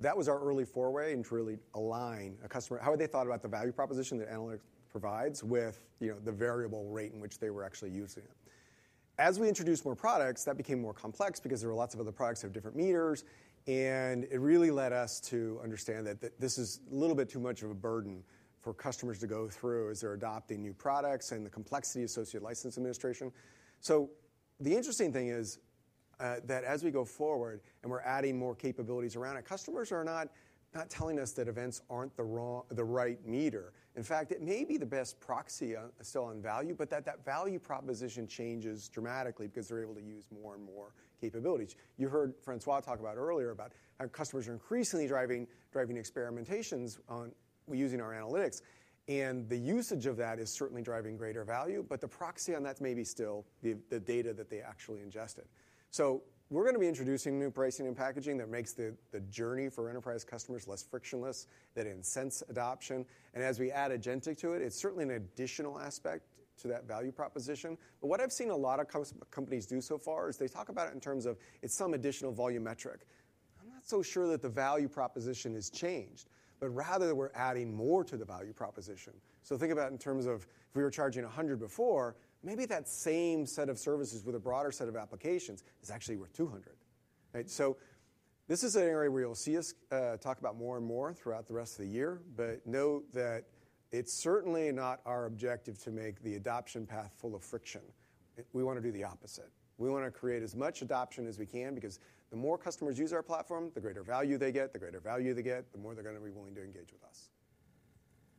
that was our early foray into really align a customer, how they thought about the value proposition that analytics provides with the variable rate in which they were actually using it. As we introduced more products, that became more complex. Because there were lots of other products that have different meters. It really led us to understand that this is a little bit too much of a burden for customers to go through as they're adopting new products and the complexity associated with license administration. The interesting thing is that as we go forward and we're adding more capabilities around it, customers are not telling us that events aren't the right meter. In fact, it may be the best proxy still on value. That value proposition changes dramatically because they're able to use more and more capabilities. You heard Francois talk earlier about how customers are increasingly driving experimentations using our analytics. The usage of that is certainly driving greater value. The proxy on that is maybe still the data that they actually ingested. We are going to be introducing new pricing and packaging that makes the journey for enterprise customers less frictionless, that it incents adoption. As we add agentic to it, it is certainly an additional aspect to that value proposition. What I have seen a lot of companies do so far is they talk about it in terms of it is some additional volume metric. I am not so sure that the value proposition has changed. Rather, we are adding more to the value proposition. Think about it in terms of if we were charging $100 before, maybe that same set of services with a broader set of applications is actually worth $200. This is an area where you'll see us talk about more and more throughout the rest of the year. Know that it's certainly not our objective to make the adoption path full of friction. We want to do the opposite. We want to create as much adoption as we can. Because the more customers use our platform, the greater value they get, the greater value they get, the more they're going to be willing to engage with us.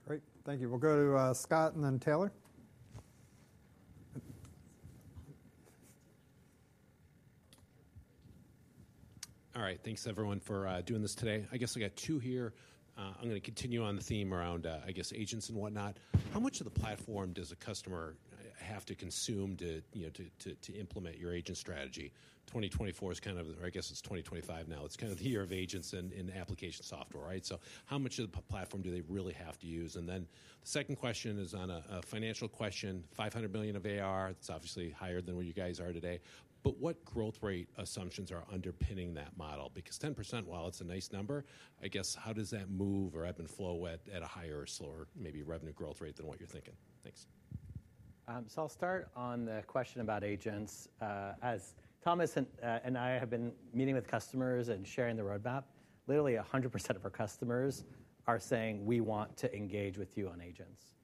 Great. Thank you. We'll go to Scott and then Taylor. All right, thanks everyone for doing this today. I guess I got two here. I'm going to continue on the theme around, I guess, agents and whatnot. How much of the platform does a customer have to consume to implement your agents strategy? 2024 is kind of, I guess it's 2025 now. It's kind of the year of agents and application software. Right? So how much of the platform do they really have to use? The second question is on a financial question. $500 million of ARR, it's obviously higher than what you guys are today. What growth rate assumptions are underpinning that model? Because 10%, while it's a nice number, I guess how does that move or ebb and flow at a higher or slower maybe revenue growth rate than what you're thinking? Thanks. I'll start on the question about agents. As Thomas and I have been meeting with customers and sharing the roadmap, literally 100% of our customers are saying, we want to engage with you on agents.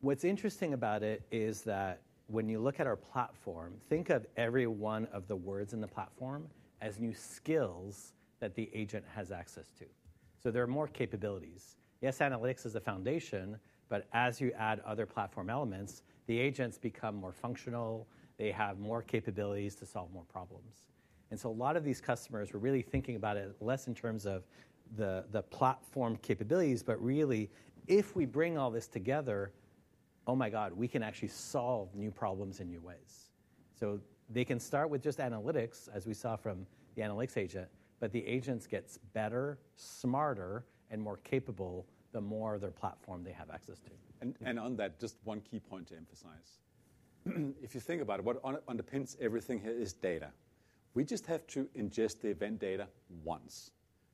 What's interesting about it is that when you look at our platform, think of every one of the words in the platform as new skills that the agent has access to. There are more capabilities. Yes, analytics is the foundation. As you add other platform elements, the agents become more functional. They have more capabilities to solve more problems. A lot of these customers were really thinking about it less in terms of the platform capabilities. Really, if we bring all this together, oh my god, we can actually solve new problems in new ways. They can start with just analytics, as we saw from the analytics agent. The agents get better, smarter, and more capable the more of their platform they have access to. On that, just one key point to emphasize. If you think about it, what underpins everything here is data. We just have to ingest the event data once,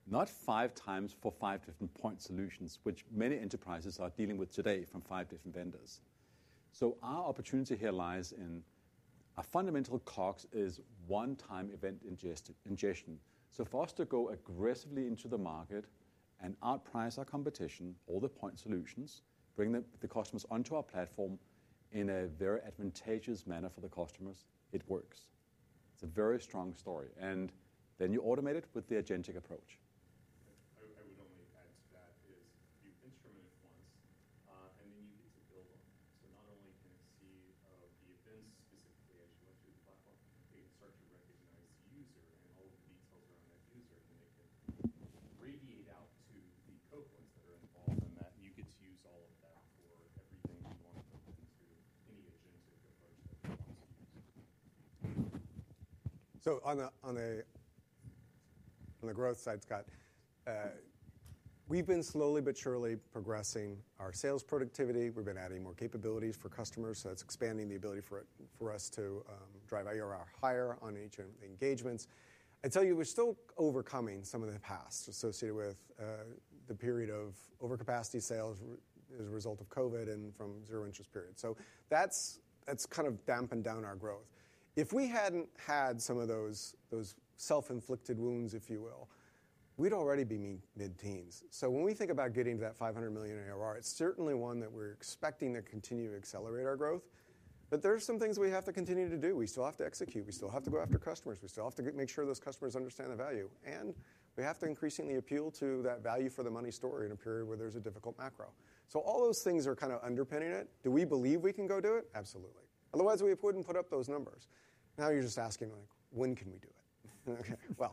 not five times for five different point solutions, which many enterprises are dealing with today from five different vendors. Our opportunity here lies in our fundamental COGS is one-time event ingestion. For us to go aggressively into the market and outprice our competition, all the point solutions, bring the customers onto our platform in a very advantageous manner for the customers, it works. It's a very strong story. You automate it with the agentic approach. I would only add to that is you instrument it once, and then you get to build on that. Not only can it see the events specifically as you went through the platform, it can start to recognize the user and all of the details around that user. It can radiate out to the cohorts that are involved in that. You get to use all of that. On the growth side, Scott, we've been slowly but surely progressing our sales productivity. We've been adding more capabilities for customers. That is expanding the ability for us to drive ARR higher on each engagement. I tell you, we're still overcoming some of the past associated with the period of overcapacity sales as a result of COVID and from the zero-interest period. That has kind of dampened down our growth. If we hadn't had some of those self-inflicted wounds, if you will, we'd already be mid-teens. When we think about getting to that $500 million ARR, it's certainly one that we're expecting to continue to accelerate our growth. There are some things we have to continue to do. We still have to execute. We still have to go after customers. We still have to make sure those customers understand the value. We have to increasingly appeal to that value-for-the-money story in a period where there's a difficult macro. All those things are kind of underpinning it. Do we believe we can go do it? Absolutely. Otherwise, we wouldn't put up those numbers. Now you're just asking, when can we do it? OK.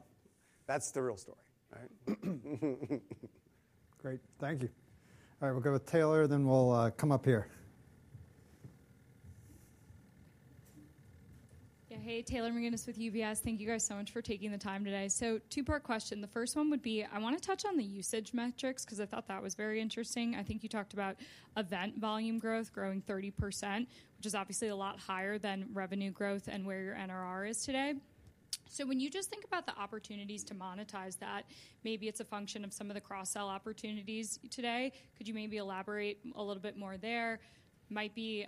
That's the real story. Great. Thank you. All right, we'll go with Taylor. Then we'll come up here. Yeah, hey, Taylor McGinnis with UBS. Thank you guys so much for taking the time today. Two-part question. The first one would be, I want to touch on the usage metrics because I thought that was very interesting. I think you talked about event volume growth growing 30%, which is obviously a lot higher than revenue growth and where your NRR is today. When you just think about the opportunities to monetize that, maybe it's a function of some of the cross-sell opportunities today. Could you maybe elaborate a little bit more there? Might be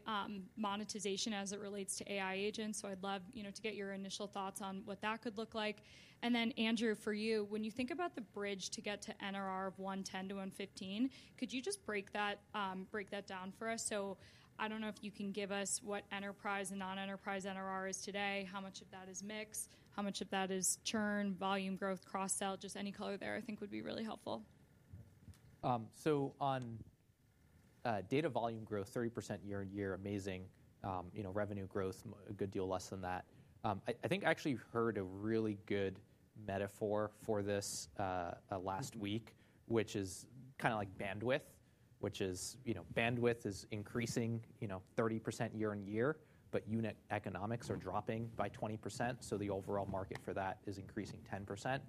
monetization as it relates to AI agents. I'd love to get your initial thoughts on what that could look like. Andrew, for you, when you think about the bridge to get to NRR of 110%-115%, could you just break that down for us? I don't know if you can give us what enterprise and non-enterprise NRR is today, how much of that is mixed, how much of that is churn, volume growth, cross-sell, just any color there I think would be really helpful. On data volume growth, 30% year-on-year, amazing revenue growth, a good deal less than that. I think I actually heard a really good metaphor for this last week, which is kind of like bandwidth, which is bandwidth is increasing 30% year-on-year. But unit economics are dropping by 20%. The overall market for that is increasing 10%.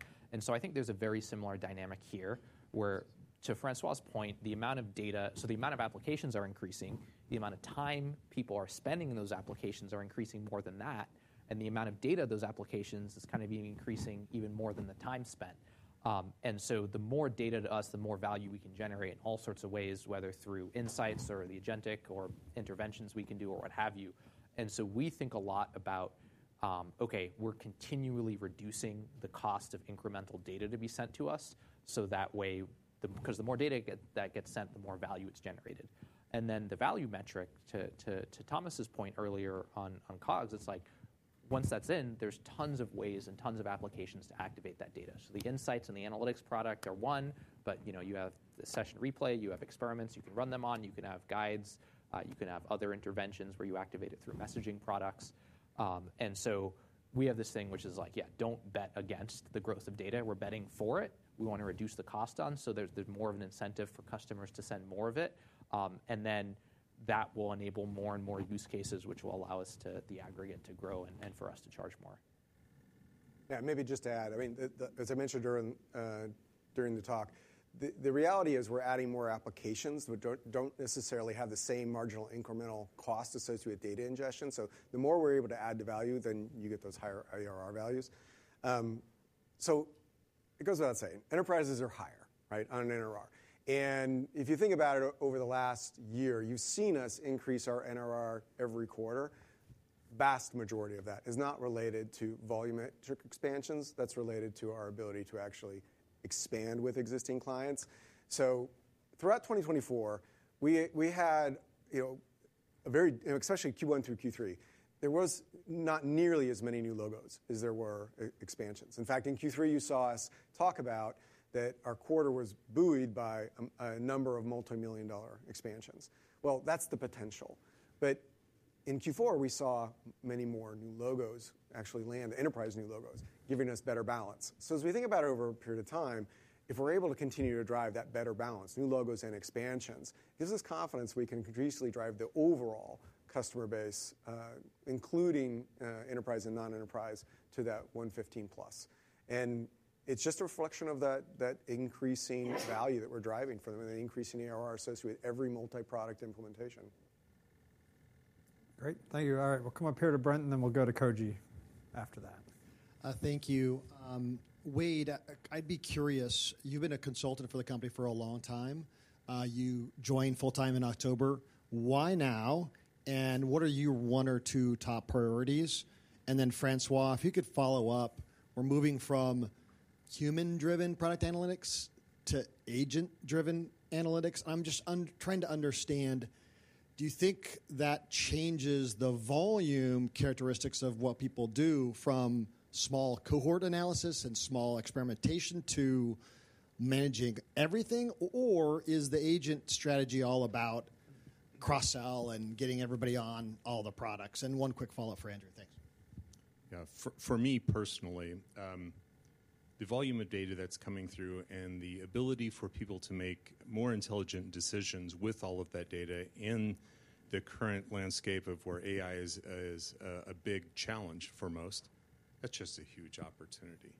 I think there's a very similar dynamic here, where to Francois's point, the amount of data, so the amount of applications are increasing. The amount of time people are spending in those applications are increasing more than that. The amount of data those applications is kind of being increasing even more than the time spent. The more data to us, the more value we can generate in all sorts of ways, whether through insights or the agentic or interventions we can do or what have you. We think a lot about, OK, we're continually reducing the cost of incremental data to be sent to us. That way, because the more data that gets sent, the more value is generated. The value metric, to Thomas's point earlier on COGS, it's like once that's in, there are tons of ways and tons of applications to activate that data. The insights and the analytics product are one. You have the Session Replay. You have Experiments you can run them on. You can have Guides. You can have other interventions where you activate it through messaging products. We have this thing which is like, yeah, don't bet against the growth of data. We're betting for it. We want to reduce the cost on, so there's more of an incentive for customers to send more of it. That will enable more and more use cases, which will allow us, the aggregate, to grow and for us to charge more. Yeah, maybe just to add, I mean, as I mentioned during the talk, the reality is we're adding more applications that don't necessarily have the same marginal incremental cost associated with data ingestion. The more we're able to add to value, then you get those higher ARR values. It goes without saying, enterprises are higher on NRR. If you think about it, over the last year, you've seen us increase our NRR every quarter. Vast majority of that is not related to volume expansions. That is related to our ability to actually expand with existing clients. Throughout 2024, we had a very, especially Q1 through Q3, there were not nearly as many new logos as there were expansions. In fact, in Q3, you saw us talk about that our quarter was buoyed by a number of multi-million dollar expansions. That is the potential. In Q4, we saw many more new logos actually land, enterprise new logos, giving us better balance. As we think about it over a period of time, if we are able to continue to drive that better balance, new logos and expansions, it gives us confidence we can increasingly drive the overall customer base, including enterprise and non-enterprise, to that 115%+. It's just a reflection of that increasing value that we're driving for them and the increasing ARR associated with every multi-product implementation. Great. Thank you. All right, we'll come up here to Brent and then we'll go to Koji after that. Thank you. Wade, I'd be curious. You've been a consultant for the company for a long time. You joined full-time in October. Why now? And what are your one or two top priorities? Francois, if you could follow up, we're moving from human-driven product analytics to agent-driven analytics. I'm just trying to understand, do you think that changes the volume characteristics of what people do from small cohort analysis and small experimentation to managing everything? Or is the agent strategy all about cross-sell and getting everybody on all the products? One quick follow-up for Andrew. Thanks. Yeah, for me personally, the volume of data that's coming through and the ability for people to make more intelligent decisions with all of that data in the current landscape of where AI is a big challenge for most, that's just a huge opportunity.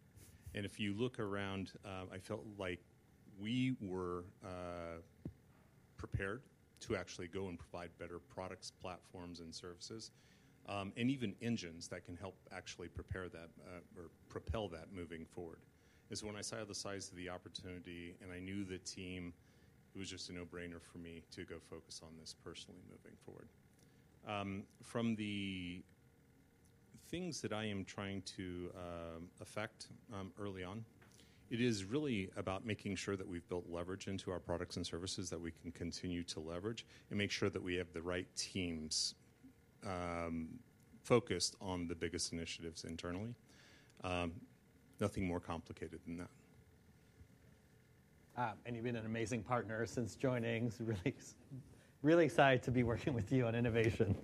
If you look around, I felt like we were prepared to actually go and provide better products, platforms, and services, and even engines that can help actually prepare that or propel that moving forward. When I saw the size of the opportunity and I knew the team, it was just a no-brainer for me to go focus on this personally moving forward. From the things that I am trying to affect early on, it is really about making sure that we've built leverage into our products and services that we can continue to leverage and make sure that we have the right teams focused on the biggest initiatives internally. Nothing more complicated than that. You've been an amazing partner since joining. Really excited to be working with you on innovation.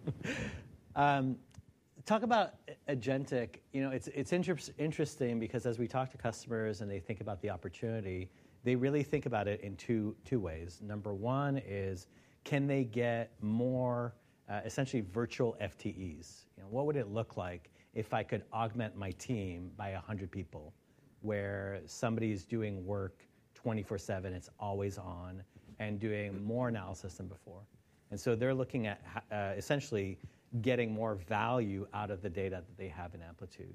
Talk about agentic. It's interesting because as we talk to customers and they think about the opportunity, they really think about it in two ways. Number one is, can they get more essentially virtual FTEs? What would it look like if I could augment my team by 100 people where somebody is doing work 24/7, it's always on, and doing more analysis than before? They're looking at essentially getting more value out of the data that they have in Amplitude.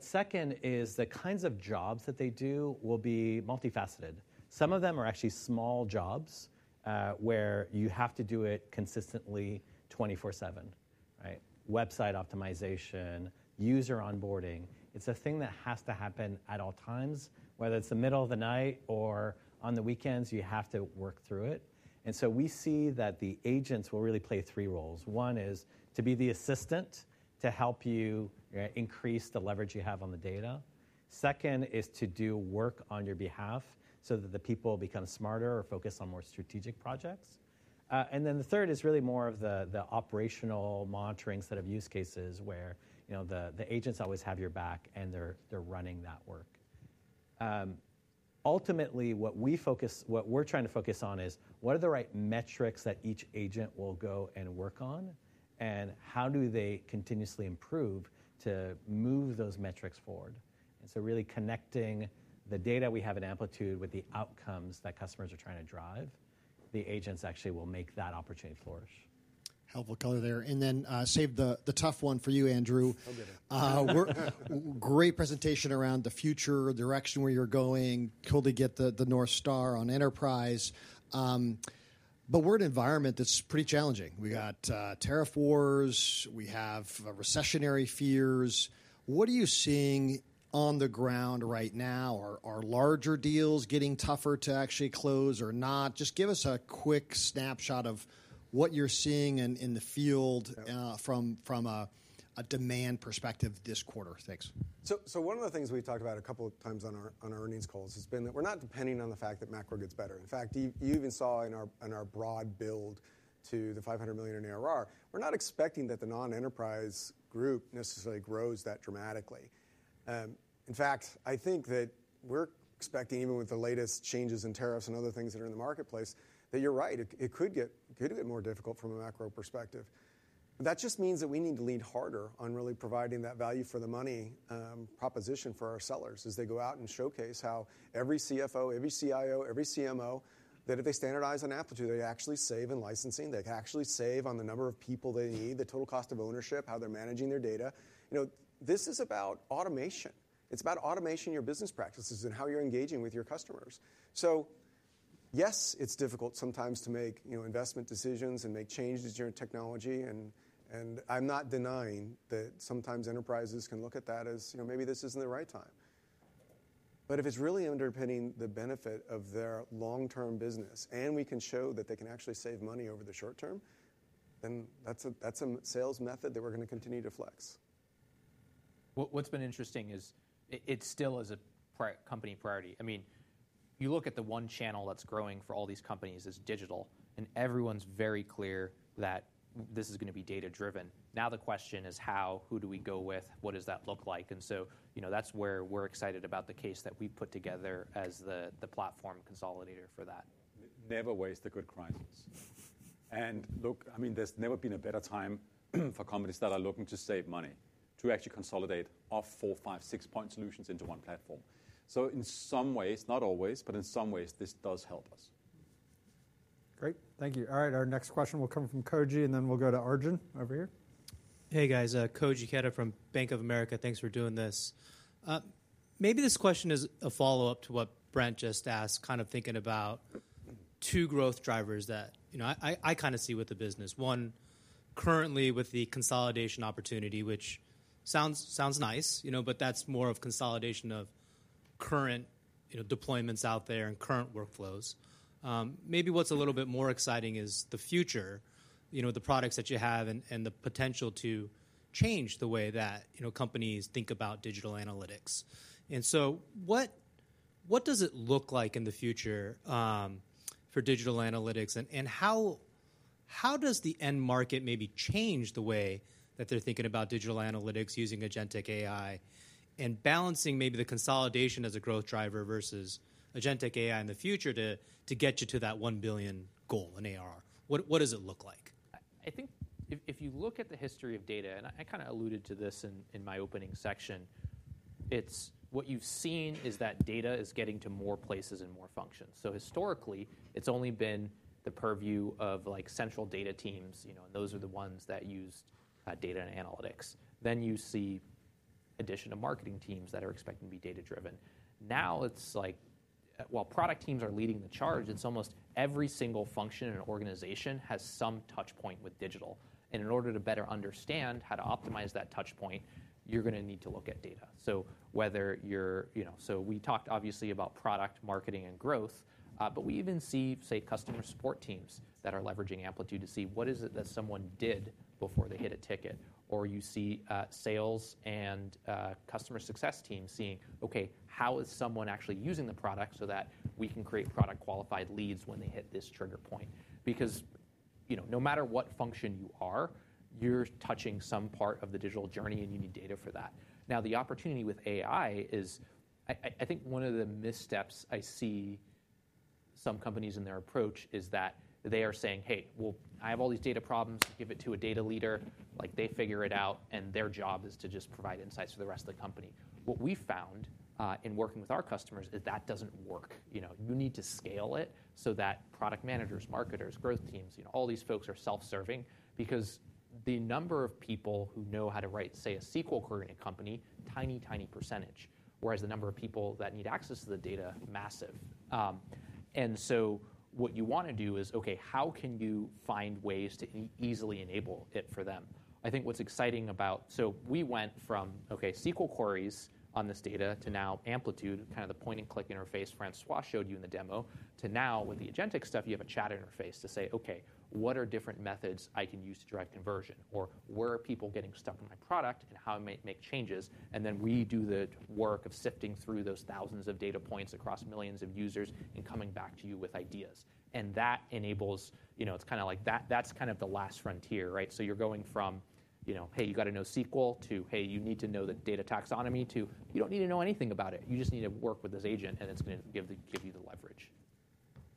Second is the kinds of jobs that they do will be multifaceted. Some of them are actually small jobs where you have to do it consistently 24/7, right? Website optimization, user onboarding. It's a thing that has to happen at all times, whether it's the middle of the night or on the weekends, you have to work through it. We see that the agents will really play three roles. One is to be the assistant to help you increase the leverage you have on the data. Second is to do work on your behalf so that the people become smarter or focus on more strategic projects. The third is really more of the operational monitoring set of use cases where the agents always have your back and they're running that work. Ultimately, what we're trying to focus on is what are the right metrics that each agent will go and work on and how do they continuously improve to move those metrics forward. Really connecting the data we have in Amplitude with the outcomes that customers are trying to drive, the agents actually will make that opportunity flourish. Helpful color there. Save the tough one for you, Andrew. Great presentation around the future direction where you're going, hopefully get the North Star on enterprise. We're in an environment that's pretty challenging. We got tariff wars. We have recessionary fears. What are you seeing on the ground right now? Are larger deals getting tougher to actually close or not? Just give us a quick snapshot of what you're seeing in the field from a demand perspective this quarter. Thanks. One of the things we've talked about a couple of times on our earnings calls has been that we're not depending on the fact that macro gets better. In fact, you even saw in our broad build to the $500 million in ARR, we're not expecting that the non-enterprise group necessarily grows that dramatically. In fact, I think that we're expecting, even with the latest changes in tariffs and other things that are in the marketplace, that you're right, it could get more difficult from a macro perspective. That just means that we need to lean harder on really providing that value for the money proposition for our sellers as they go out and showcase how every CFO, every CIO, every CMO, that if they standardize on Amplitude, they actually save in licensing. They can actually save on the number of people they need, the total cost of ownership, how they're managing their data. This is about automation. It's about automating your business practices and how you're engaging with your customers. Yes, it's difficult sometimes to make investment decisions and make changes in your technology. I'm not denying that sometimes enterprises can look at that as maybe this isn't the right time. If it's really underpinning the benefit of their long-term business and we can show that they can actually save money over the short term, then that's a sales method that we're going to continue to flex. What's been interesting is it still is a company priority. I mean, you look at the one channel that's growing for all these companies is digital. And everyone's very clear that this is going to be data-driven. Now the question is how, who do we go with, what does that look like? That's where we're excited about the case that we put together as the platform consolidator for that. Never waste a good crisis. I mean, there's never been a better time for companies that are looking to save money to actually consolidate four, five, six-point solutions into one platform. In some ways, not always, but in some ways this does help us. Great. Thank you. All right, our next question will come from Koji and then we'll go to Arjun over here. Hey, guys. Koji Ikeda from Bank of America. Thanks for doing this. Maybe this question is a follow-up to what Brent just asked, kind of thinking about two growth drivers that I kind of see with the business. One, currently with the consolidation opportunity, which sounds nice, but that's more of consolidation of current deployments out there and current workflows. Maybe what's a little bit more exciting is the future, the products that you have and the potential to change the way that companies think about digital analytics. And so what does it look like in the future for digital analytics? How does the end market maybe change the way that they're thinking about digital analytics using agentic AI and balancing maybe the consolidation as a growth driver versus agentic AI in the future to get you to that $1 billion goal in ARR? What does it look like? I think if you look at the history of data, and I kind of alluded to this in my opening section, what you've seen is that data is getting to more places and more functions. Historically, it's only been the purview of central data teams, and those are the ones that used data and analytics. Then you see addition of marketing teams that are expecting to be data-driven. Now it's like, while product teams are leading the charge, it's almost every single function in an organization has some touchpoint with digital. In order to better understand how to optimize that touchpoint, you're going to need to look at data. Whether you're—we talked obviously about product, marketing, and growth, but we even see, say, customer support teams that are leveraging Amplitude to see what is it that someone did before they hit a ticket. Or you see sales and customer success teams seeing, OK, how is someone actually using the product so that we can create product-qualified leads when they hit this trigger point? Because no matter what function you are, you're touching some part of the digital journey and you need data for that. Now the opportunity with AI is, I think one of the missteps I see some companies in their approach is that they are saying, hey, I have all these data problems. Give it to a data leader. They figure it out. Their job is to just provide insights for the rest of the company. What we found in working with our customers is that does not work. You need to scale it so that product managers, marketers, growth teams, all these folks are self-serving because the number of people who know how to write, say, a SQL query in a company, tiny, tiny percentage, whereas the number of people that need access to the data, massive. What you want to do is, OK, how can you find ways to easily enable it for them? I think what is exciting about--we went from, OK, SQL queries on this data to now Amplitude, kind of the point-and-click interface Francois showed you in the demo, to now with the agentic stuff, you have a chat interface to say, OK, what are different methods I can use to drive conversion? Or where are people getting stuck in my product and how make changes? We do the work of sifting through those thousands of data points across millions of users and coming back to you with ideas. That enables--it's kind of like that's kind of the last frontier, right? You are going from, hey, you got to know SQL to, hey, you need to know the data taxonomy to you do not need to know anything about it. You just need to work with this agent and it is going to give you the leverage.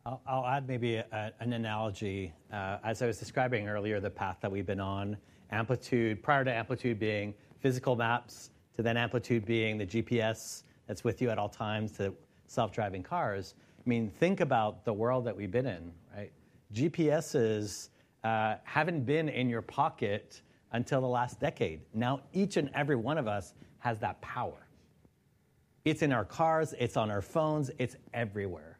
I will add maybe an analogy. As I was describing earlier, the path that we have been on prior to Amplitude being physical maps to then Amplitude being the GPS that is with you at all times to self-driving cars. I mean, think about the world that we have been in, right? GPSs haven't been in your pocket until the last decade. Now each and every one of us has that power. It's in our cars. It's on our phones. It's everywhere.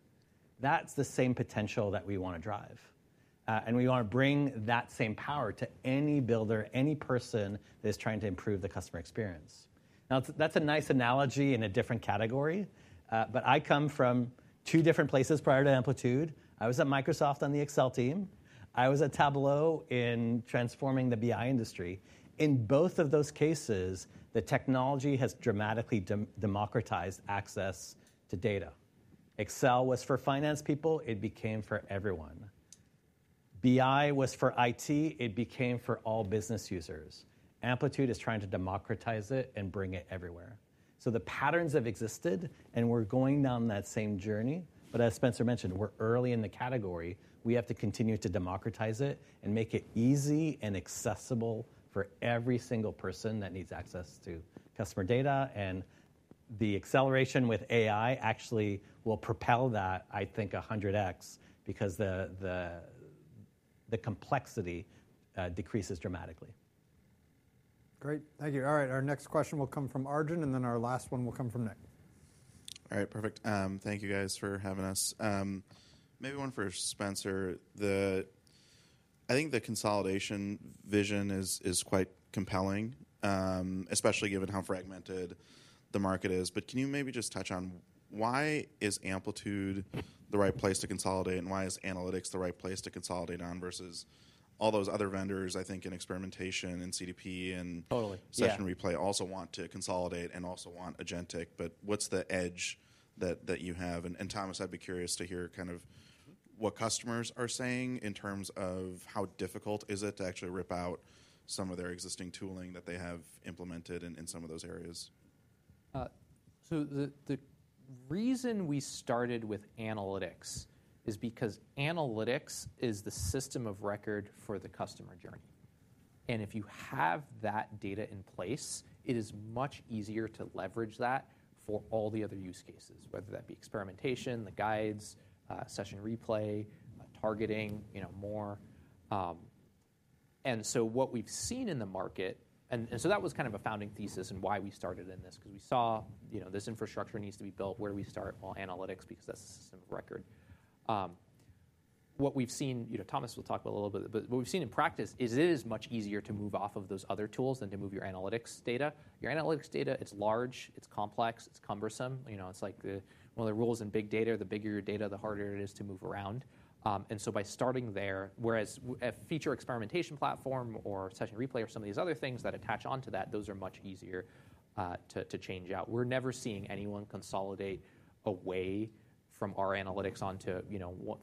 That's the same potential that we want to drive. We want to bring that same power to any builder, any person that is trying to improve the customer experience. That's a nice analogy in a different category. I come from two different places prior to Amplitude. I was at Microsoft on the Excel team. I was at Tableau in transforming the BI industry. In both of those cases, the technology has dramatically democratized access to data. Excel was for finance people. It became for everyone. BI was for IT. It became for all business users. Amplitude is trying to democratize it and bring it everywhere. The patterns have existed. We're going down that same journey. As Spenser mentioned, we're early in the category. We have to continue to democratize it and make it easy and accessible for every single person that needs access to customer data. The acceleration with AI actually will propel that, I think, 100x because the complexity decreases dramatically. Great. Thank you. All right, our next question will come from Arjun. Then our last one will come from Nick. All right, perfect. Thank you, guys, for having us. Maybe one for Spenser. I think the consolidation vision is quite compelling, especially given how fragmented the market is. Can you maybe just touch on why is Amplitude the right place to consolidate and why is analytics the right place to consolidate on versus all those other vendors, I think, in experimentation and CDP and Session Replay also want to consolidate and also want agentic? What's the edge that you have? Thomas, I'd be curious to hear kind of what customers are saying in terms of how difficult it is to actually rip out some of their existing tooling that they have implemented in some of those areas. The reason we started with analytics is because analytics is the system of record for the customer journey. If you have that data in place, it is much easier to leverage that for all the other use cases, whether that be experimentation, the Guides, Session Replay, targeting, more. What we've seen in the market, and that was kind of a founding thesis and why we started in this, is because we saw this infrastructure needs to be built. Where do we start? analytics, because that's the system of record. What we've seen, Thomas will talk about a little bit, but what we've seen in practice is it is much easier to move off of those other tools than to move your analytics data. Your analytics data, it's large. It's complex. It's cumbersome. It's like one of the rules in big data, the bigger your data, the harder it is to move around. By starting there, whereas a feature experimentation platform or Session Replay or some of these other things that attach onto that, those are much easier to change out. We're never seeing anyone consolidate away from our analytics onto,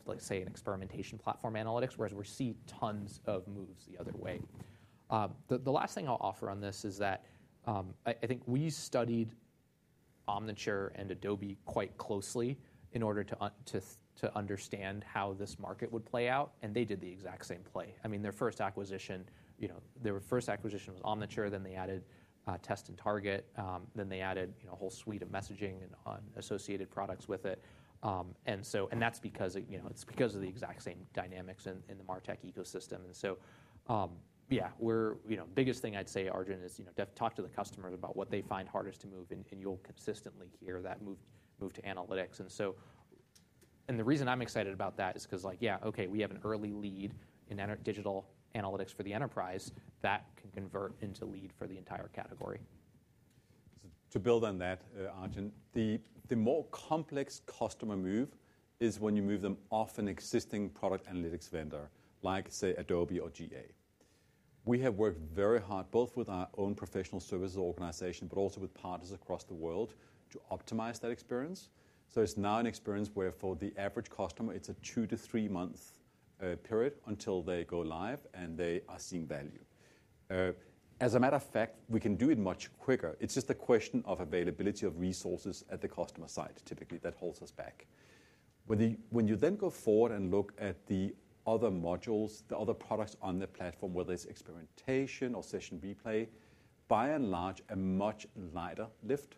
let's say, an experimentation platform analytics, whereas we're seeing tons of moves the other way. The last thing I'll offer on this is that I think we studied Omniture and Adobe quite closely in order to understand how this market would play out. They did the exact same play. I mean, their first acquisition, their first acquisition was Omniture. They added Test&Target. They added a whole suite of messaging and associated products with it. That is because of the exact same dynamics in the MarTech ecosystem. Yeah, the biggest thing I'd say, Arjun, is talk to the customers about what they find hardest to move. You'll consistently hear that move to analytics. The reason I'm excited about that is because, yeah, OK, we have an early lead in digital analytics for the enterprise that can convert into lead for the entire category. To build on that, Arjun, the more complex customer move is when you move them off an existing product analytics vendor, like, say, Adobe or GA. We have worked very hard both with our own professional services organization, but also with partners across the world to optimize that experience. It is now an experience where for the average customer, it is a two to three-month period until they go live and they are seeing value. As a matter of fact, we can do it much quicker. It is just a question of availability of resources at the customer side, typically, that holds us back. When you then go forward and look at the other modules, the other products on the platform, whether it is experimentation or Session Replay, by and large, a much lighter lift.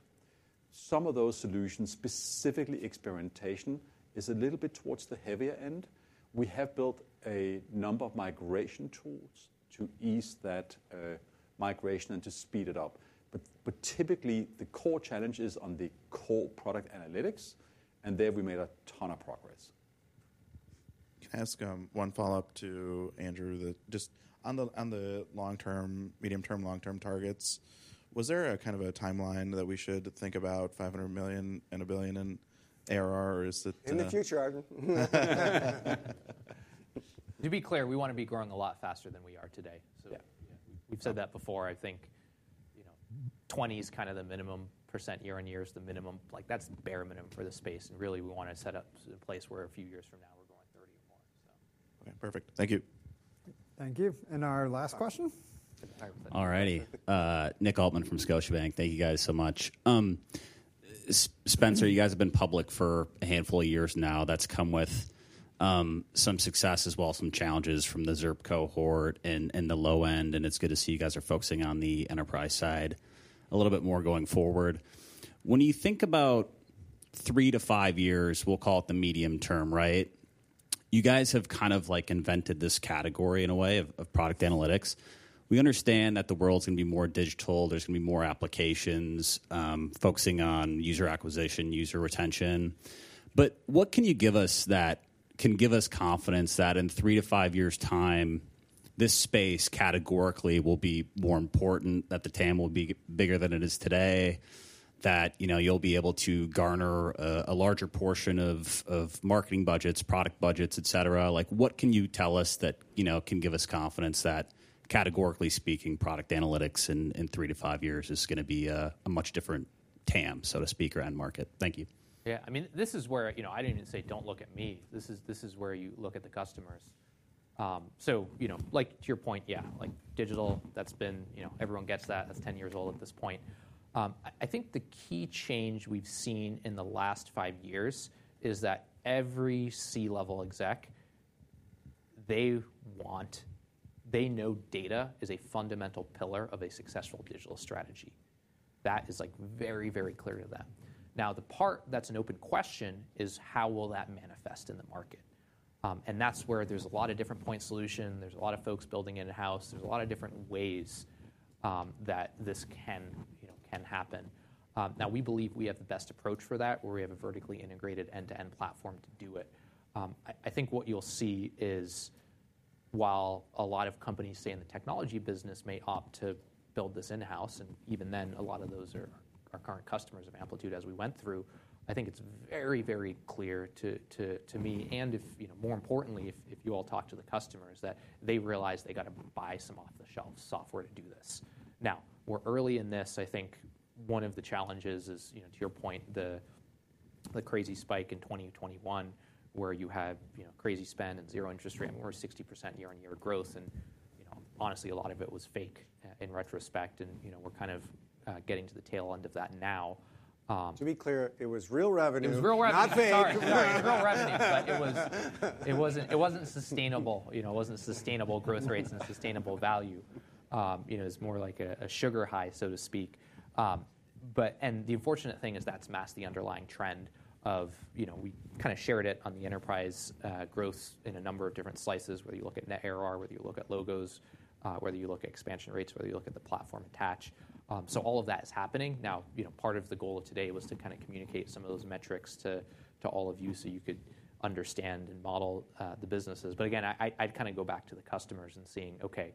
Some of those solutions, specifically experimentation, is a little bit towards the heavier end. We have built a number of migration tools to ease that migration and to speed it up. Typically, the core challenge is on the core product analytics. There we made a ton of progress. Can I ask one follow-up to Andrew? Just on the medium-term, long-term targets, was there a kind of a timeline that we should think about $500 million and $1 billion in ARR? In the future, Arjun. To be clear, we want to be growing a lot faster than we are today. We have said that before. I think 20% is kind of the minimum year-on-year, is the minimum. That is the bare minimum for the space. Really, we want to set up a place where a few years from now we are going 30% or more. OK, perfect. Thank you. Thank you. Our last question? All righty. Nick Altmann from Scotiabank. Thank you, guys, so much. Spenser, you guys have been public for a handful of years now. That's come with some success as well, some challenges from the [ZIRP] cohort and the low end. It's good to see you guys are focusing on the enterprise side a little bit more going forward. When you think about three to five years, we'll call it the medium term, right? You guys have kind of invented this category in a way of product analytics. We understand that the world's going to be more digital. There's going to be more applications focusing on user acquisition, user retention. What can you give us that can give us confidence that in three to five years' time, this space categorically will be more important, that the TAM will be bigger than it is today, that you'll be able to garner a larger portion of marketing budgets, product budgets, etc? What can you tell us that can give us confidence that, categorically speaking, product analytics in three to five years is going to be a much different TAM, so to speak, or end market? Thank you. Yeah, I mean, this is where I didn't even say, don't look at me. This is where you look at the customers. To your point, yeah, digital, that's been everyone gets that. That's 10 years old at this point. I think the key change we've seen in the last five years is that every C-level exec, they want, they know data is a fundamental pillar of a successful digital strategy. That is very, very clear to them. Now, the part that's an open question is how will that manifest in the market? There's a lot of different point solutions. There's a lot of folks building in-house. There's a lot of different ways that this can happen. Now, we believe we have the best approach for that, where we have a vertically integrated end-to-end platform to do it. I think what you'll see is while a lot of companies, say, in the technology business may opt to build this in-house, and even then, a lot of those are our current customers of Amplitude as we went through, I think it's very, very clear to me, and more importantly, if you all talk to the customers, that they realize they got to buy some off-the-shelf software to do this. Now, we're early in this. I think one of the challenges is, to your point, the crazy spike in 2021, where you had crazy spend and zero interest rate. We were 60% year-on-year growth. And honestly, a lot of it was fake in retrospect. We're kind of getting to the tail end of that now. To be clear, it was real revenue, not fake. It was real revenue. But it wasn't sustainable. It wasn't sustainable growth rates and sustainable value. It was more like a sugar high, so to speak. The unfortunate thing is that's masked the underlying trend of we kind of shared it on the enterprise growth in a number of different slices, whether you look at net ARR, whether you look at logos, whether you look at expansion rates, whether you look at the platform attach. All of that is happening. Part of the goal of today was to kind of communicate some of those metrics to all of you so you could understand and model the businesses. I'd kind of go back to the customers and seeing, OK,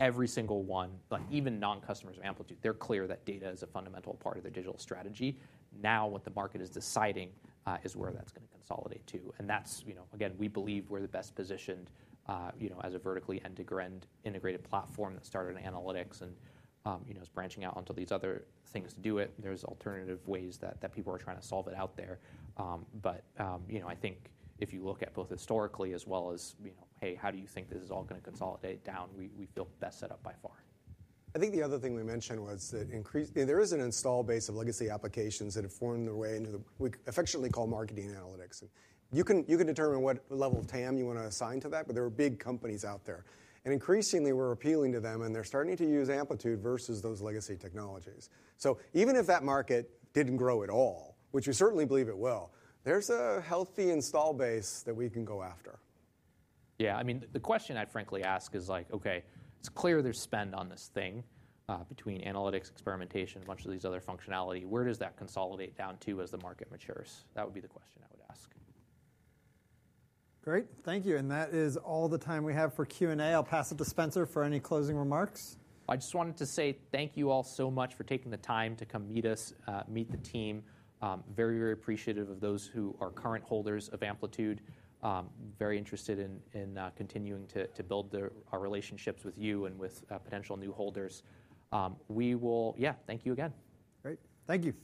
every single one, even non-customers of Amplitude, they're clear that data is a fundamental part of their digital strategy. Now what the market is deciding is where that's going to consolidate to. That's, again, we believe we're the best-positioned as a vertically end-to-grind integrated platform that started in analytics and is branching out onto these other things to do it. There are alternative ways that people are trying to solve it out there. I think if you look at both historically as well as, hey, how do you think this is all going to consolidate down, we feel best set up by far. I think the other thing we mentioned was that there is an install base of legacy applications that have formed their way into what we affectionately call marketing analytics. You can determine what level of TAM you want to assign to that. There are big companies out there. Increasingly, we're appealing to them. They're starting to use Amplitude versus those legacy technologies. Even if that market did not grow at all, which we certainly believe it will, there's a healthy install base that we can go after. Yeah, I mean, the question I'd frankly ask is, OK, it's clear there's spend on this thing between analytics, experimentation, a bunch of these other functionality. Where does that consolidate down to as the market matures? That would be the question I would ask. Great. Thank you. That is all the time we have for Q&A. I'll pass it to Spenser for any closing remarks. I just wanted to say thank you all so much for taking the time to come meet us, meet the team. Very, very appreciative of those who are current holders of Amplitude. Very interested in continuing to build our relationships with you and with potential new holders. Yeah, thank you again. Great. Thank you.